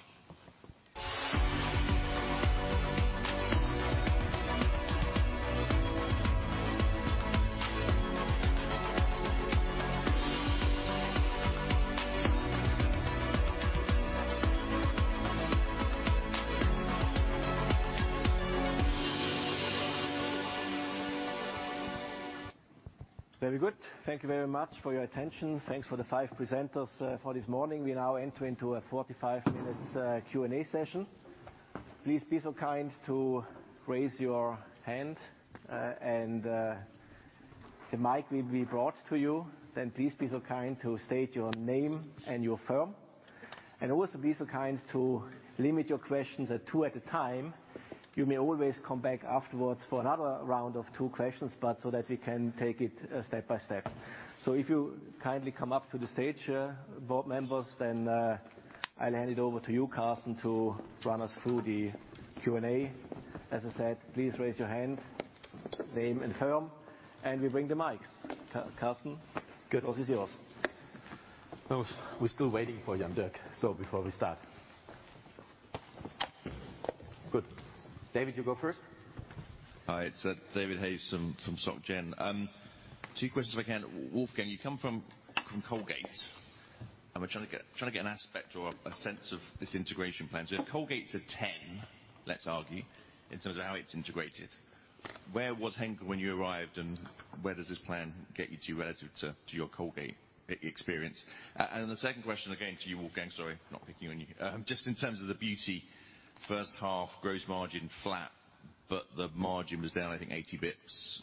Very good. Thank you very much for your attention. Thanks for the 5 presenters for this morning. We now enter into a 45-minute Q&A session. Please be so kind to raise your hand, and the mic will be brought to you. Please be so kind to state your name and your firm, and also be so kind to limit your questions at 2 at a time. You may always come back afterwards for another round of 2 questions, but so that we can take it step by step. If you kindly come up to the stage, board members, then I'll hand it over to you, Carsten, to run us through the Q&A. As I said, please raise your hand, name and firm, and we bring the mics. Carsten? Good. The floor is yours. Oh, we're still waiting for Jan-Dirk, so before we start. Good. David, you go first. All right, David Hayes from SocGen. Two questions if I can. Wolfgang, you come from Colgate. I'm trying to get an aspect or a sense of this integration plan. If Colgate's a 10, let's argue, in terms of how it's integrated, where was Henkel when you arrived, and where does this plan get you to relative to your Colgate experience? And the second question, again to you, Wolfgang, sorry, not picking on you. Just in terms of the beauty, first half gross margin flat, but the margin was down, I think 80 basis points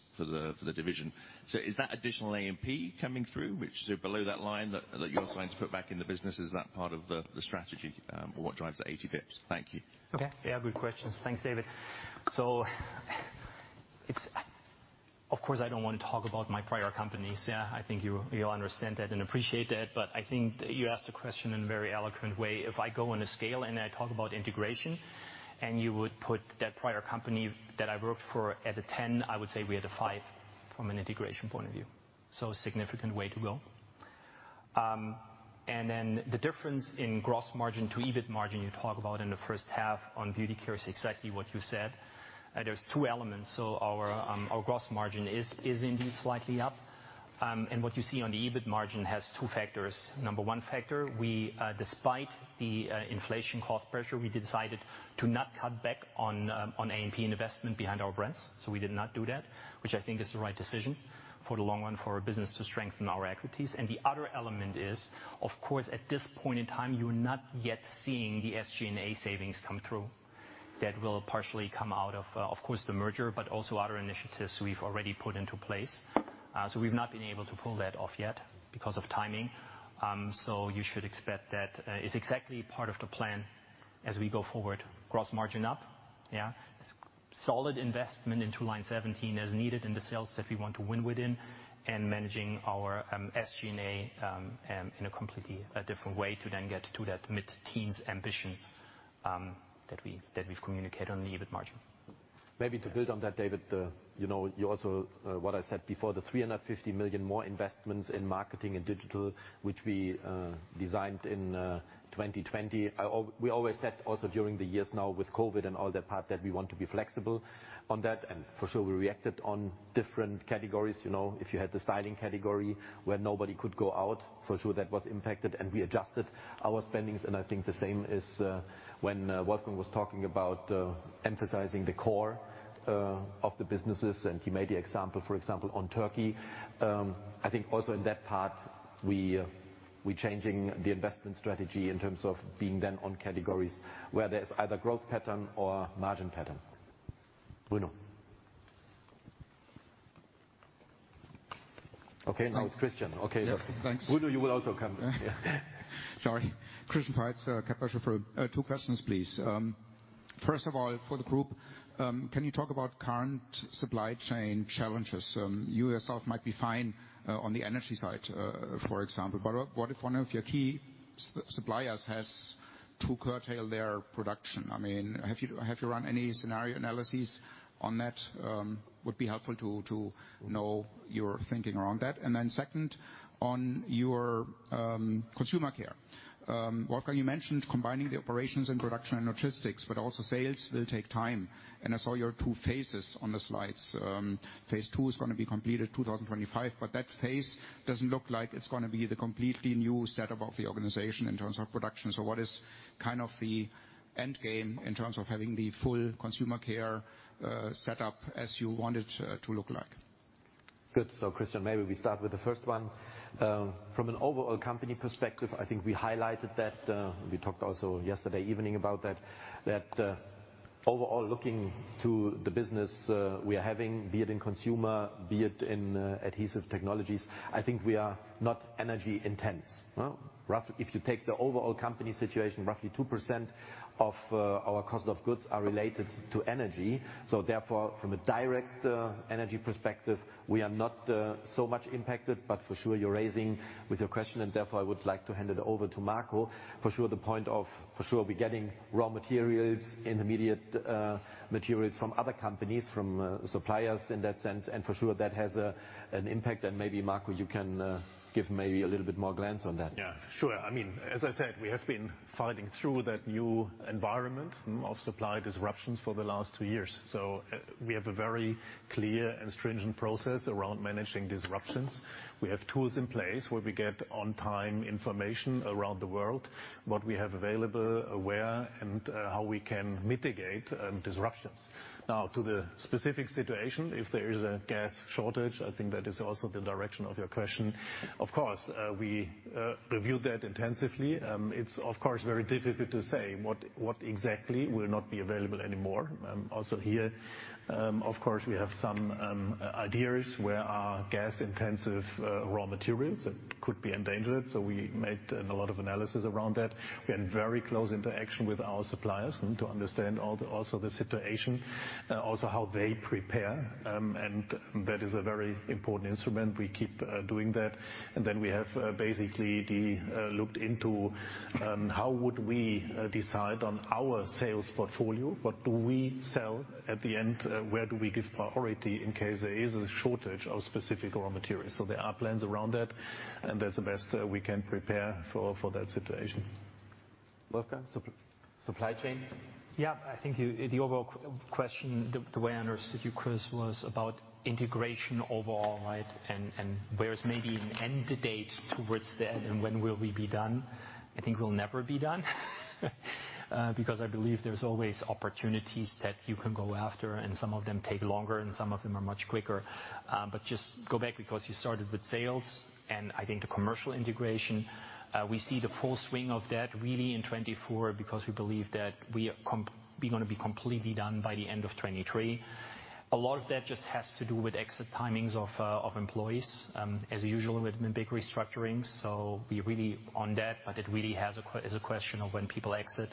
for the division. Is that additional A&P coming through which, so below that line that you're trying to put back in the business, part of the strategy, or what drives the 80 basis points? Thank you. Okay. Yeah, good questions. Thanks, David. Of course, I don't want to talk about my prior companies. Yeah, I think you'll understand that and appreciate that. I think you asked the question in a very eloquent way. If I go on a scale and I talk about integration, and you would put that prior company that I worked for at a 10, I would say we had a 5 from an integration point of view. A significant way to go. The difference in gross margin to EBIT margin you talk about in the first half on Beauty Care is exactly what you said. There are 2 elements. Our gross margin is indeed slightly up. What you see on the EBIT margin has 2 factors. Number one factor, despite the inflation cost pressure, we decided to not cut back on A&P investment behind our brands. We did not do that, which I think is the right decision for the long run for our business to strengthen our equities. The other element is, of course, at this point in time, you're not yet seeing the SG&A savings come through that will partially come out of course, the merger, but also other initiatives we've already put into place. We've not been able to pull that off yet because of timing. You should expect that is exactly part of the plan as we go forward. Gross margin up, yeah. Solid investment into line 17 as needed in the sales that we want to win within and managing our SG&A in a completely different way to then get to that mid-teens ambition that we've communicated on the EBIT margin. Maybe to build on that, David, you know, you also, what I said before, the 350 million more investments in marketing and digital, which we decided in 2020. We always said also during the years now with COVID and all that part that we want to be flexible on that, and for sure we reacted on different categories, you know. If you had the styling category, where nobody could go out, for sure that was impacted, and we adjusted our spending. I think the same is, when Wolfgang was talking about emphasizing the core of the businesses, and he made the example, for example, on Turkey. I think also in that part, we changing the investment strategy in terms of being then on categories where there's either growth pattern or margin pattern. Bruno. Okay, now it's Christian. Okay. Yeah. Thanks. Bruno, you will also come. Yeah. Christian Faitz, Kepler Cheuvreux. Two questions, please. First of all, for the group, can you talk about current supply chain challenges? You yourself might be fine on the energy side, for example, but what if one of your key suppliers has to curtail their production? I mean, have you run any scenario analyses on that? Would be helpful to know your thinking around that. Second, on your Consumer Brands, Wolfgang, you mentioned combining the operations and production and logistics, but also sales will take time, and I saw your two phases on the slides. Phase two is gonna be completed 2025, but that phase doesn't look like it's gonna be the completely new setup of the organization in terms of production. What is kind of the end game in terms of having the full Consumer Care set up as you want it to look like? Good. Christian, maybe we start with the first one. From an overall company perspective, I think we highlighted that we talked also yesterday evening about that overall, looking to the business, we are having, be it in Consumer, be it in Adhesive Technologies, I think we are not energy intense, no? Roughly, if you take the overall company situation, roughly 2% of our cost of goods are related to energy. Therefore, from a direct energy perspective, we are not so much impacted. For sure, you're raising with your question, and therefore, I would like to hand it over to Marco. For sure we're getting raw materials, intermediate materials from other companies, suppliers in that sense, and for sure that has an impact. Maybe Marco, you can give maybe a little bit more glance on that. Yeah. Sure. I mean, as I said, we have been fighting through that new environment. Mm. Of supply disruptions for the last two years. We have a very clear and stringent process around managing disruptions. We have tools in place where we get on-time information around the world, what we have available, where, and how we can mitigate disruptions. Now, to the specific situation, if there is a gas shortage, I think that is also the direction of your question. Of course, we reviewed that intensively. It's of course very difficult to say what exactly will not be available anymore. Also here, of course, we have some ideas where our gas-intensive raw materials that could be endangered, so we made a lot of analysis around that. We had very close interaction with our suppliers to understand all the also the situation also how they prepare. That is a very important instrument. We keep doing that. We have basically looked into how would we decide on our sales portfolio? What do we sell at the end? Where do we give priority in case there is a shortage of specific raw materials? There are plans around that, and that's the best we can prepare for that situation. Wolfgang, supply chain? Yeah. I think the overall question, the way I understood you, Chris, was about integration overall, right? Where is maybe an end date towards that, and when will we be done? I think we'll never be done. Because I believe there's always opportunities that you can go after, and some of them take longer, and some of them are much quicker. But just go back because you started with sales, and I think the commercial integration, we see the full swing of that really in 2024 because we believe that we're gonna be completely done by the end of 2023. A lot of that just has to do with exit timings of employees, as usual with big restructurings. We're really on that, but it really is a question of when people exit.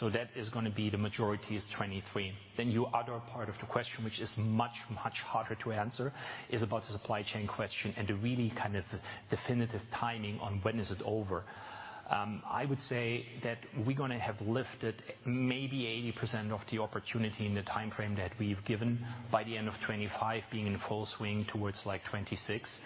That is gonna be the majority is 2023. Your other part of the question, which is much, much harder to answer, is about the supply chain question and the really kind of definitive timing on when is it over. I would say that we're gonna have lifted maybe 80% of the opportunity in the timeframe that we've given by the end of 2025, being in full swing towards, like, 2026.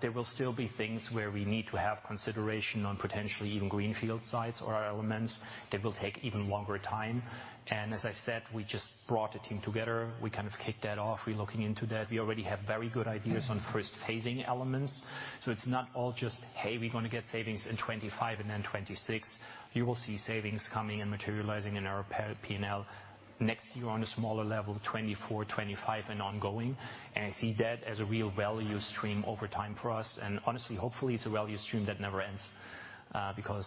There will still be things where we need to have consideration on potentially even greenfield sites or elements that will take even longer time. As I said, we just brought a team together. We kind of kicked that off. We're looking into that. We already have very good ideas on first phasing elements. It's not all just, hey, we're gonna get savings in 2025 and then 2026. You will see savings coming and materializing in our P&L next year on a smaller level, 2024, 2025, and ongoing. I see that as a real value stream over time for us. Honestly, hopefully, it's a value stream that never ends, because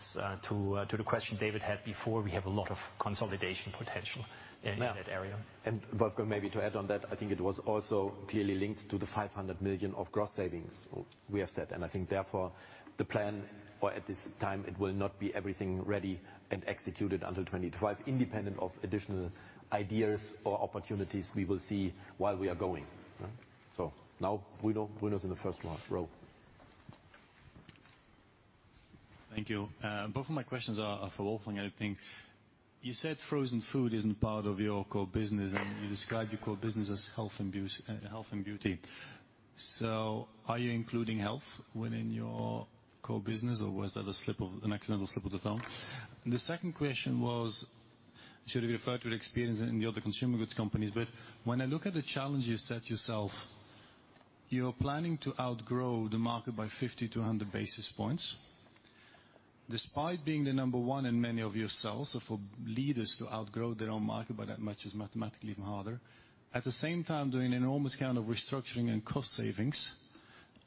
to the question David had before, we have a lot of consolidation potential in that area. Yeah. Wolfgang, maybe to add on that, I think it was also clearly linked to the 500 million of gross savings we have said. I think therefore, the plan or at this time, it will not be everything ready and executed until 2025, independent of additional ideas or opportunities we will see while we are going. Now Bruno. Bruno's in the first one, row. Thank you. Both of my questions are for Wolfgang, I think. You said frozen food isn't part of your core business, and you described your core business as health and beauty. Are you including health within your core business, or was that an accidental slip of the tongue? The second question was, should we refer to experience in the other consumer goods companies? When I look at the challenge you set yourself, you're planning to outgrow the market by 50 to 100 basis points despite being the number one in many of your sales. For leaders to outgrow their own market by that much is mathematically even harder. At the same time, doing enormous kind of restructuring and cost savings,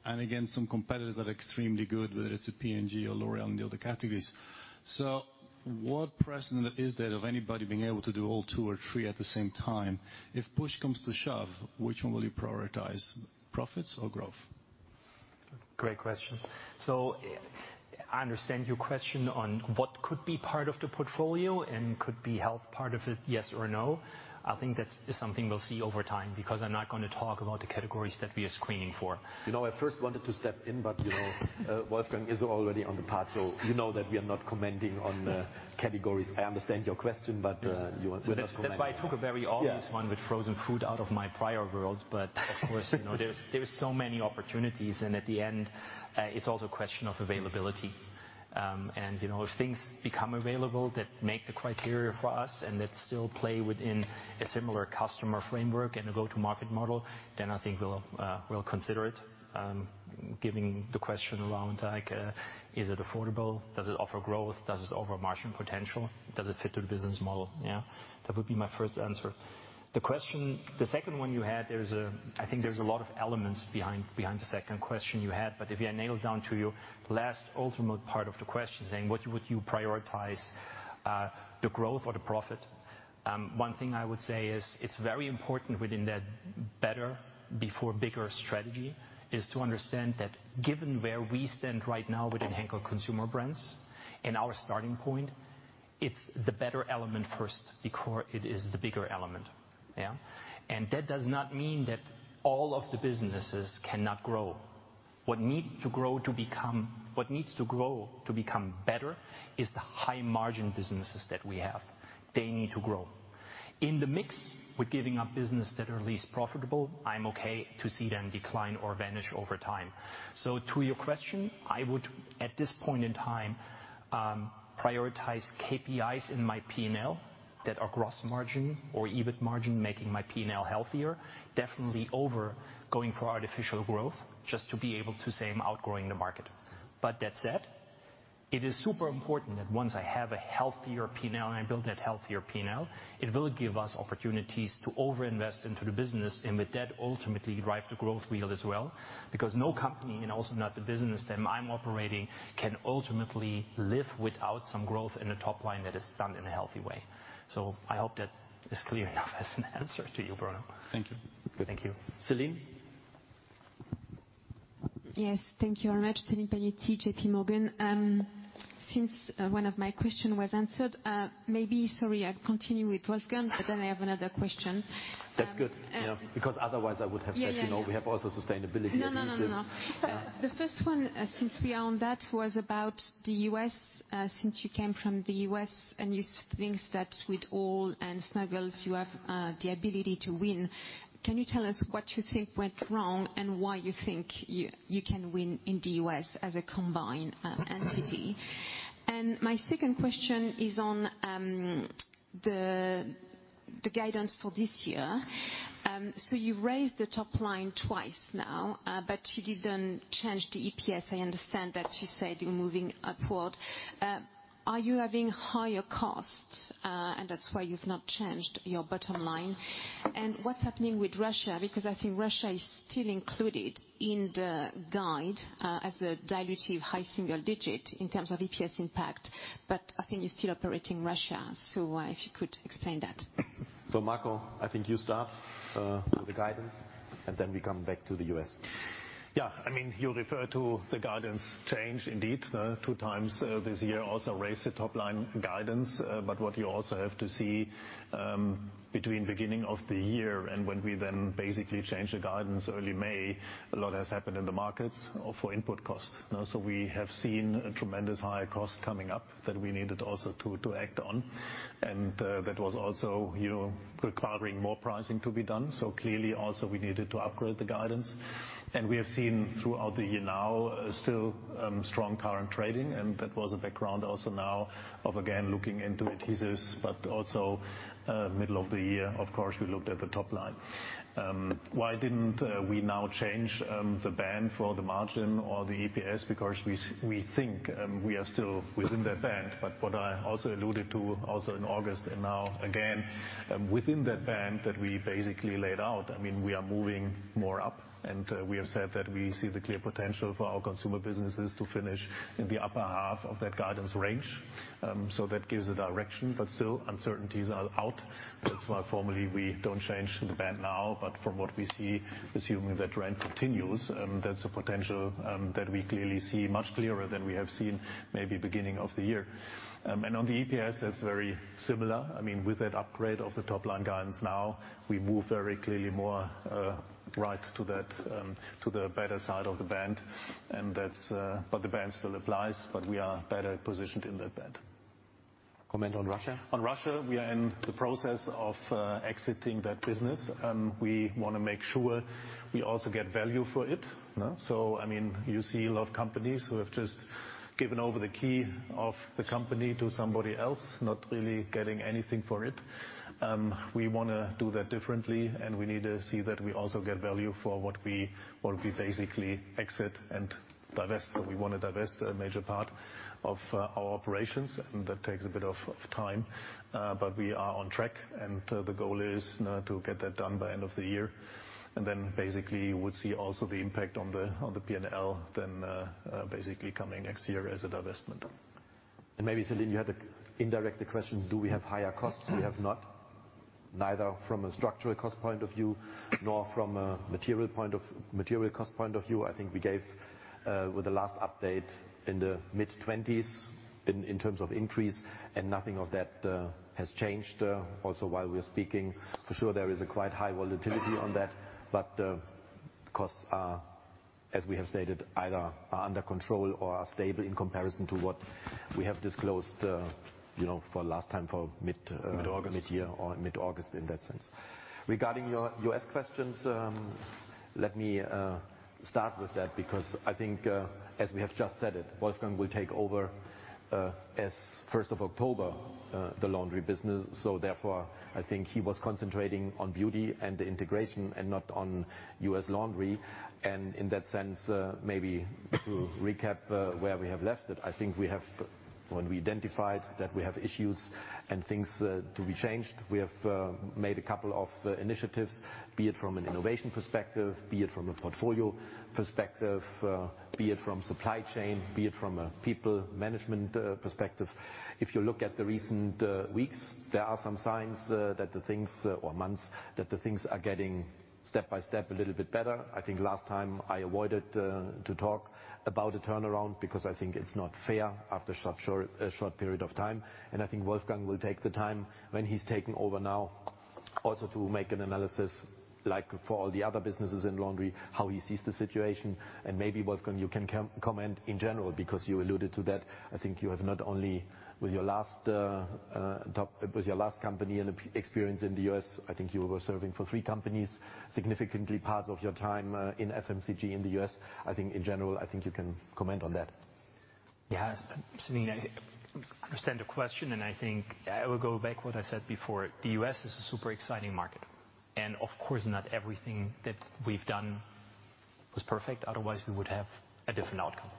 and again, some competitors are extremely good, whether it's a P&G or L'Oréal in the other categories. What precedent is there of anybody being able to do all two or three at the same time? If push comes to shove, which one will you prioritize, profits or growth? Great question. I understand your question on what could be part of the portfolio and could be health part of it, yes or no. I think that's something we'll see over time, because I'm not gonna talk about the categories that we are screening for. You know, I first wanted to step in, but you know, Wolfgang is already on the path, so you know that we are not commenting on the categories. I understand your question, but we're not commenting on that. That's why I took a very obvious Yeah. one with frozen food out of my prior world. Of course, you know, there's so many opportunities, and at the end, it's also a question of availability. And you know, if things become available that meet the criteria for us and that still play within a similar customer framework and a go-to-market model, then I think we'll consider it. Given the question around, is it affordable? Does it offer growth? Does it offer margin potential? Does it fit to the business model? Yeah, that would be my first answer. The second one you had, I think there's a lot of elements behind the second question you had, but if you nail it down to your last ultimate part of the question, saying what would you prioritize, the growth or the profit? One thing I would say is it's very important within that better before bigger strategy to understand that given where we stand right now within Henkel Consumer Brands and our starting point, it's the better element first before it is the bigger element, yeah? That does not mean that all of the businesses cannot grow. What needs to grow to become better is the high-margin businesses that we have. They need to grow. In the mix, we're giving up business that are least profitable. I'm okay to see them decline or vanish over time. To your question, I would, at this point in time, prioritize KPIs in my P&L that are gross margin or EBIT margin, making my P&L healthier, definitely over going for artificial growth just to be able to say I'm outgrowing the market. That said, it is super important that once I have a healthier P&L and I build that healthier P&L, it will give us opportunities to over-invest into the business and with that ultimately drive the growth wheel as well. Because no company, and also not the business that I'm operating, can ultimately live without some growth in the top line that is done in a healthy way. I hope that is clear enough as an answer to you, Bruno. Thank you. Thank you. Céline? Yes. Thank you very much. Céline Panozzo, J.P. Morgan. Since one of my question was answered, maybe, sorry, I continue with Wolfgang, but then I have another question. That's good. Um- Yeah. Because otherwise I would have said. Yeah, yeah, no. You know, we have also sustainability initiatives. No, no, no. Yeah. The first one, since we are on that, was about the U.S. Since you came from the U.S. and you think that with all and Snuggle you have the ability to win, can you tell us what you think went wrong and why you think you can win in the U.S. as a combined entity? My second question is on the guidance for this year. You raised the top line twice now, but you didn't change the EPS. I understand that you said you're moving upward. Are you having higher costs, and that's why you've not changed your bottom line? What's happening with Russia? Because I think Russia is still included in the guide, as a dilutive high single digit in terms of EPS impact, but I think you're still operating Russia. If you could explain that. Marco, I think you start with the guidance, and then we come back to the US. Yeah. I mean, you refer to the guidance change indeed, 2 times, this year also raised the top line guidance. What you also have to see, between beginning of the year and when we then basically changed the guidance early May, a lot has happened in the markets or for input costs. You know, we have seen a tremendous high cost coming up that we needed also to act on, and that was also, you know, requiring more pricing to be done. Clearly also we needed to upgrade the guidance. We have seen throughout the year now, still strong current trading, and that was a background also now of again looking into adhesives, but also, middle of the year, of course, we looked at the top line. Why didn't we now change the band for the margin or the EPS? Because we think we are still within that band, but what I also alluded to also in August and now again within that band that we basically laid out, I mean, we are moving more up, and we have said that we see the clear potential for our consumer businesses to finish in the upper half of that guidance range. That gives a direction, but still uncertainties are out. That's why formally we don't change the band now, but from what we see, assuming that trend continues, that's a potential that we clearly see much clearer than we have seen maybe beginning of the year. On the EPS, that's very similar. I mean, with that upgrade of the top-line guidance now, we move very clearly more right to that to the better side of the band, and that's. The band still applies, but we are better positioned in that band. Comment on Russia? On Russia, we are in the process of exiting that business. We wanna make sure we also get value for it, you know? So I mean, you see a lot of companies who have just given over the key of the company to somebody else, not really getting anything for it. We wanna do that differently, and we need to see that we also get value for what we basically exit and divest. We wanna divest a major part of our operations, and that takes a bit of time. But we are on track, and the goal is to get that done by end of the year. Then basically we'll see also the impact on the P&L then, basically coming next year as a divestment. Maybe, Céline, you had an indirect question, do we have higher costs? We have not, neither from a structural cost point of view nor from a material cost point of view. I think we gave with the last update in the mid-20s in terms of increase, and nothing of that has changed also while we're speaking. For sure, there is quite high volatility on that. Costs are, as we have stated, either under control or are stable in comparison to what we have disclosed, you know, for last time for mid- Mid-August Mid-year or mid-August in that sense. Regarding your U.S. questions, let me start with that, because I think, as we have just said it, Wolfgang will take over, as first of October, the Laundry business. I think he was concentrating on Beauty and the integration and not on U.S. Laundry. In that sense, maybe to recap, where we have left it, I think we have, when we identified that we have issues and things to be changed, we have made a couple of initiatives, be it from an innovation perspective, be it from a portfolio perspective, be it from supply chain, be it from a people management perspective. If you look at the recent weeks or months, there are some signs that the things are getting step-by-step a little bit better. I think last time I avoided to talk about a turnaround because I think it's not fair after such a short period of time. I think Wolfgang will take the time when he's taken over now also to make an analysis, like for all the other businesses in Laundry, how he sees the situation. Maybe, Wolfgang, you can comment in general because you alluded to that. I think you have not only with your last company and experience in the U.S., I think you were serving for three companies, significantly part of your time in FMCG in the U.S. I think in general, I think you can comment on that. Yes. Céline, I understand the question, and I think I will go back what I said before. The U.S. is a super exciting market. Of course not everything that we've done was perfect, otherwise we would have a different outcome.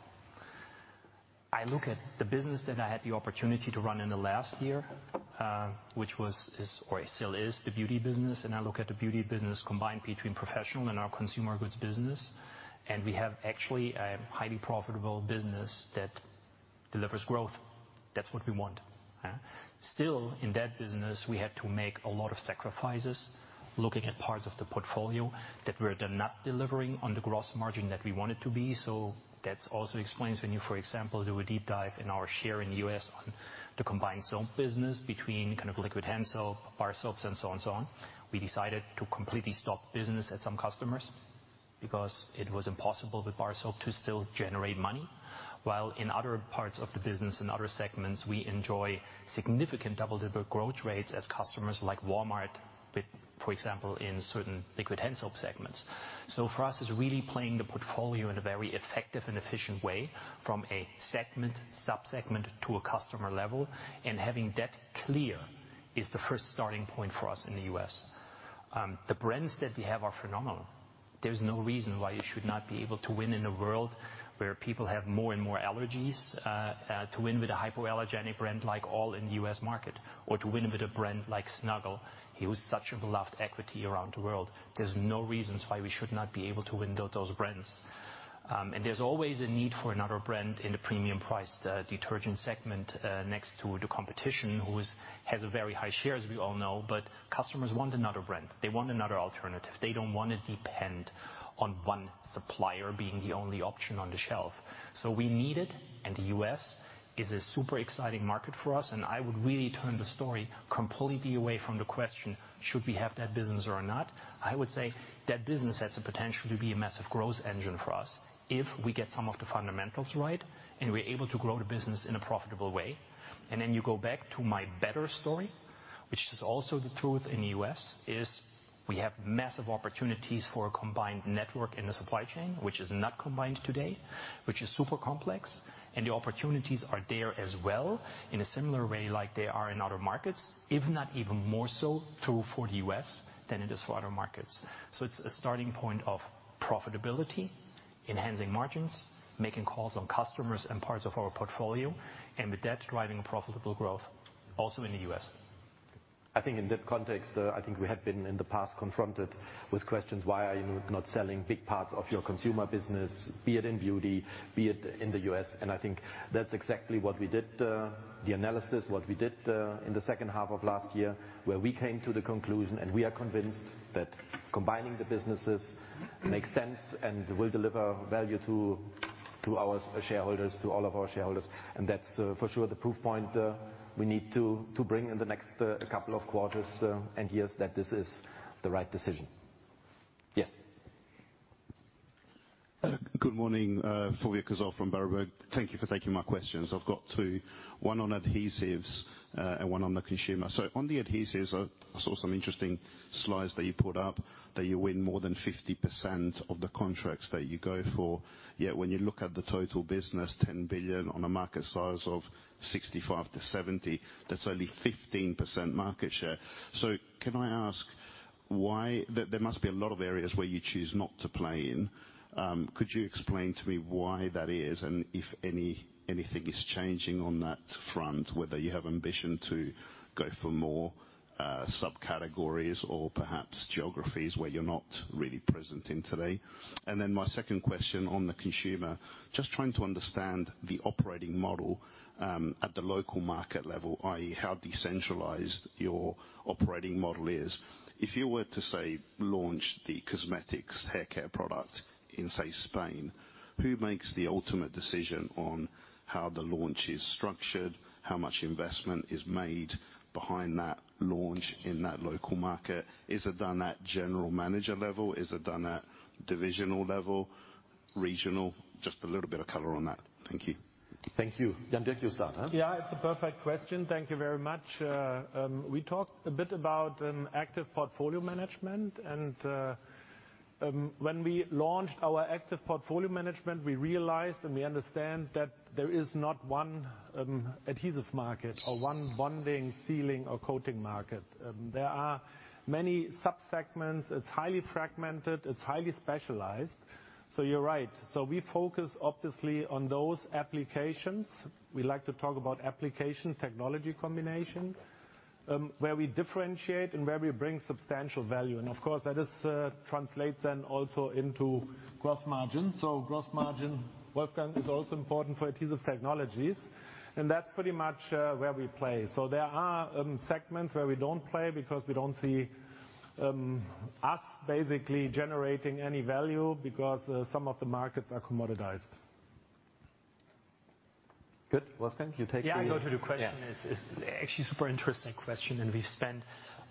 I look at the business that I had the opportunity to run in the last year, which is or still is the Beauty business, and I look at the Beauty business combined between professional and our consumer goods business, and we have actually a highly profitable business that delivers growth. That's what we want, yeah? Still, in that business, we had to make a lot of sacrifices looking at parts of the portfolio that were not delivering on the gross margin that we want it to be. That also explains when you, for example, do a deep dive in our share in the U.S. On the combined soap business between kind of liquid hand soap, bar soaps and so on and so on. We decided to completely stop business at some customers because it was impossible with bar soap to still generate money. While in other parts of the business, in other segments, we enjoy significant double-digit growth rates with customers like Walmart, with, for example, in certain liquid hand soap segments. For us, it's really playing the portfolio in a very effective and efficient way from a segment, sub-segment to a customer level, and having that clear is the first starting point for us in the U.S. The brands that we have are phenomenal. There's no reason why you should not be able to win in a world where people have more and more allergies, to win with a hypoallergenic brand like all in the U.S. market or to win with a brand like Snuggle, it was such a beloved equity around the world. There's no reasons why we should not be able to win those brands. There's always a need for another brand in the premium price, the detergent segment, next to the competition who has a very high share, as we all know. Customers want another brand. They want another alternative. They don't wanna depend on one supplier being the only option on the shelf. We need it, and the U.S. is a super exciting market for us, and I would really turn the story completely away from the question. Should we have that business or not? I would say that business has the potential to be a massive growth engine for us if we get some of the fundamentals right and we're able to grow the business in a profitable way. Then you go back to my better story, which is also the truth in the U.S., is we have massive opportunities for a combined network in the supply chain, which is not combined today, which is super complex, and the opportunities are there as well in a similar way like they are in other markets, if not even more so true for the U.S. than it is for other markets. It's a starting point of profitability, enhancing margins, making calls on customers and parts of our portfolio, and with that, driving profitable growth also in the U.S. I think in that context, I think we have been in the past confronted with questions, "Why are you not selling big parts of your consumer business, be it in Beauty, be it in the U.S.?" I think that's exactly the analysis we did in the second half of last year, where we came to the conclusion and we are convinced that combining the businesses makes sense and will deliver value to our shareholders, to all of our shareholders. That's for sure the proof point we need to bring in the next couple of quarters and years that this is the right decision. Yes. Good morning, Fulvio Cazzol from Berenberg. Thank you for taking my questions. I've got two. One on adhesives, and one on the consumer. On the adhesives, I saw some interesting slides that you put up that you win more than 50% of the contracts that you go for, yet when you look at the total business, 10 billion on a market size of 65-70 billion, that's only 15% market share. Can I ask why? There must be a lot of areas where you choose not to play in. Could you explain to me why that is, and if anything is changing on that front, whether you have ambition to go for more, subcategories or perhaps geographies where you're not really present in today? My second question on the consumer, just trying to understand the operating model at the local market level, i.e., how decentralized your operating model is. If you were to, say, launch the cosmetics hair care product in, say, Spain, who makes the ultimate decision on how the launch is structured, how much investment is made behind that launch in that local market? Is it done at general manager level? Is it done at divisional level? Regional? Just a little bit of color on that. Thank you. Thank you. Jan-Dirk Auris, you start, huh? Yeah, it's a perfect question. Thank you very much. We talked a bit about active portfolio management and when we launched our active portfolio management, we realized and we understand that there is not one adhesive market or one bonding, sealing or coating market. There are many sub-segments. It's highly fragmented, it's highly specialized. You're right. We focus obviously on those applications. We like to talk about application/technology combination where we differentiate and where we bring substantial value, and of course, that is translate then also into gross margin. Gross margin, Wolfgang, is also important for Adhesive Technologies, and that's pretty much where we play. There are segments where we don't play because we don't see us basically generating any value because some of the markets are commoditized. Good. Wolfgang, you take the- Yeah, I go to the question. Yeah. It's actually super interesting question, and we've spent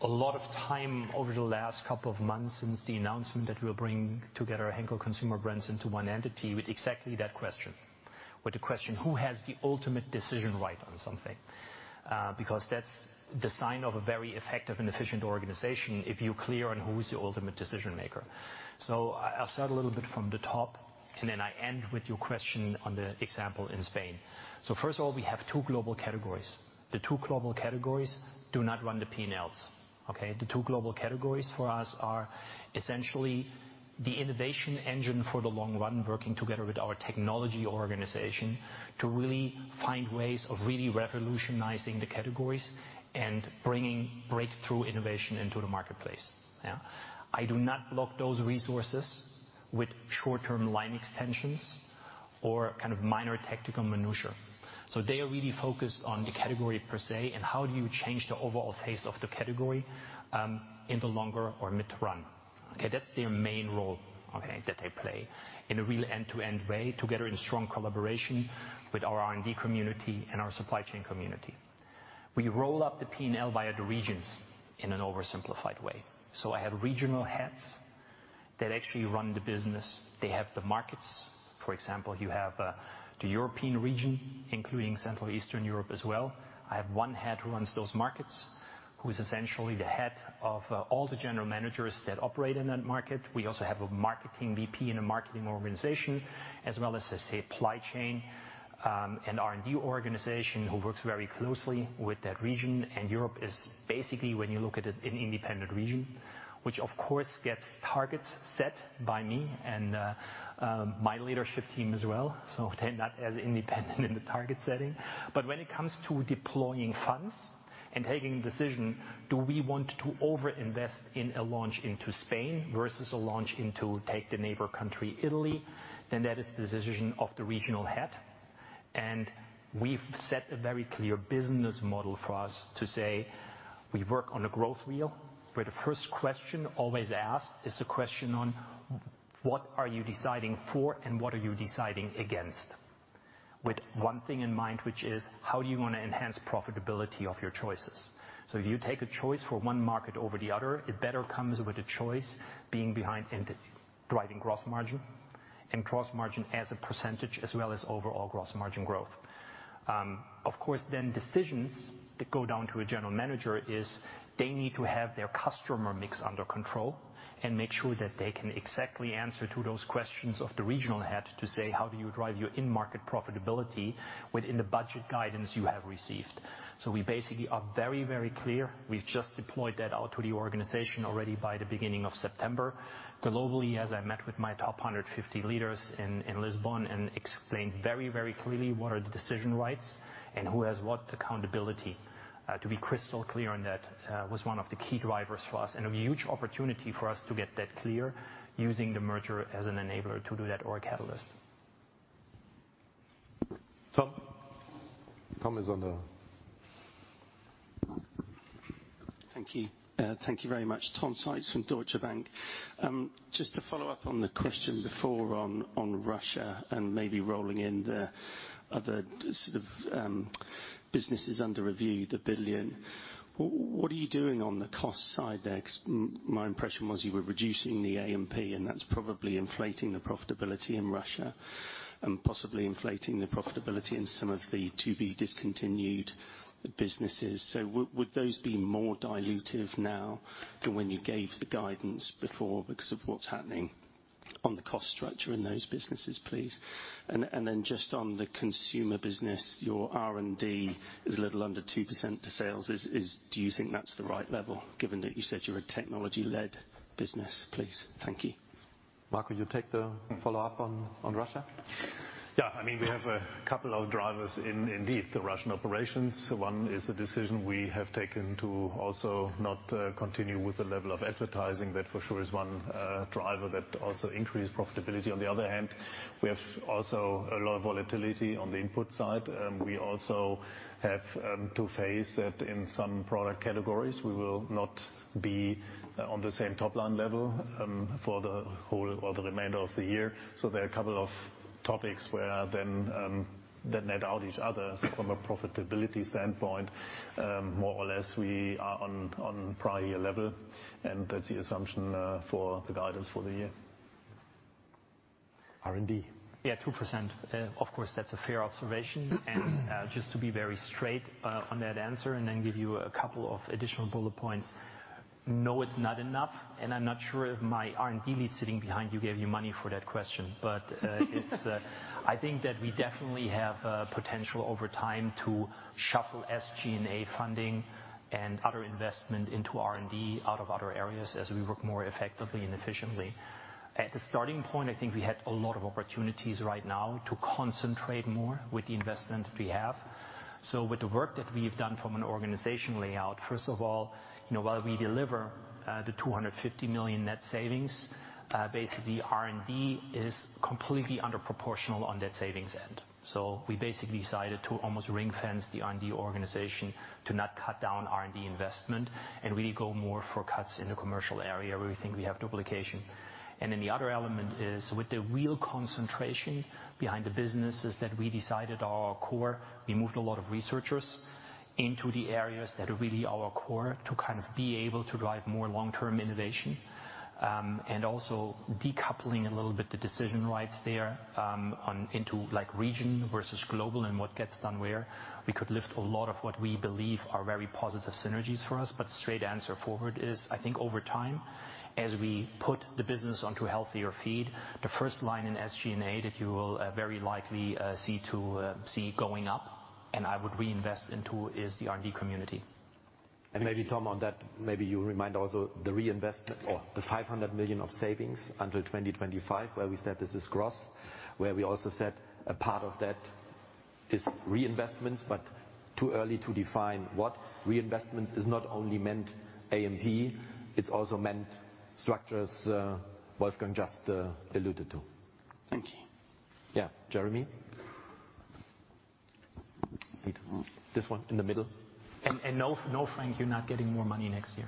a lot of time over the last couple of months since the announcement that we'll bring together Henkel Consumer Brands into one entity with exactly that question. With the question, who has the ultimate decision right on something? Because that's the sign of a very effective and efficient organization if you're clear on who is the ultimate decision maker. I'll start a little bit from the top, and then I end with your question on the example in Spain. First of all, we have two global categories. The two global categories do not run the P&Ls, okay? The two global categories for us are essentially the innovation engine for the long run, working together with our technology organization to really find ways of really revolutionizing the categories and bringing breakthrough innovation into the marketplace. I do not block those resources with short-term line extensions or kind of minor tactical maneuver. They are really focused on the category per se and how do you change the overall face of the category, in the longer or mid-run. Okay? That's their main role, okay, that they play in a real end-to-end way, together in strong collaboration with our R&D community and our supply chain community. We roll up the P&L via the regions in an oversimplified way. I have regional heads that actually run the business. They have the markets. For example, you have the European region, including Central Eastern Europe as well. I have one head who runs those markets, who is essentially the head of all the general managers that operate in that market. We also have a marketing VP and a marketing organization, as well as the supply chain and R&D organization who works very closely with that region. Europe is basically, when you look at it, an independent region, which of course gets targets set by me and my leadership team as well. They're not as independent in the target setting. When it comes to deploying funds and taking decision, do we want to overinvest in a launch into Spain versus a launch into, take the neighbor country, Italy, then that is the decision of the regional head. We've set a very clear business model for us to say we work on a growth wheel, where the first question always asked is the question on what are you deciding for and what are you deciding against? With one thing in mind, which is how do you wanna enhance profitability of your choices? If you take a choice for one market over the other, it better comes with a choice being behind in driving gross margin and gross margin as a percentage, as well as overall gross margin growth. Of course, decisions that go down to a general manager is they need to have their customer mix under control and make sure that they can exactly answer to those questions of the regional head to say, "How do you drive your in-market profitability within the budget guidance you have received?" We basically are very, very clear. We've just deployed that out to the organization already by the beginning of September. Globally, as I met with my top 150 leaders in Lisbon and explained very, very clearly what are the decision rights and who has what accountability, to be crystal clear on that, was one of the key drivers for us and a huge opportunity for us to get that clear using the merger as an enabler to do that or a catalyst. Tom is on the Thank you. Thank you very much. Tom Sykes from Deutsche Bank. Just to follow up on the question before on Russia and maybe rolling in the other sort of businesses under review, the billion. What are you doing on the cost side there? 'Cause my impression was you were reducing the A&P, and that's probably inflating the profitability in Russia and possibly inflating the profitability in some of the to-be discontinued businesses. Would those be more dilutive now than when you gave the guidance before because of what's happening on the cost structure in those businesses, please? Then just on the consumer business, your R&D is a little under 2% to sales. Do you think that's the right level given that you said you're a technology-led business, please? Thank you. Marco, you take the follow-up on Russia. Yeah. I mean, we have a couple of drivers in, indeed, the Russian operations. One is the decision we have taken to also not continue with the level of advertising. That for sure is one driver that also increased profitability. On the other hand, we have also a lot of volatility on the input side. We also have to face that in some product categories, we will not be on the same top-line level for the whole or the remainder of the year. There are a couple of topics where then that net out each other. From a profitability standpoint, more or less we are on prior year level, and that's the assumption for the guidance for the year. R&D. Yeah, 2%. Of course, that's a fair observation. Just to be very straight on that answer, and then give you a couple of additional bullet points. No, it's not enough, and I'm not sure if my R&D lead sitting behind you gave you money for that question. It's, I think that we definitely have a potential over time to shuffle SG&A funding and other investment into R&D out of other areas as we work more effectively and efficiently. At the starting point, I think we had a lot of opportunities right now to concentrate more with the investment we have. With the work that we've done from an organization layout, first of all, you know, while we deliver the 250 million net savings, basically R&D is completely under proportional on net savings end. We basically decided to almost ring-fence the R&D organization to not cut down R&D investment, and we go more for cuts in the commercial area where we think we have duplication. The other element is with the real concentration behind the businesses that we decided are our core. We moved a lot of researchers into the areas that are really our core to kind of be able to drive more long-term innovation. Also decoupling a little bit the decision rights there, on into like region versus global and what gets done where. We could lift a lot of what we believe are very positive synergies for us, but straightforward answer is, I think over time, as we put the business onto healthier feet, the first line in SG&A that you will very likely see going up, and I would reinvest into, is the R&D community. Maybe Tom on that, maybe you remind also the reinvestment or the 500 million of savings until 2025, where we said this is gross, where we also said a part of that is reinvestments, but too early to define what reinvestments. It's not only meant A&P, it's also meant structures. Wolfgang just alluded to. Thank you. Yeah. Jeremy? This one in the middle. No, Frank, you're not getting more money next year.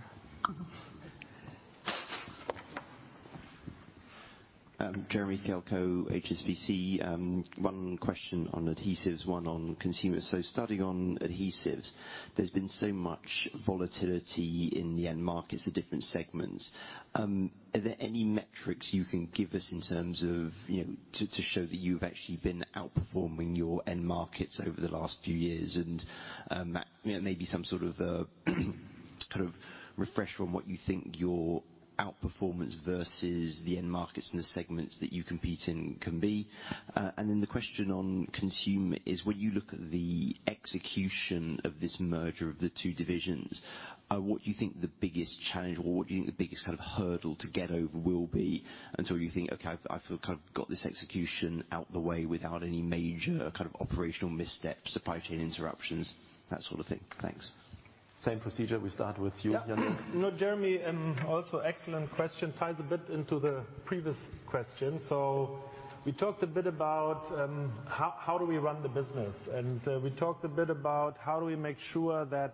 Jeremy Fialko, HSBC. One question on adhesives, one on consumer. Starting on adhesives, there's been so much volatility in the end markets, the different segments. Are there any metrics you can give us in terms of, you know, to show that you've actually been outperforming your end markets over the last few years? Maybe some sort of kind of refresh on what you think your outperformance versus the end markets and the segments that you compete in can be. The question on consumer is when you look at the execution of this merger of the two divisions, what do you think the biggest challenge or what do you think the biggest kind of hurdle to get over will be until you think, "Okay, I've kind of got this execution out the way without any major kind of operational missteps, supply chain interruptions," that sort of thing? Thanks. Same procedure. We start with you, Jan. Yeah. No, Jeremy, also excellent question. Ties a bit into the previous question. We talked a bit about how do we run the business. We talked a bit about how do we make sure that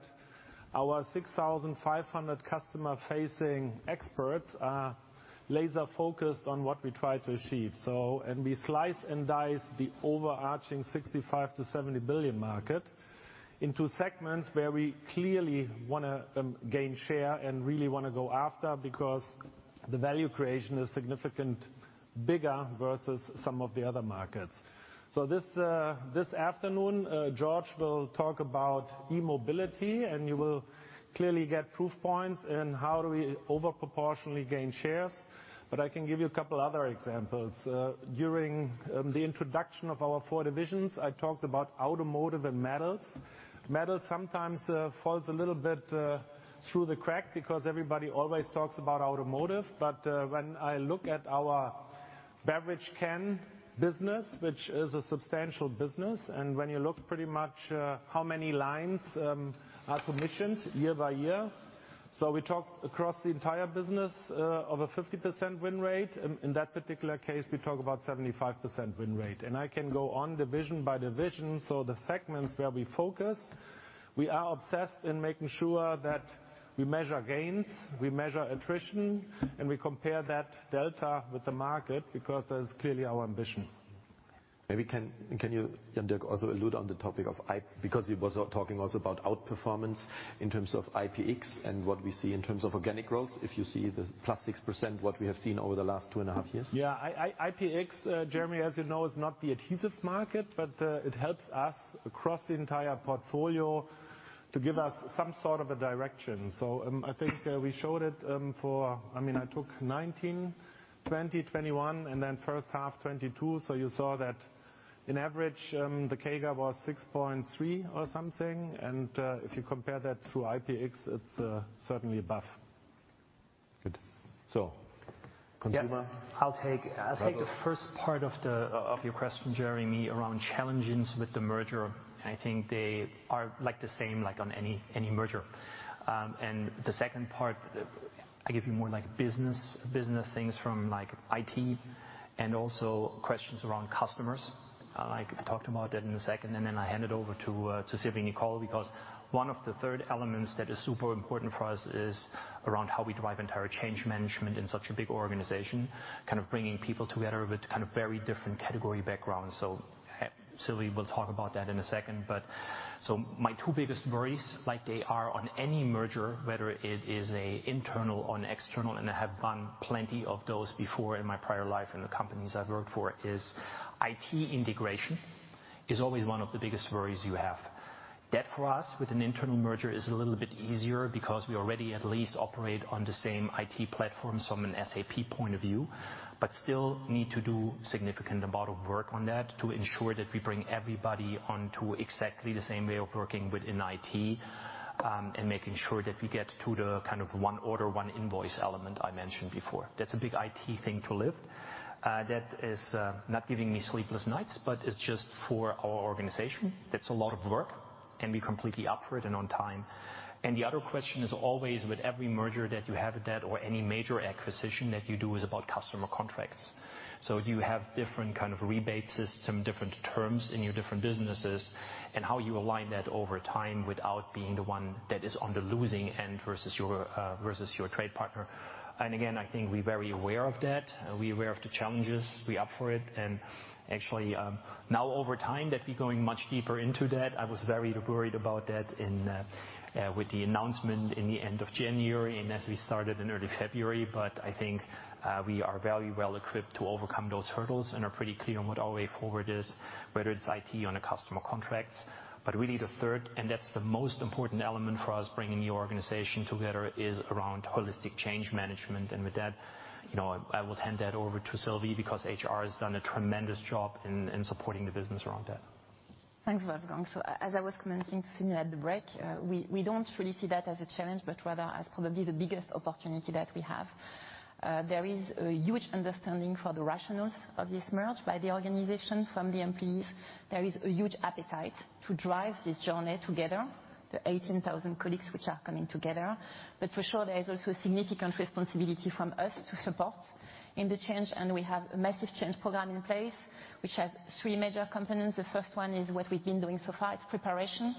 our 6,500 customer-facing experts are laser-focused on what we try to achieve. We slice and dice the overarching 65-70 billion market into segments where we clearly wanna gain share and really wanna go after because the value creation is significant bigger versus some of the other markets. This afternoon, George will talk about e-mobility, and you will clearly get proof points in how do we over proportionally gain shares. I can give you a couple other examples. During the introduction of our four divisions, I talked about automotive and metals. Metals sometimes falls a little bit through the crack because everybody always talks about automotive. When I look at our beverage can business, which is a substantial business, and when you look pretty much how many lines are commissioned year by year. We talk across the entire business of a 50% win rate. In that particular case, we talk about 75% win rate. I can go on division by division. The segments where we focus. We are obsessed in making sure that we measure gains, we measure attrition, and we compare that delta with the market, because that is clearly our ambition. Can you, Jan-Dirk, also allude on the topic of IPX? Because you was talking also about outperformance in terms of IPX and what we see in terms of organic growth, if you see the +6% what we have seen over the last two and a half years. Yeah. IPX, Jeremy, as you know, is not the adhesive market, but it helps us across the entire portfolio to give us some sort of a direction. I think we showed it, I mean, I took 2019, 2020, 2021, and then first half 2022. You saw that on average the CAGR was 6.3% or something. If you compare that to IPX, it's certainly above. Good. Consumer? Yeah. I'll take the first part of your question, Jeremy, around challenges with the merger. I think they are like the same like on any merger. The second part, I give you more like business things from like IT and also questions around customers. I could talk about that in a second, and then I hand it over to Sylvie Nicol, because one of the third elements that is super important for us is around how we drive entire change management in such a big organization, kind of bringing people together with kind of very different category backgrounds. Sylvie will talk about that in a second. My two biggest worries, like they are on any merger, whether it is an internal or an external, and I have done plenty of those before in my prior life in the companies I've worked for, is IT integration is always one of the biggest worries you have. That for us with an internal merger is a little bit easier because we already at least operate on the same IT platform from an SAP point of view, but still need to do significant amount of work on that to ensure that we bring everybody onto exactly the same way of working within IT, and making sure that we get to the kind of one order, one invoice element I mentioned before. That's a big IT thing to lift. That is not giving me sleepless nights, but it's just for our organization, that's a lot of work, and we're completely up for it and on time. The other question is always with every merger that you have or any major acquisition that you do is about customer contracts. You have different kind of rebate system, different terms in your different businesses, and how you align that over time without being the one that is on the losing end versus your trade partner. I think we're very aware of that. We're aware of the challenges. We're up for it. Actually, now over time that we're going much deeper into that, I was very worried about that with the announcement in the end of January and as we started in early February. I think we are very well equipped to overcome those hurdles and are pretty clear on what our way forward is, whether it's IT or on the customer contracts. Really the third, and that's the most important element for us bringing the organization together, is around holistic change management. With that, you know, I will hand that over to Sylvie because HR has done a tremendous job in supporting the business around that. Thanks, Wolfgang. As I was commenting to you at the break, we don't really see that as a challenge, but rather as probably the biggest opportunity that we have. There is a huge understanding for the rationales of this merge by the organization from the MPs. There is a huge appetite to drive this journey together, the 18,000 colleagues which are coming together. For sure, there is also a significant responsibility from us to support in the change, and we have a massive change program in place, which has three major components. The first one is what we've been doing so far. It's preparation,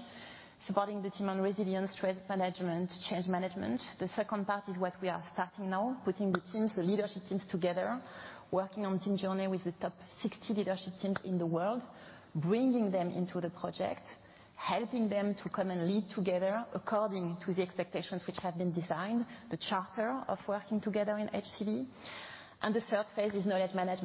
supporting the team on resilience, trade management, change management. The second part is what we are starting now, putting the teams, the leadership teams together, working on team journey with the top 60 leadership teams in the world, bringing them into the project, helping them to come and lead together according to the expectations which have been designed, the charter of working together in Henkel Consumer Brands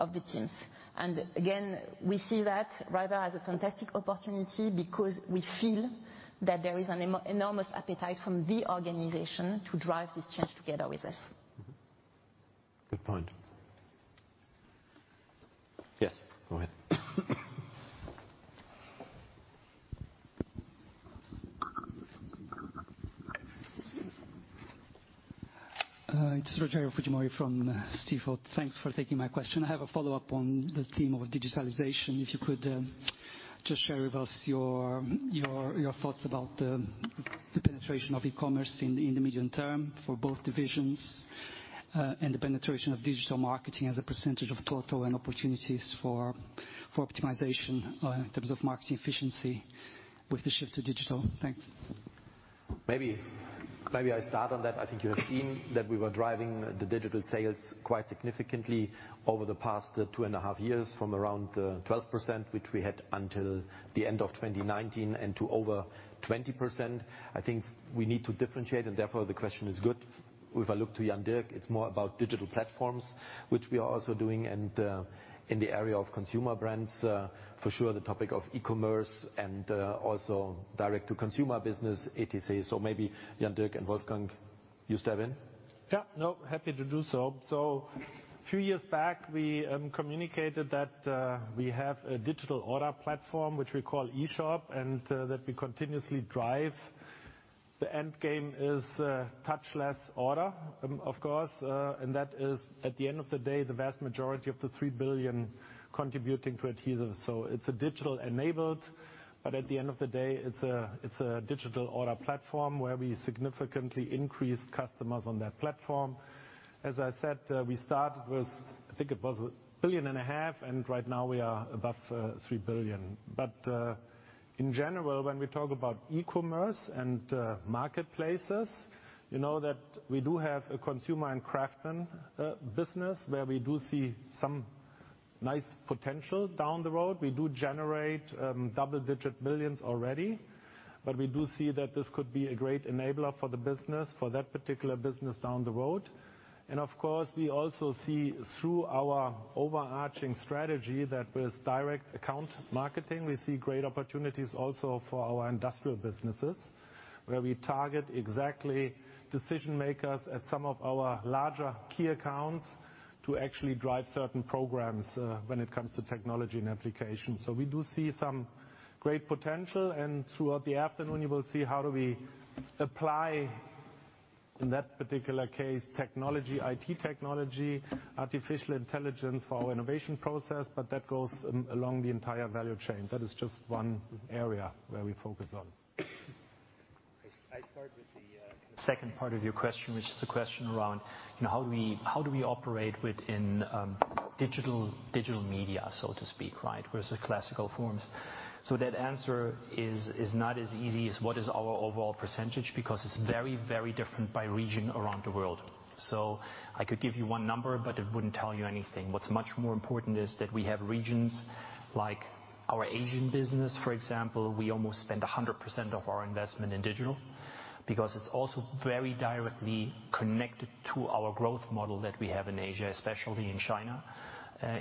Mm-hmm. Good point. Yes, go ahead. It's Rogerio Fujimori from Stifel. Thanks for taking my question. I have a follow-up on the theme of digitalization. If you could just share with us your thoughts about the penetration of e-commerce in the medium term for both divisions and the penetration of digital marketing as a percentage of total and opportunities for optimization in terms of marketing efficiency with the shift to digital. Thanks. Maybe I start on that. I think you have seen that we were driving the digital sales quite significantly over the past 2.5 years from around 12%, which we had until the end of 2019, and to over 20%. I think we need to differentiate and therefore the question is good. If I look to Jan-Dirk, it's more about digital platforms, which we are also doing, and, in the area of consumer brands, for sure the topic of e-commerce and, also direct-to-consumer business, etc. Maybe Jan-Dirk and Wolfgang, you step in. Yeah. No, happy to do so. A few years back, we communicated that we have a digital order platform, which we call eShop, and that we continuously drive. The end game is touchless order, of course. That is at the end of the day, the vast majority of the 3 billion contributing to adhesives. It's a digital-enabled, but at the end of the day, it's a digital order platform where we significantly increased customers on that platform. As I said, we started with, I think it was 1.5 billion, and right now we are above 3 billion. In general, when we talk about e-commerce and marketplaces, you know that we do have a consumer and craftsman business where we do see some nice potential down the road. We do generate double-digit millions already, but we do see that this could be a great enabler for the business, for that particular business down the road. Of course, we also see through our overarching strategy that with direct account marketing, we see great opportunities also for our industrial businesses, where we target exactly decision-makers at some of our larger key accounts to actually drive certain programs, when it comes to technology and application. We do see some great potential, and throughout the afternoon you will see how do we apply, in that particular case, technology, IT technology, artificial intelligence for our innovation process, but that goes along the entire value chain. That is just one area where we focus on. I start with the second part of your question, which is the question around, you know, how do we operate within digital media, so to speak, right? Versus the classical forms. That answer is not as easy as what is our overall percentage, because it's very, very different by region around the world. I could give you one number, but it wouldn't tell you anything. What's much more important is that we have regions like our Asian business, for example. We almost spend 100% of our investment in digital because it's also very directly connected to our growth model that we have in Asia, especially in China.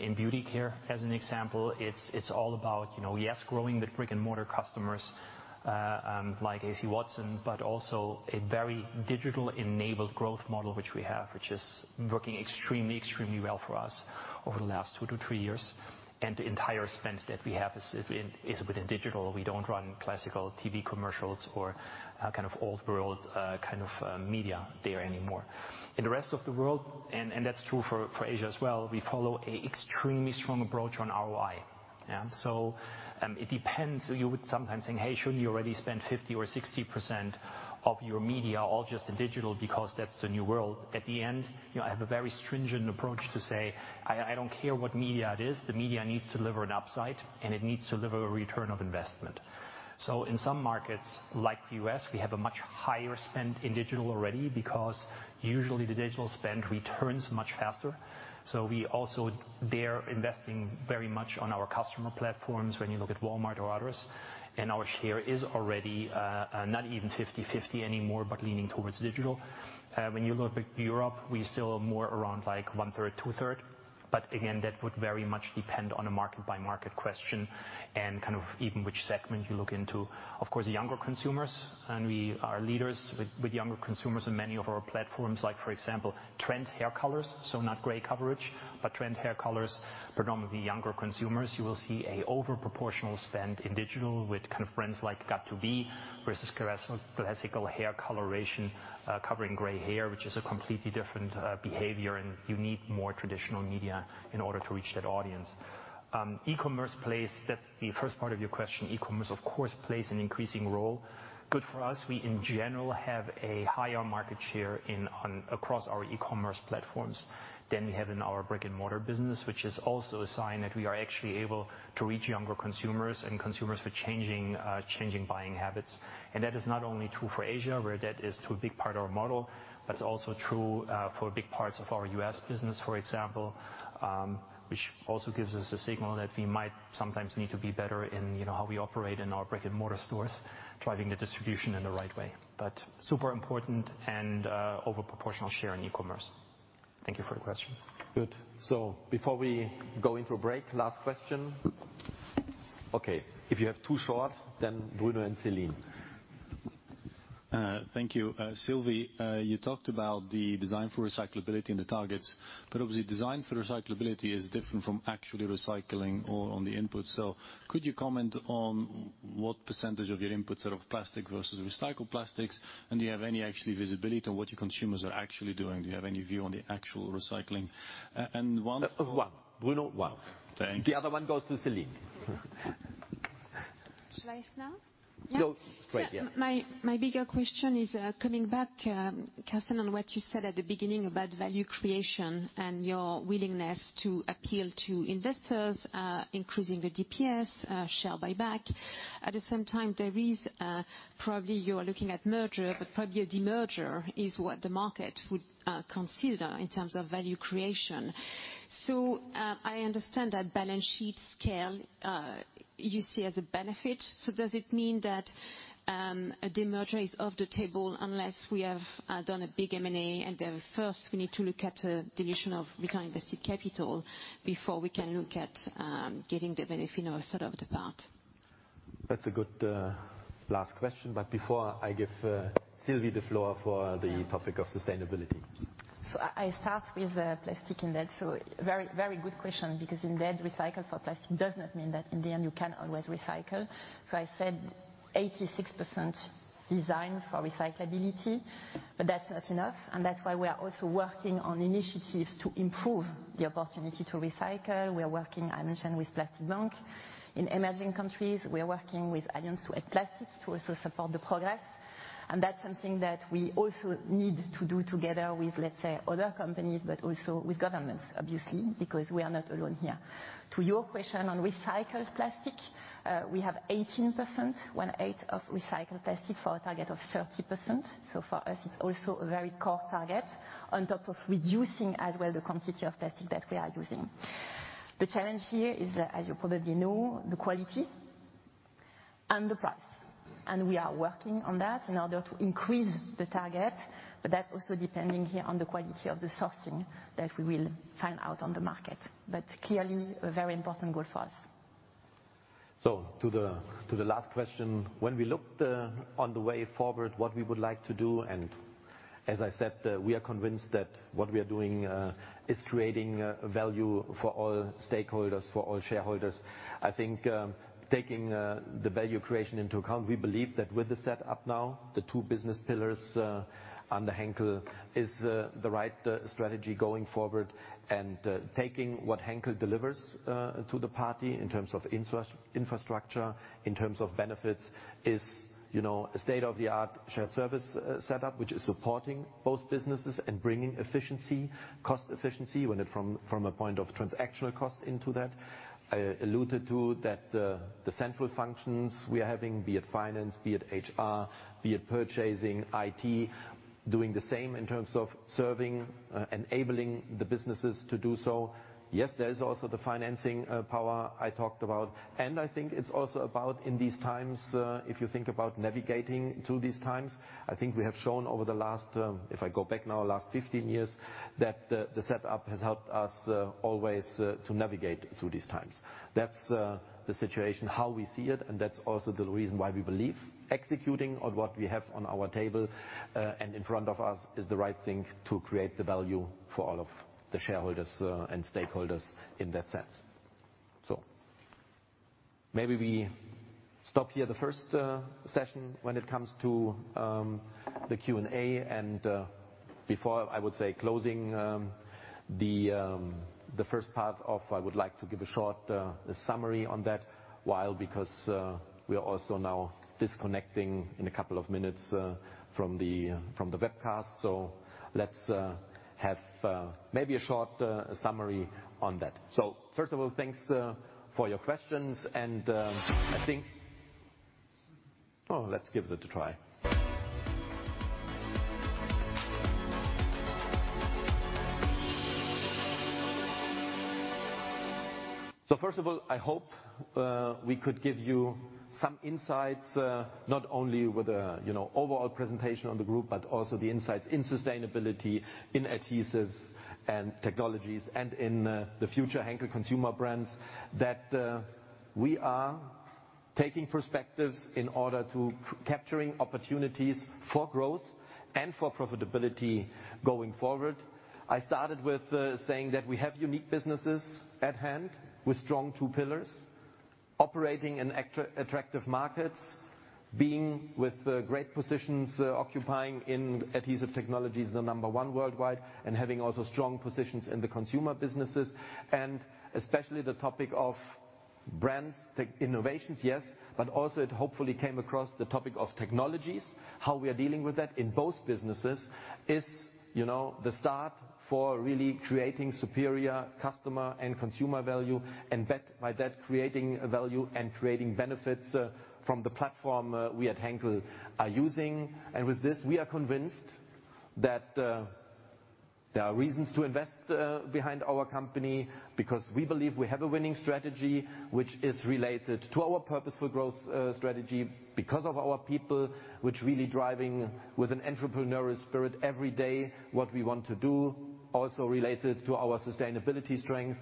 In Beauty Care, as an example, it's all about, you know, yes, growing the brick-and-mortar customers, like A.S. Watson, but also a very digital-enabled growth model which we have, which is working extremely well for us over the last 2 to 3 years. The entire spend that we have is within digital. We don't run classical TV commercials or kind of old world kind of media there anymore. In the rest of the world, and that's true for Asia as well, we follow an extremely strong approach on ROI. It depends. You would sometimes think, "Hey, shouldn't you already spend 50 or 60% of your media all just in digital because that's the new world?" At the end, you know, I have a very stringent approach to say, I don't care what media it is, the media needs to deliver an upside, and it needs to deliver a return on investment. In some markets like the US, we have a much higher spend in digital already because usually the digital spend returns much faster. We also there investing very much on our customer platforms when you look at Walmart or others. Our share is already not even 50-50 anymore, but leaning towards digital. When you look at Europe, we still more around like one-third, two-thirds. That would very much depend on a market-by-market question and kind of even which segment you look into. Of course, younger consumers, and we are leaders with younger consumers in many of our platforms. For example, trend hair colors, so not gray coverage, but trend hair colors, predominantly younger consumers. You will see an over proportional spend in digital with kind of brands like göt2b versus classical hair coloration, covering gray hair, which is a completely different behavior, and you need more traditional media in order to reach that audience. E-commerce plays, that's the first part of your question. E-commerce, of course, plays an increasing role. Good for us. We in general have a higher market share in, on, across our e-commerce platforms than we have in our brick-and-mortar business, which is also a sign that we are actually able to reach younger consumers and consumers with changing buying habits. That is not only true for Asia, where that is true a big part of our model, but it's also true for big parts of our US business, for example, which also gives us a signal that we might sometimes need to be better in, you know, how we operate in our brick-and-mortar stores, driving the distribution in the right way. Super important and over proportional share in e-commerce. Thank you for your question. Good. Before we go into a break, last question. Okay, if you have two shorts, then Bruno and Céline. Thank you. Sylvie, you talked about the design for recyclability and the targets, but obviously design for recyclability is different from actually recycling or on the input. Could you comment on what percentage of your inputs are of plastic versus recycled plastics? And do you have any actual visibility on what your consumers are actually doing? Do you have any view on the actual recycling? And one for- 1. Bruno, 1. Thank you. The other one goes to Céline. Shall I ask now? Go. Great, yeah. My bigger question is coming back, Carsten, on what you said at the beginning about value creation and your willingness to appeal to investors, increasing the DPS, share buyback. At the same time, there is probably you are looking at merger, but probably a demerger is what the market would consider in terms of value creation. I understand that balance sheet scale you see as a benefit. Does it mean that a demerger is off the table unless we have done a big M&A and then first we need to look at dilution of return on invested capital before we can look at getting the benefit or sort of the part? That's a good last question. Before I give Sylvie the floor for the topic of sustainability. I start with plastic in that. Very, very good question because that recycling for plastic does not mean that in the end you can always recycle. I said 86% designed for recyclability, but that's not enough, and that's why we are also working on initiatives to improve the opportunity to recycle. We are working, I mentioned, with Plastic Bank. In emerging countries, we are working with Alliance to End Plastic Waste to also support the progress. That's something that we also need to do together with, let's say, other companies, but also with governments, obviously, because we are not alone here. To your question on recycled plastic, we have 18%, 1/8 of recycled plastic for a target of 30%. For us it's also a very core target on top of reducing as well the quantity of plastic that we are using. The challenge here is, as you probably know, the quality and the price. We are working on that in order to increase the target, but that's also depending here on the quality of the sourcing that we will find out on the market. Clearly a very important goal for us. To the last question, when we look on the way forward, what we would like to do, and as I said, we are convinced that what we are doing is creating value for all stakeholders, for all shareholders. I think, taking the value creation into account, we believe that with the setup now, the two business pillars under Henkel is the right strategy going forward. Taking what Henkel delivers to the party in terms of infrastructure, in terms of benefits, is, you know, a state-of-the-art shared service setup, which is supporting both businesses and bringing efficiency, cost efficiency when it comes from a point of transactional cost into that. I alluded to that, the central functions we are having, be it finance, be it HR, be it purchasing, IT, doing the same in terms of serving, enabling the businesses to do so. Yes, there is also the financing power I talked about. I think it's also about in these times, if you think about navigating through these times, I think we have shown over the last, if I go back now, last 15 years, that the setup has helped us always to navigate through these times. That's the situation, how we see it, and that's also the reason why we believe executing on what we have on our table and in front of us is the right thing to create the value for all of the shareholders and stakeholders in that sense. Maybe we stop here the first session when it comes to the Q&A. Before I would say closing the first part of, I would like to give a short summary on that while, because we are also now disconnecting in a couple of minutes from the webcast. Let's have maybe a short summary on that. First of all, thanks for your questions and I think. Oh, let's give it a try. First of all, I hope we could give you some insights, not only with a, you know, overall presentation on the group, but also the insights in sustainability, in Adhesive Technologies, and in the future Henkel Consumer Brands that we are taking perspectives in order to capturing opportunities for growth and for profitability going forward. I started with saying that we have unique businesses at hand with strong two pillars operating in attractive markets, being with great positions, occupying in Adhesive Technologies the number one worldwide, and having also strong positions in the consumer businesses and especially the topic of brands. Tech innovations, yes, but also it hopefully came across the topic of technologies. How we are dealing with that in both businesses is, you know, the start for really creating superior customer and consumer value and by that creating value and creating benefits from the platform we at Henkel are using. With this, we are convinced that there are reasons to invest behind our company because we believe we have a winning strategy which is related to our Purposeful Growth strategy because of our people, which really driving with an entrepreneurial spirit every day what we want to do, also related to our sustainability strength.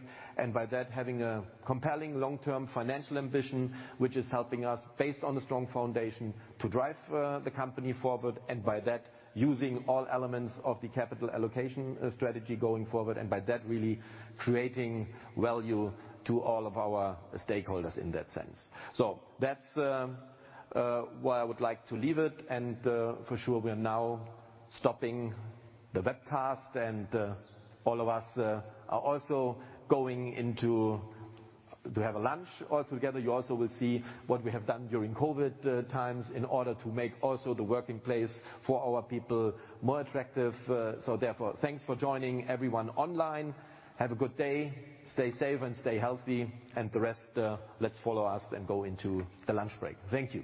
By that, having a compelling long-term financial ambition, which is helping us, based on a strong foundation, to drive the company forward. By that, using all elements of the capital allocation strategy going forward and by that, really creating value to all of our stakeholders in that sense. That's where I would like to leave it. For sure, we are now stopping the webcast and all of us are also going into to have a lunch all together. You also will see what we have done during COVID times in order to make also the working place for our people more attractive. Therefore, thanks for joining, everyone online. Have a good day. Stay safe and stay healthy. The rest, let's follow us and go into the lunch break. Thank you.